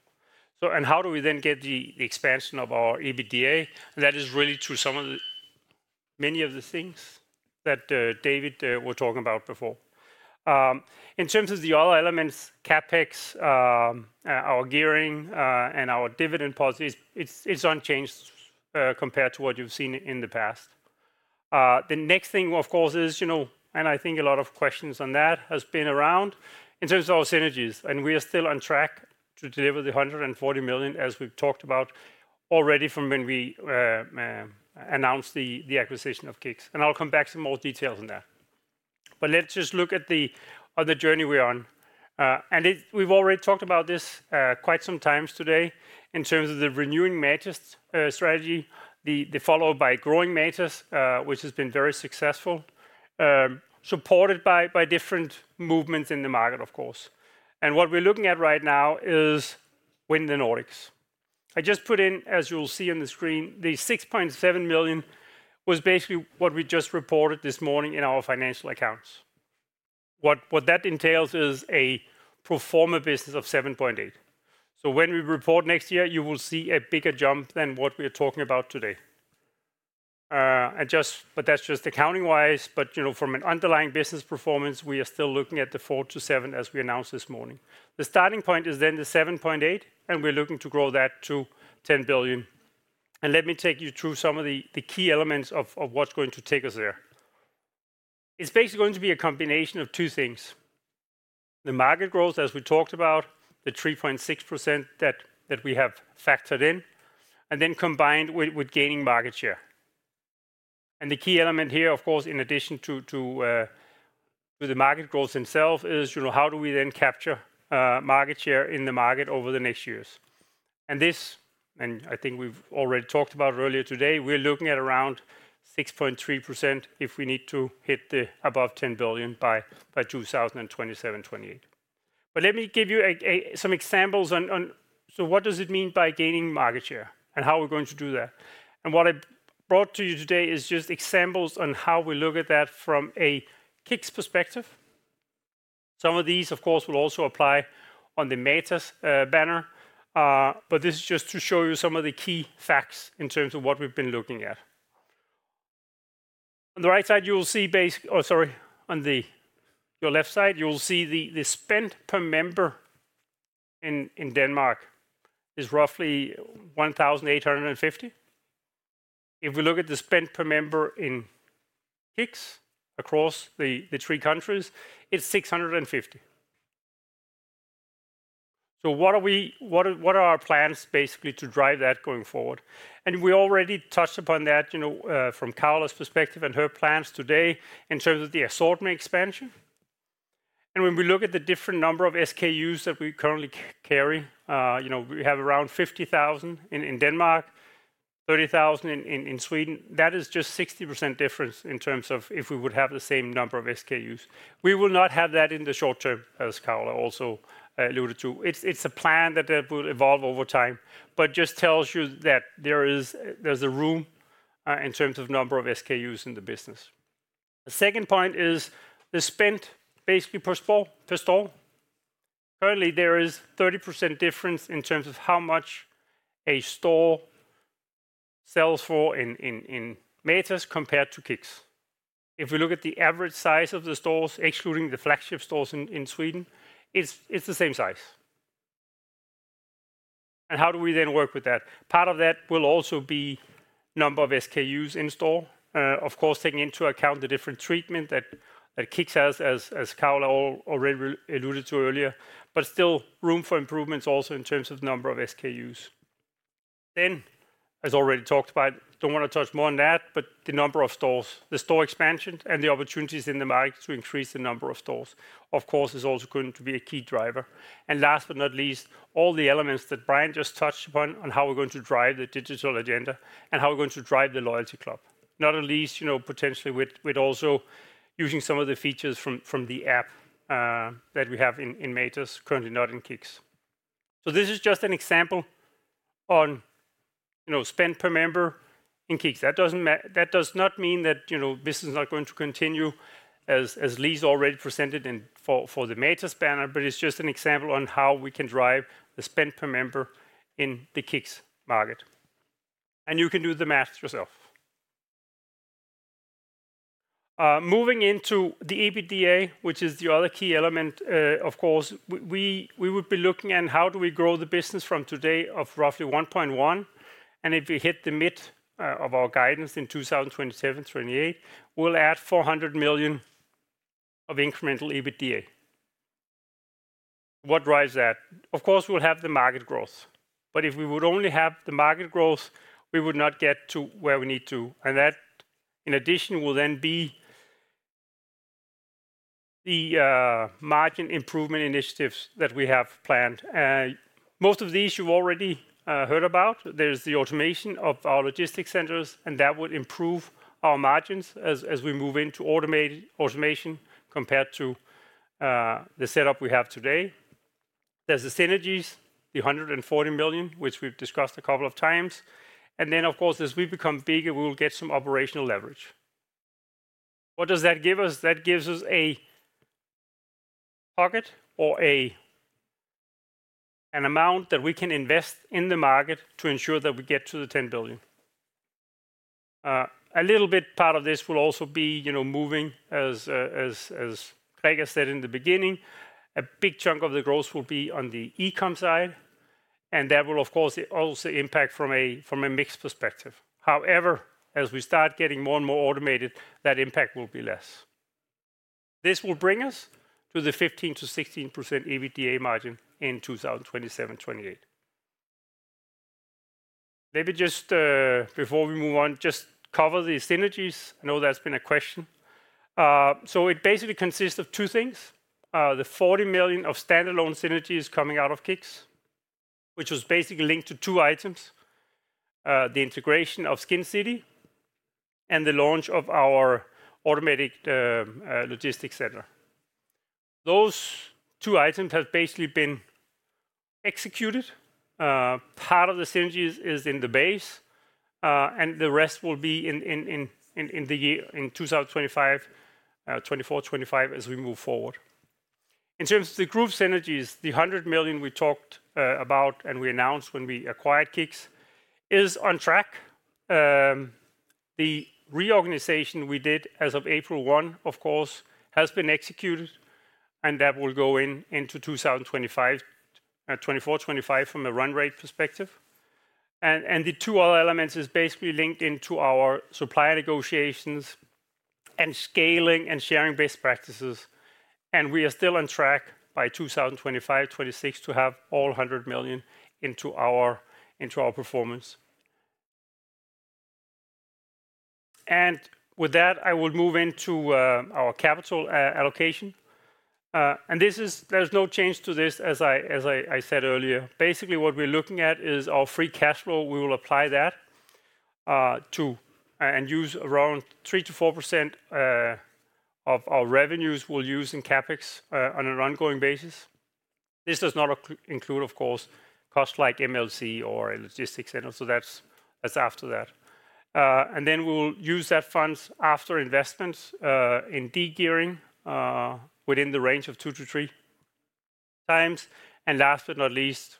So and how do we then get the expansion of our EBITDA? That is really through some of the many of the things that David was talking about before. In terms of the other elements, CapEx, our gearing, and our dividend policies, it's unchanged, compared to what you've seen in the past. The next thing, of course, is, you know, and I think a lot of questions on that has been around in terms of our synergies, and we are still on track to deliver the 140 million, as we've talked about already from when we announced the acquisition of KICKS, and I'll come back to more details on that. But let's just look at the journey we're on. We've already talked about this, quite some times today in terms of the renewing Matas strategy, followed by growing Matas, which has been very successful, supported by different movements in the market, of course. What we're looking at right now is within the Nordics. I just put in, as you'll see on the screen, the 6.7 million was basically what we just reported this morning in our financial accounts. What that entails is a pro forma business of 7.8 million. So when we report next year, you will see a bigger jump than what we're talking about today. But that's just accounting-wise, but, you know, from an underlying business performance, we are still looking at the 4-7, as we announced this morning. The starting point is then the 7.8 million, and we're looking to grow that to 10 billion. And let me take you through some of the key elements of what's going to take us there. It's basically going to be a combination of two things: the market growth, as we talked about, the 3.6% that, that we have factored in, and then combined with, with gaining market share. And the key element here, of course, in addition to, to, the market growth themselves, is, you know, how do we then capture, market share in the market over the next years? And this, and I think we've already talked about earlier today, we're looking at around 6.3% if we need to hit above 10 billion by, by 2027, 2028. But let me give you a, a, some examples on, on, so what does it mean by gaining market share, and how are we going to do that? What I brought to you today is just examples on how we look at that from a KICKS perspective. Some of these, of course, will also apply on the Matas banner, but this is just to show you some of the key facts in terms of what we've been looking at. On the right side, you will see, on your left side, you will see the spend per member in Denmark is roughly 1,850. If we look at the spend per member in KICKS across the three countries, it's 650. So what are our plans basically to drive that going forward? We already touched upon that, you know, from Carola's perspective and her plans today in terms of the assortment expansion. When we look at the different number of SKUs that we currently carry, you know, we have around 50,000 in Denmark, 30,000 in Sweden. That is just 60% difference in terms of if we would have the same number of SKUs. We will not have that in the short term, as Carola also alluded to. It's a plan that will evolve over time, but just tells you that there is, there's a room in terms of number of SKUs in the business. The second point is the spend, basically per store. Currently, there is 30% difference in terms of how much a store sells for in Matas compared to KICKS. If we look at the average size of the stores, excluding the flagship stores in Sweden, it's the same size. And how do we then work with that? Part of that will also be number of SKUs in store. Of course, taking into account the different treatment that KICKS has as Carola already alluded to earlier, but still room for improvements also in terms of number of SKUs. Then, as already talked about, don't wanna touch more on that, but the number of stores, the store expansion and the opportunities in the market to increase the number of stores, of course, is also going to be a key driver. And last but not least, all the elements that Brian just touched upon on how we're going to drive the digital agenda and how we're going to drive the loyalty club. Not at least, you know, potentially with, with also using some of the features from, from the app, that we have in, in Matas, currently not in KICKS. So this is just an example on, you know, spend per member in KICKS. That does not mean that, you know, this is not going to continue as, as Lise already presented for the Matas banner, but it's just an example on how we can drive the spend per member in the KICKS market. And you can do the math yourself. Moving into the EBITDA, which is the other key element, of course, we would be looking at how do we grow the business from today of roughly 1.1 billion, and if we hit the mid of our guidance in 2027-2028, we'll add 400 million of incremental EBITDA. What drives that? Of course, we'll have the market growth, but if we would only have the market growth, we would not get to where we need to. And that, in addition, will then be the margin improvement initiatives that we have planned. Most of these you've already heard about. There's the automation of our logistics centers, and that would improve our margins as we move into automation compared to the setup we have today. There's the synergies, the 140 million, which we've discussed a couple of times, and then, of course, as we become bigger, we will get some operational leverage. What does that give us? That gives us a pocket or a, an amount that we can invest in the market to ensure that we get to the 10 billion. A little bit part of this will also be, you know, moving as, as, as Gregers said in the beginning, a big chunk of the growth will be on the e-com side, and that will, of course, also impact from a, from a mix perspective. However, as we start getting more and more automated, that impact will be less. This will bring us to the 15%-16% EBITDA margin in 2027-2028. Maybe just, before we move on, just cover the synergies. I know that's been a question. So it basically consists of two things: the 40 million of standalone synergies coming out of KICKS, which was basically linked to two items, the integration of Skincity and the launch of our automatic logistic center. Those two items have basically been executed. Part of the synergies is in the base, and the rest will be in the year 2025, 2024-2025, as we move forward. In terms of the group synergies, the 100 million we talked about and we announced when we acquired KICKS is on track. The reorganization we did as of April 1, of course, has been executed, and that will go into 2025, 2024-2025 from a run rate perspective. And the two other elements is basically linked into our supplier negotiations and scaling and sharing best practices, and we are still on track by 2025, 2026 to have all 100 million into our, into our performance. And with that, I will move into our capital allocation. And this is. There's no change to this as I said earlier. Basically, what we're looking at is our free cash flow. We will apply that to and use around 3%-4% of our revenues we'll use in CapEx on an ongoing basis. This does not include, of course, costs like MLC or logistics, and so that's after that. And then we'll use that funds after investments in de-gearing within the range of 2-3 times. And last but not least,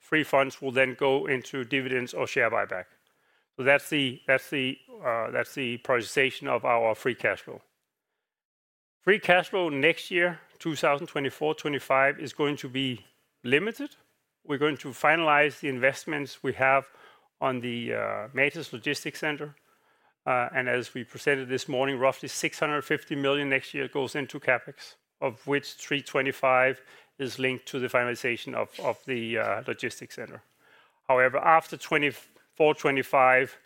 free funds will then go into dividends or share buyback. So that's the, that's the, that's the prioritization of our free cash flow. Free cash flow next year, 2024, 2025, is going to be limited. We're going to finalize the investments we have on the Matas Logistics Center. And as we presented this morning, roughly 650 million next year goes into CapEx, of which 325 million is linked to the finalization of, of the logistics center. However, after 2024, 2025,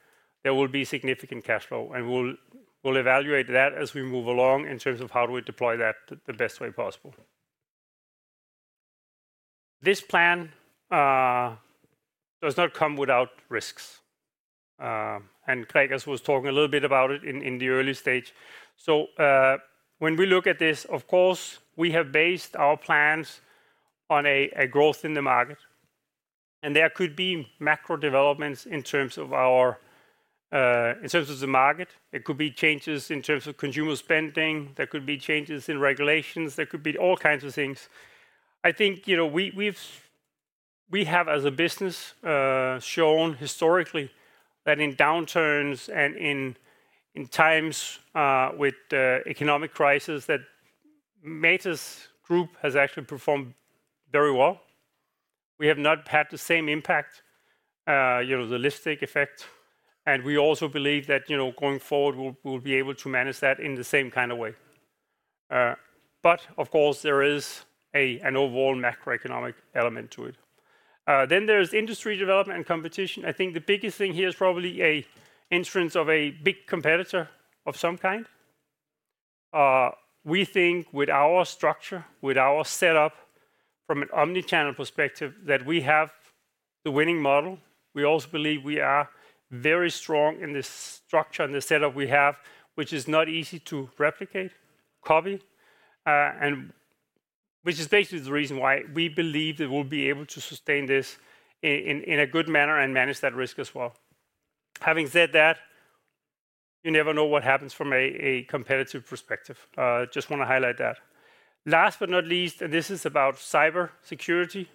there will be significant cash flow, and we'll, we'll evaluate that as we move along in terms of how do we deploy that the best way possible. This plan does not come without risks. And Gregers was talking a little bit about it in, in the early stage. So, when we look at this, of course, we have based our plans on a growth in the market, and there could be macro developments in terms of the market. There could be changes in terms of consumer spending, there could be changes in regulations, there could be all kinds of things. I think, you know, we have, as a business, shown historically that in downturns and in times with economic crisis, that Matas Group has actually performed very well. We have not had the same impact, you know, the lipstick effect, and we also believe that, you know, going forward, we'll be able to manage that in the same kind of way. But of course, there is an overall macroeconomic element to it. Then there's industry development and competition. I think the biggest thing here is probably an entrance of a big competitor of some kind. We think with our structure, with our setup, from an omni-channel perspective, that we have the winning model. We also believe we are very strong in this structure and the setup we have, which is not easy to replicate, copy, and which is basically the reason why we believe that we'll be able to sustain this in a good manner and manage that risk as well. Having said that, you never know what happens from a competitive perspective. Just want to highlight that. Last but not least, and this is about cybersecurity.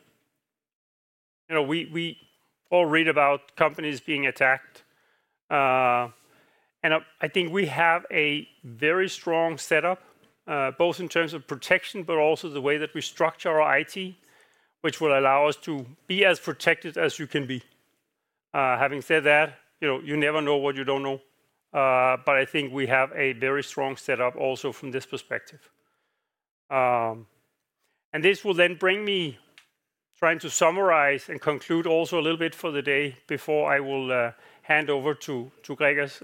You know, we, we all read about companies being attacked, and I, I think we have a very strong setup, both in terms of protection, but also the way that we structure our IT, which will allow us to be as protected as you can be... Having said that, you know, you never know what you don't know. But I think we have a very strong setup also from this perspective. And this will then bring me, trying to summarize and conclude also a little bit for the day before I will, hand over to, to Gregers.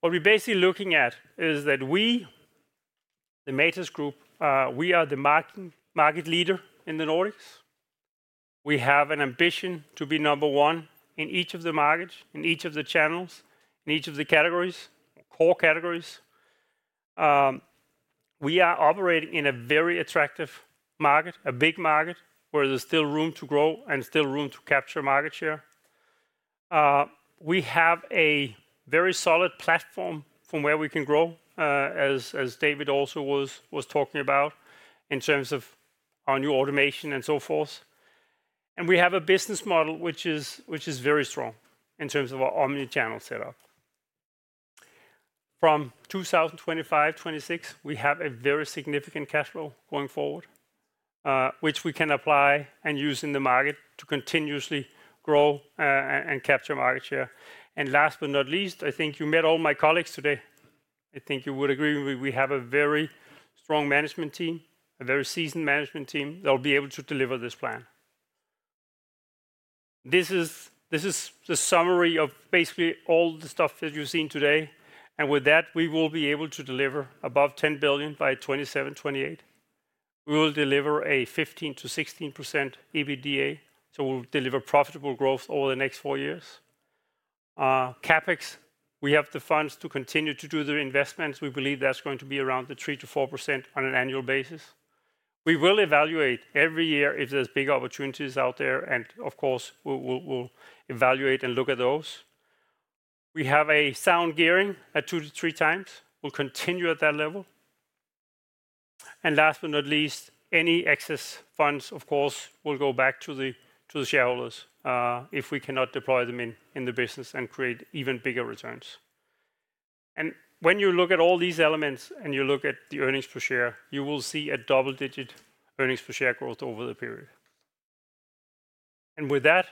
What we're basically looking at is that we, the Matas Group, we are the market, market leader in the Nordics. We have an ambition to be number one in each of the markets, in each of the channels, in each of the categories, core categories. We are operating in a very attractive market, a big market, where there's still room to grow and still room to capture market share. We have a very solid platform from where we can grow, as David also was talking about, in terms of our new automation and so forth. We have a business model, which is very strong in terms of our omni-channel setup. From 2025, 2026, we have a very significant cash flow going forward, which we can apply and use in the market to continuously grow, and capture market share. And last but not least, I think you met all my colleagues today. I think you would agree, we have a very strong management team, a very seasoned management team that will be able to deliver this plan. This is, this is the summary of basically all the stuff that you've seen today, and with that, we will be able to deliver above 10 billion by 2027, 2028. We will deliver a 15%-16% EBITDA, so we'll deliver profitable growth over the next four years. CapEx, we have the funds to continue to do the investments. We believe that's going to be around the 3%-4% on an annual basis. We will evaluate every year if there's big opportunities out there, and of course, we'll evaluate and look at those. We have a sound gearing at 2-3 times. We'll continue at that level. And last but not least, any excess funds, of course, will go back to the, to the shareholders, if we cannot deploy them in, in the business and create even bigger returns. When you look at all these elements, and you look at the earnings per share, you will see a double-digit earnings per share growth over the period. With that,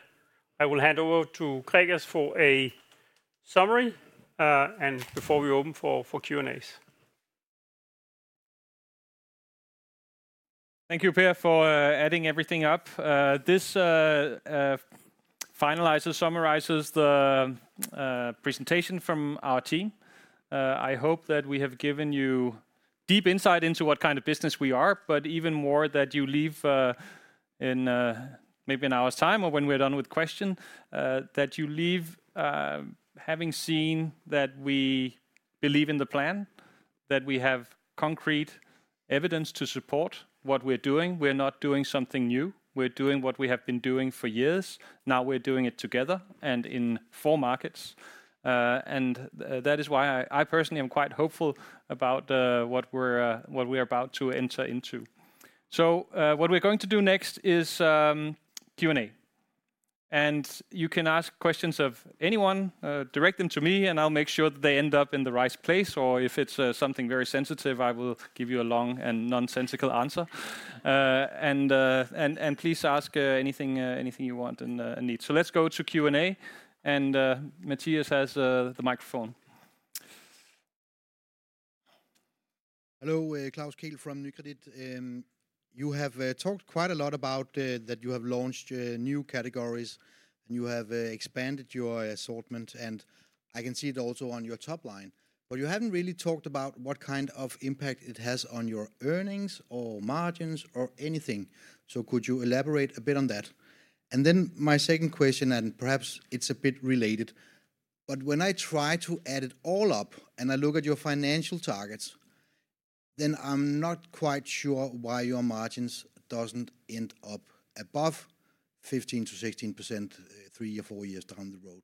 I will hand over to Gregers for a summary, and before we open for Q&As. Thank you, Per, for adding everything up. This finalizes, summarizes the presentation from our team. I hope that we have given you deep insight into what kind of business we are, but even more, that you leave in maybe an hour's time or when we're done with question, that you leave having seen that we believe in the plan, that we have concrete evidence to support what we're doing. We're not doing something new. We're doing what we have been doing for years. Now, we're doing it together and in four markets. And that is why I personally am quite hopeful about what we are about to enter into. So, what we're going to do next is Q&A. You can ask questions of anyone, direct them to me, and I'll make sure that they end up in the right place, or if it's something very sensitive, I will give you a long and nonsensical answer. Please ask anything, anything you want and need. Let's go to Q&A, and Matthias has the microphone. Hello, Klaus Kehl from Nykredit. You have talked quite a lot about that you have launched new categories, and you have expanded your assortment, and I can see it also on your top line. But you haven't really talked about what kind of impact it has on your earnings or margins or anything. So could you elaborate a bit on that? And then my second question, and perhaps it's a bit related, but when I try to add it all up, and I look at your financial targets, then I'm not quite sure why your margins doesn't end up above 15%-16%, 3 or 4 years down the road.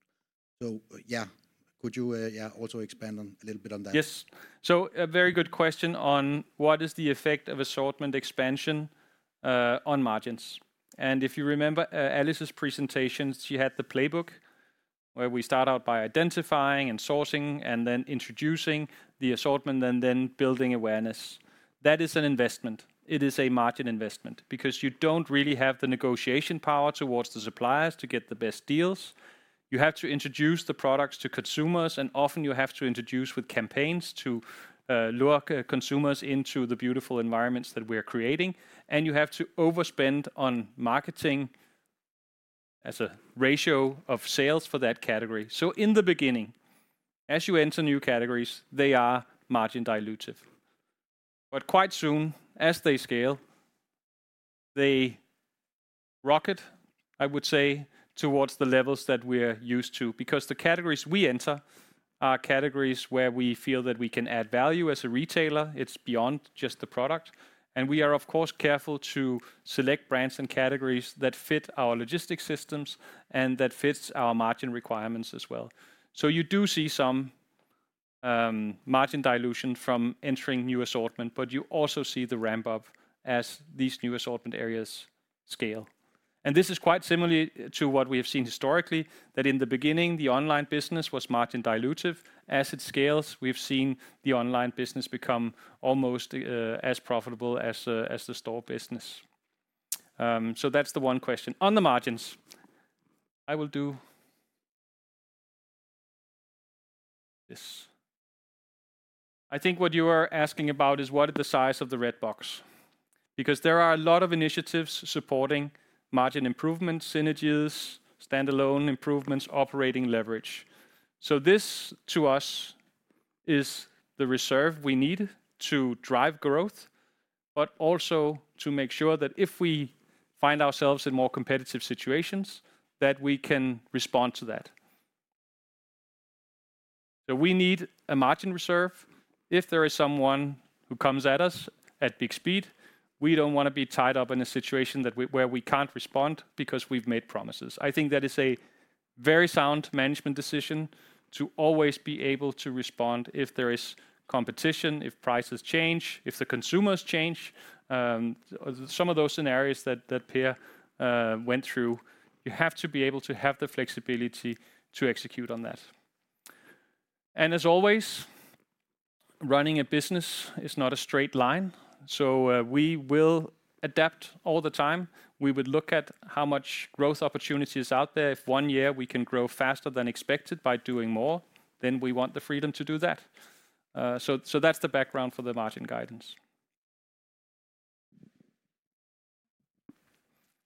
So, yeah, could you yeah, also expand on a little bit on that? Yes. So a very good question on what is the effect of assortment expansion on margins. And if you remember, Alice's presentation, she had the playbook, where we start out by identifying and sourcing and then introducing the assortment and then building awareness. That is an investment. It is a margin investment because you don't really have the negotiation power towards the suppliers to get the best deals. You have to introduce the products to consumers, and often you have to introduce with campaigns to lure consumers into the beautiful environments that we're creating, and you have to overspend on marketing as a ratio of sales for that category. So in the beginning, as you enter new categories, they are margin dilutive. But quite soon, as they scale, they rocket, I would say, towards the levels that we are used to, because the categories we enter are categories where we feel that we can add value as a retailer. It's beyond just the product, and we are, of course, careful to select brands and categories that fit our logistics systems and that fits our margin requirements as well. So you do see some margin dilution from entering new assortment, but you also see the ramp up as these new assortment areas scale. And this is quite similar to what we have seen historically, that in the beginning, the online business was margin dilutive. As it scales, we've seen the online business become almost as profitable as the store business. So that's the one question. On the margins, yes. I think what you are asking about is what is the size of the red box? Because there are a lot of initiatives supporting margin improvement synergies, standalone improvements, operating leverage. So this, to us, is the reserve we need to drive growth, but also to make sure that if we find ourselves in more competitive situations, that we can respond to that. So we need a margin reserve. If there is someone who comes at us at big speed, we don't wanna be tied up in a situation that we—where we can't respond because we've made promises. I think that is a very sound management decision to always be able to respond if there is competition, if prices change, if the consumers change, some of those scenarios that Per went through, you have to be able to have the flexibility to execute on that. As always, running a business is not a straight line, so, we will adapt all the time. We would look at how much growth opportunity is out there. If one year we can grow faster than expected by doing more, then we want the freedom to do that. So that's the background for the margin guidance.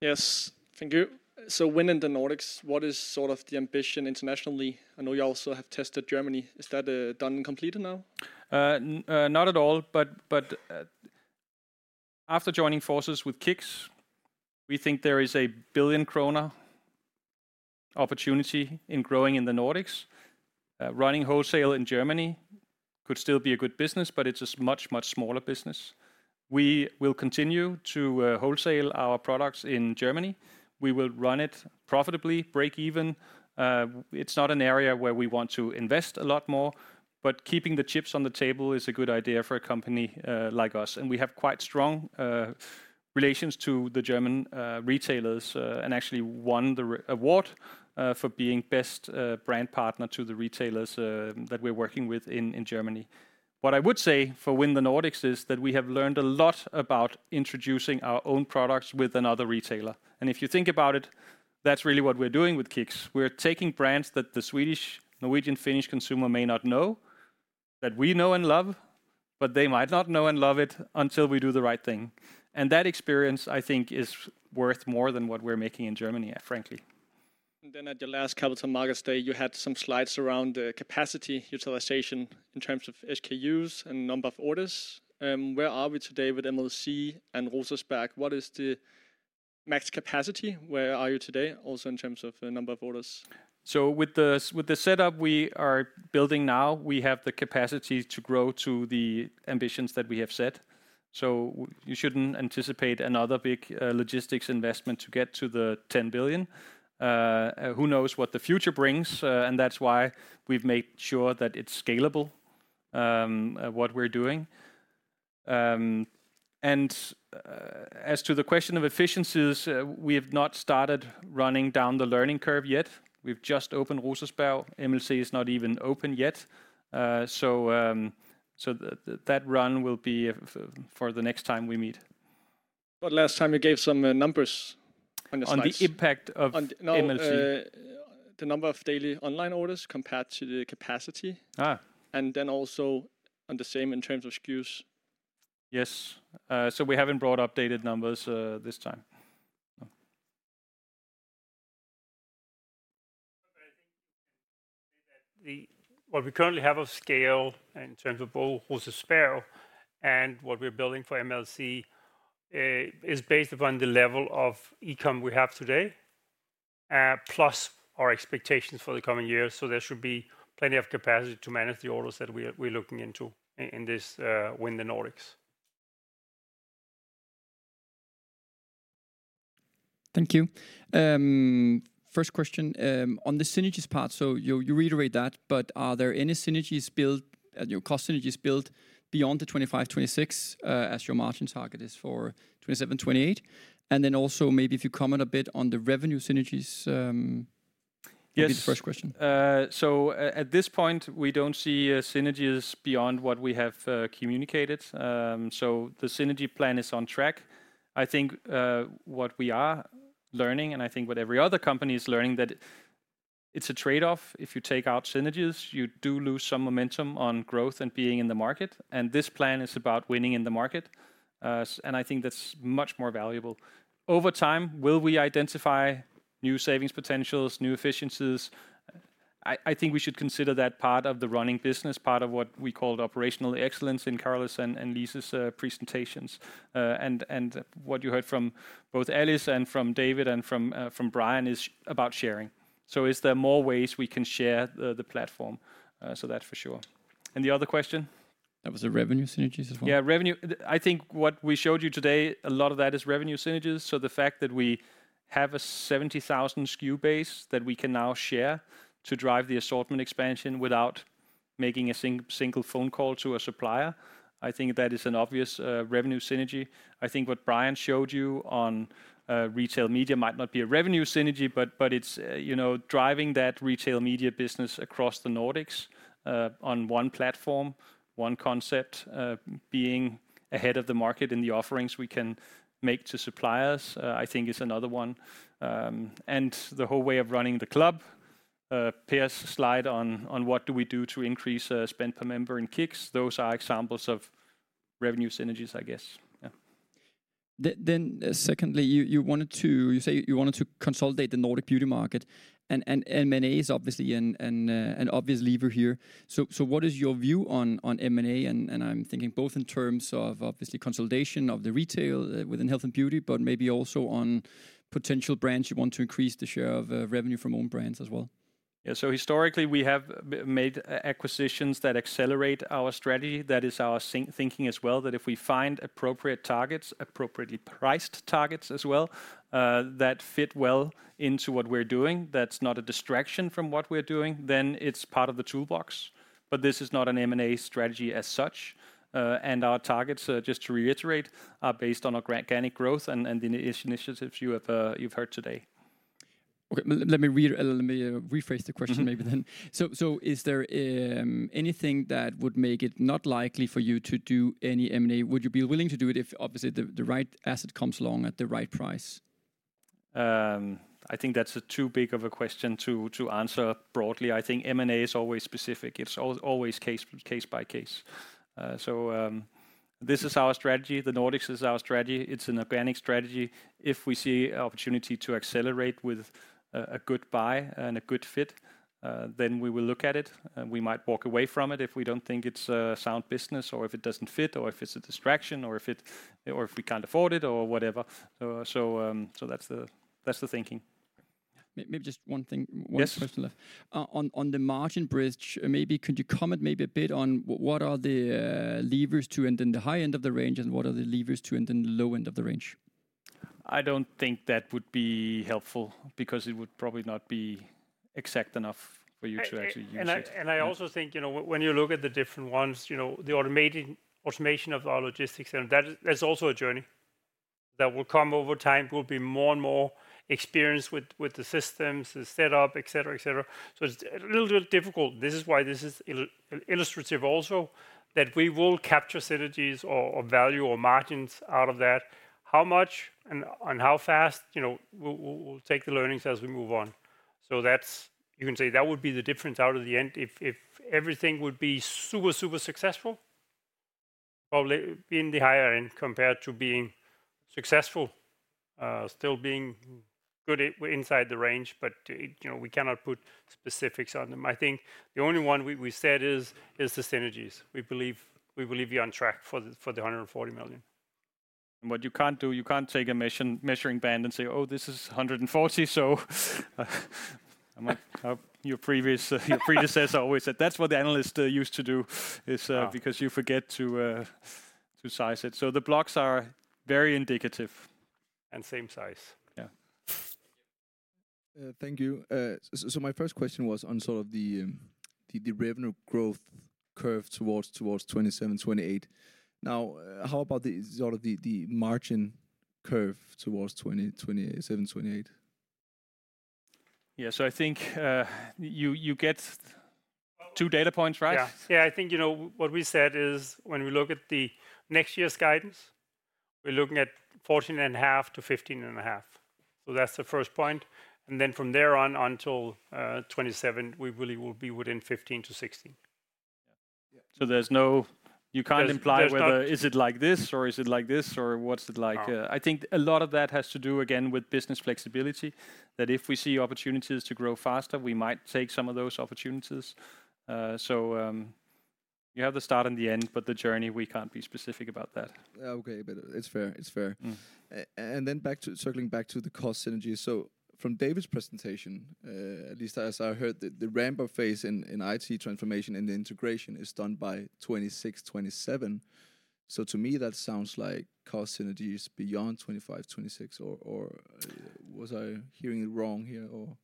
Yes, thank you. So Win in the Nordics, what is sort of the ambition internationally? I know you also have tested Germany. Is that done and completed now? Not at all, but after joining forces with KICKS, we think there is a 1 billion krone opportunity in growing in the Nordics. Running wholesale in Germany could still be a good business, but it's a much, much smaller business. We will continue to wholesale our products in Germany. We will run it profitably, break even. It's not an area where we want to invest a lot more, but keeping the chips on the table is a good idea for a company like us, and we have quite strong relations to the German retailers, and actually won the Retail Award for being best brand partner to the retailers that we're working with in Germany. What I would say for win the Nordics is that we have learned a lot about introducing our own products with another retailer, and if you think about it, that's really what we're doing with KICKS. We're taking brands that the Swedish, Norwegian, Finnish consumer may not know, that we know and love, but they might not know and love it until we do the right thing. And that experience, I think, is worth more than what we're making in Germany, frankly. Then at the last Capital Markets Day, you had some slides around the capacity utilization in terms of SKUs and number of orders. Where are we today with MLC and Rosersberg? What is the max capacity? Where are you today, also in terms of the number of orders? So with the setup we are building now, we have the capacity to grow to the ambitions that we have set, so you shouldn't anticipate another big logistics investment to get to the 10 billion. Who knows what the future brings, and that's why we've made sure that it's scalable, what we're doing. As to the question of efficiencies, we have not started running down the learning curve yet. We've just opened Rosersberg. MLC is not even open yet. So that run will be for the next time we meet. Last time you gave some numbers on the slides. On the impact of MLC? No, the number of daily online orders compared to the capacity. Ah. And then also on the same in terms of SKUs. Yes. So we haven't brought updated numbers, this time, so. I think you can say that what we currently have of scale in terms of both Rosersberg and what we're building for MLC is based upon the level of e-com we have today, plus our expectations for the coming years, so there should be plenty of capacity to manage the orders that we're looking into in this Win in the Nordics. Thank you. First question, on the synergies part, so you reiterate that, but are there any synergies built, you know, cost synergies built beyond the 25, 26, as your margin target is for 27, 28? And then also maybe if you comment a bit on the revenue synergies. Yes... That'd be the first question. So at this point, we don't see synergies beyond what we have communicated. So the synergy plan is on track. I think what we are learning, and I think what every other company is learning, that it's a trade-off. If you take out synergies, you do lose some momentum on growth and being in the market, and this plan is about winning in the market. And I think that's much more valuable. Over time, will we identify new savings potentials, new efficiencies? I think we should consider that part of the running business, part of what we called operational excellence in Carola's and Lise's presentations. And what you heard from both Alice and from David and from Brian is about sharing. So is there more ways we can share the platform? So that's for sure. And the other question? That was the revenue synergies as well. Yeah, revenue. I think what we showed you today, a lot of that is revenue synergies, so the fact that we have a 70,000 SKU base that we can now share to drive the assortment expansion without making a single phone call to a supplier, I think that is an obvious revenue synergy. I think what Brian showed you on retail media might not be a revenue synergy, but it's you know, driving that retail media business across the Nordics on one platform, one concept, being ahead of the market in the offerings we can make to suppliers, I think is another one. And the whole way of running the club, prepare a slide on what do we do to increase spend per member in KICKS? Those are examples of revenue synergies, I guess. Yeah. Then secondly, you say you wanted to consolidate the Nordic beauty market, and M&A is obviously an obvious lever here. So what is your view on M&A? And I'm thinking both in terms of obviously consolidation of the retail within health and beauty, but maybe also on potential brands you want to increase the share of revenue from own brands as well. Yeah. So historically, we have made acquisitions that accelerate our strategy. That is our thinking as well, that if we find appropriate targets, appropriately priced targets as well, that fit well into what we're doing, that's not a distraction from what we're doing, then it's part of the toolbox. But this is not an M&A strategy as such. And our targets, just to reiterate, are based on organic growth and the initiatives you've heard today. Okay. Let me rephrase the question.... maybe then. So, is there anything that would make it not likely for you to do any M&A? Would you be willing to do it if obviously, the right asset comes along at the right price? I think that's too big of a question to answer broadly. I think M&A is always specific. It's always case by case. This is our strategy. The Nordics is our strategy. It's an organic strategy. If we see opportunity to accelerate with a good buy and a good fit, then we will look at it, and we might walk away from it if we don't think it's a sound business, or if it doesn't fit, or if it's a distraction, or if we can't afford it, or whatever. That's the thinking. Maybe just one thing- Yes... one question left. On the margin bridge, maybe could you comment maybe a bit on what are the levers to and then the high end of the range, and what are the levers to and then the low end of the range? I don't think that would be helpful because it would probably not be exact enough for you to actually use it. And I also think, you know, when you look at the different ones, you know, the automation of our logistics and that, that's also a journey that will come over time. There will be more and more experience with the systems, the setup, et cetera, et cetera. So it's a little bit difficult. This is why this is illustrative also, that we will capture synergies or value or margins out of that. How much and how fast, you know, we'll take the learnings as we move on. So that's... You can say that would be the difference out of the end. If everything would be super, super successful, probably in the higher end compared to being successful, still being good at inside the range, but, you know, we cannot put specifics on them. I think the only one we said is the synergies. We believe we are on track for the 140 million. What you can't do, you can't take a precision measuring band and say, "Oh, this is 140," so your predecessor always said, "That's what the analyst used to do," is Wow... because you forget to size it. So the blocks are very indicative and same size. Yeah. Thank you. So, my first question was on sort of the revenue growth curve towards 2027, 2028. Now, how about sort of the margin curve towards 2027, 2028? Yeah. So I think, you, you get two data points, right? Yeah. Yeah, I think, you know, what we said is when we look at the next year's guidance, we're looking at 14.5-15.5. So that's the first point. And then from there on, until 2027, we really will be within 15-16. Yeah. Yeah. So there's no- There's-... you can't imply whether- There's not-... is it like this or is it like this, or what's it like? No. I think a lot of that has to do, again, with business flexibility, that if we see opportunities to grow faster, we might take some of those opportunities. So, you have the start and the end, but the journey, we can't be specific about that. Yeah, okay, but it's fair. It's fair. And then back to, circling back to the cost synergies. So from David's presentation, at least as I heard, the ramp-up phase in IT transformation and the integration is done by 2026, 2027. So to me, that sounds like cost synergies beyond 2025, 2026, or was I hearing it wrong here, or?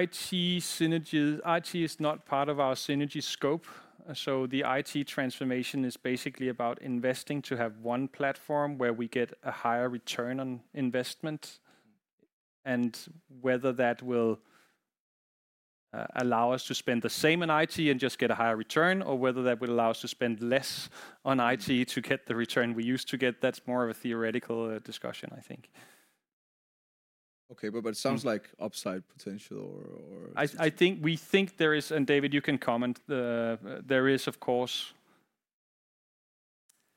IT synergies, IT is not part of our synergy scope. So the IT transformation is basically about investing to have one platform where we get a higher return on investment. And whether that will allow us to spend the same in IT and just get a higher return, or whether that will allow us to spend less on IT to get the return we used to get, that's more of a theoretical discussion, I think. Okay. But it sounds like upside potential or- I think—we think there is, and David, you can comment. There is, of course,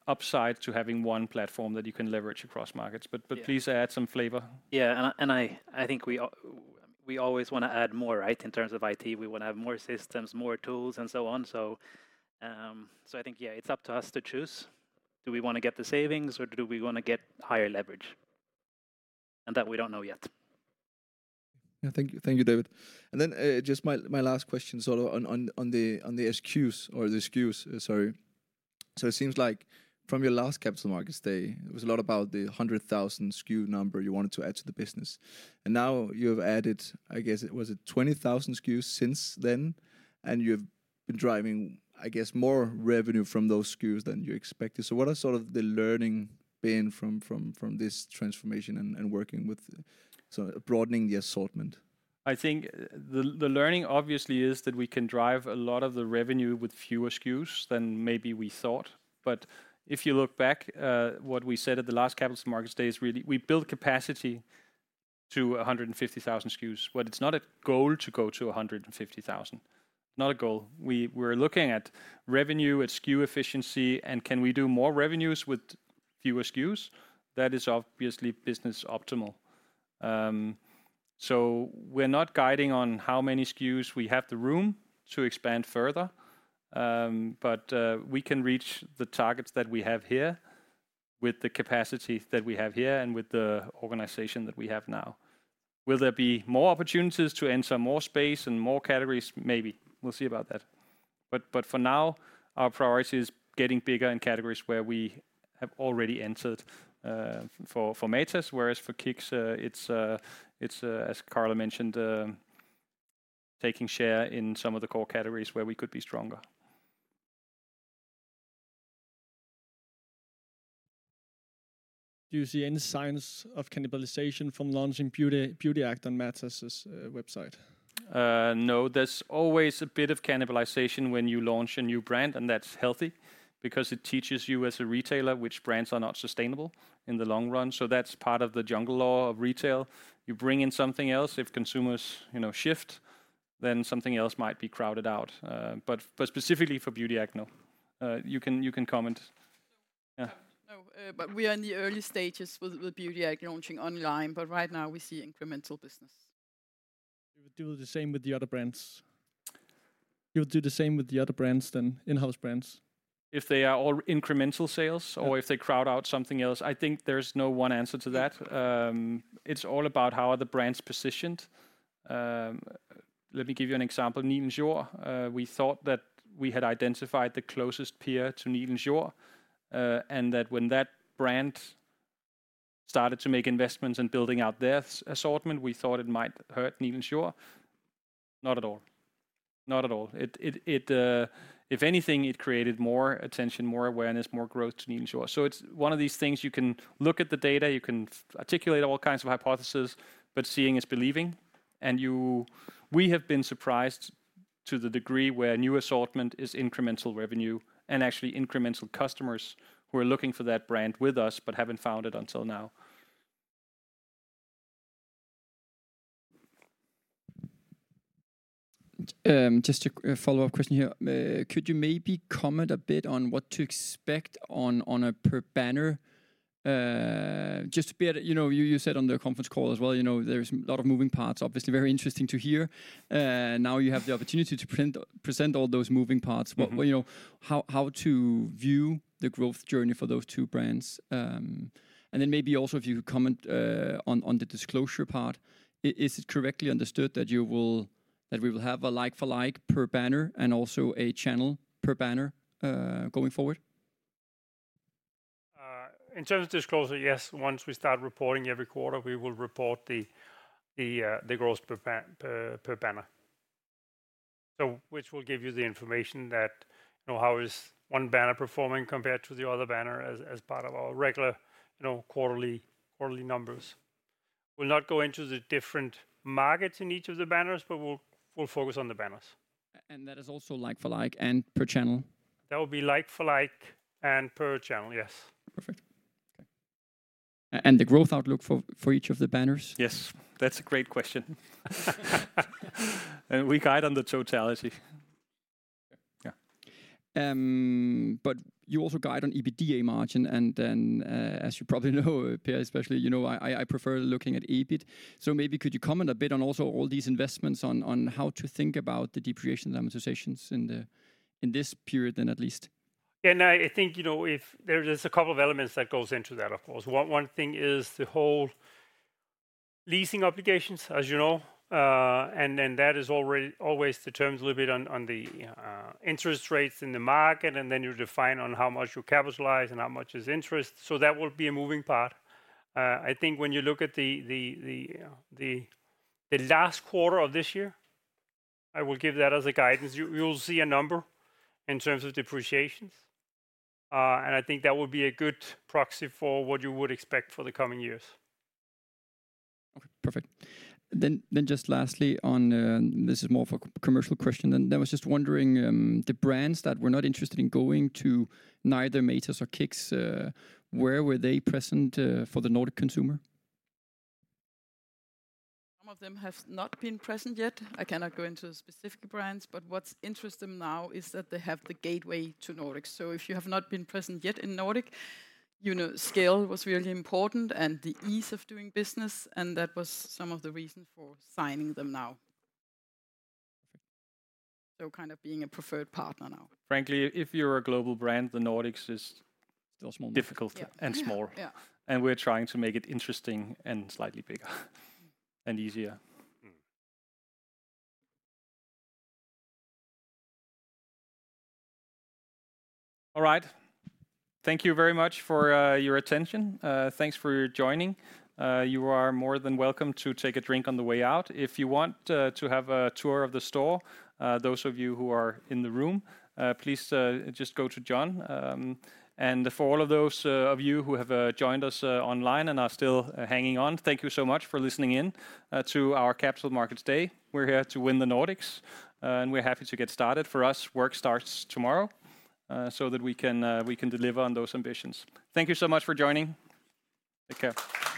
upside to having one platform that you can leverage across markets. Yeah. But please add some flavor. Yeah, and I think we always wanna add more, right? In terms of IT, we wanna have more systems, more tools, and so on. So, I think, yeah, it's up to us to choose. Do we wanna get the savings or do we wanna get higher leverage? And that we don't know yet. Yeah, thank you. Thank you, David. And then, just my last question, sort of on the SKUs or the SKUs, sorry. So it seems like from your last Capital Markets Day, it was a lot about the 100,000 SKU number you wanted to add to the business, and now you have added, I guess, was it 20,000 SKUs since then? And you've been driving, I guess, more revenue from those SKUs than you expected. So what are sort of the learning been from this transformation and working with, so broadening the assortment? I think the learning obviously is that we can drive a lot of the revenue with fewer SKUs than maybe we thought. But if you look back, what we said at the last Capital Markets Day is really we built capacity to 150,000 SKUs, but it's not a goal to go to 150,000. Not a goal. We're looking at revenue, at SKU efficiency, and can we do more revenues with fewer SKUs? That is obviously business optimal. So we're not guiding on how many SKUs we have the room to expand further, but we can reach the targets that we have here with the capacity that we have here and with the organization that we have now. Will there be more opportunities to enter more space and more categories? Maybe. We'll see about that. But for now, our priority is getting bigger in categories where we have already entered, for Matas, whereas for KICKS, it's, as Carola mentioned, taking share in some of the core categories where we could be stronger. Do you see any signs of cannibalization from launching BeautyAct on Matas's website? No. There's always a bit of cannibalization when you launch a new brand, and that's healthy because it teaches you as a retailer which brands are not sustainable in the long run, so that's part of the jungle law of retail. You bring in something else; if consumers, you know, shift, then something else might be crowded out. But specifically for BeautyAct, no. You can comment. Yeah. No, but we are in the early stages with BeautyAct launching online, but right now we see incremental business. You would do the same with the other brands? You would do the same with the other brands than in-house brands. If they are all incremental sales- Yeah... or if they crowd out something else, I think there's no one answer to that. Yeah. It's all about how are the brands positioned. Let me give you an example, Nilens Jord. We thought that we had identified the closest peer to Nilens Jord, and that when that brand started to make investments in building out their assortment, we thought it might hurt Nilens Jord. Not at all. Not at all. It, if anything, it created more attention, more awareness, more growth to Nilens Jord. So it's one of these things you can look at the data, you can articulate all kinds of hypothesis, but seeing is believing. We have been surprised to the degree where new assortment is incremental revenue and actually incremental customers who are looking for that brand with us, but haven't found it until now. Just a follow-up question here. Could you maybe comment a bit on what to expect on, on a per banner? Just to be at, you know, you, you said on the conference call as well, you know, there's a lot of moving parts. Obviously, very interesting to hear. Now you have the opportunity to present all those moving parts. Mm-hmm. But, you know, how to view the growth journey for those two brands? And then maybe also if you could comment on the disclosure part. Is it correctly understood that you will—that we will have a like-for-like per banner and also a channel per banner going forward? In terms of disclosure, yes. Once we start reporting every quarter, we will report the, the, the growth per banner. So which will give you the information that, you know, how is one banner performing compared to the other banner as, as part of our regular, you know, quarterly, quarterly numbers. We'll not go into the different markets in each of the banners, but we'll, we'll focus on the banners. And that is also like-for-like and per channel? That will be like-for-like and per channel, yes. Perfect. Okay. And the growth outlook for, for each of the banners? Yes, that's a great question. We guide on the totality. Yeah. But you also guide on EBITDA margin, and then, as you probably know, Per especially, you know, I prefer looking at EBIT. So maybe could you comment a bit on also all these investments on how to think about the depreciation amortizations in this period then at least? I think, you know, if there's a couple of elements that goes into that, of course. One thing is the whole leasing obligations, as you know, and then that is already always determines a little bit on, on the interest rates in the market, and then you define on how much you capitalize and how much is interest. So that will be a moving part. I think when you look at the last quarter of this year, I will give that as a guidance. You'll see a number in terms of depreciations, and I think that would be a good proxy for what you would expect for the coming years. Okay, perfect. Then just lastly on, this is more of a commercial question, and I was just wondering, the brands that were not interested in going to neither Matas or KICKS, where were they present, for the Nordic consumer? Some of them have not been present yet. I cannot go into specific brands, but what's interesting now is that they have the gateway to Nordics. So if you have not been present yet in Nordic, you know, scale was really important and the ease of doing business, and that was some of the reason for signing them now. Perfect. Kind of being a preferred partner now. Frankly, if you're a global brand, the Nordics is- Still small... difficult- Yeah... and small. Yeah. We're trying to make it interesting and slightly bigger and easier. All right. Thank you very much for your attention. Thanks for joining. You are more than welcome to take a drink on the way out. If you want to have a tour of the store, those of you who are in the room, please just go to John. And for all of those of you who have joined us online and are still hanging on, thank you so much for listening in to our Capital Markets Day. We're here to win the Nordics, and we're happy to get started. For us, work starts tomorrow, so that we can deliver on those ambitions. Thank you so much for joining. Take care.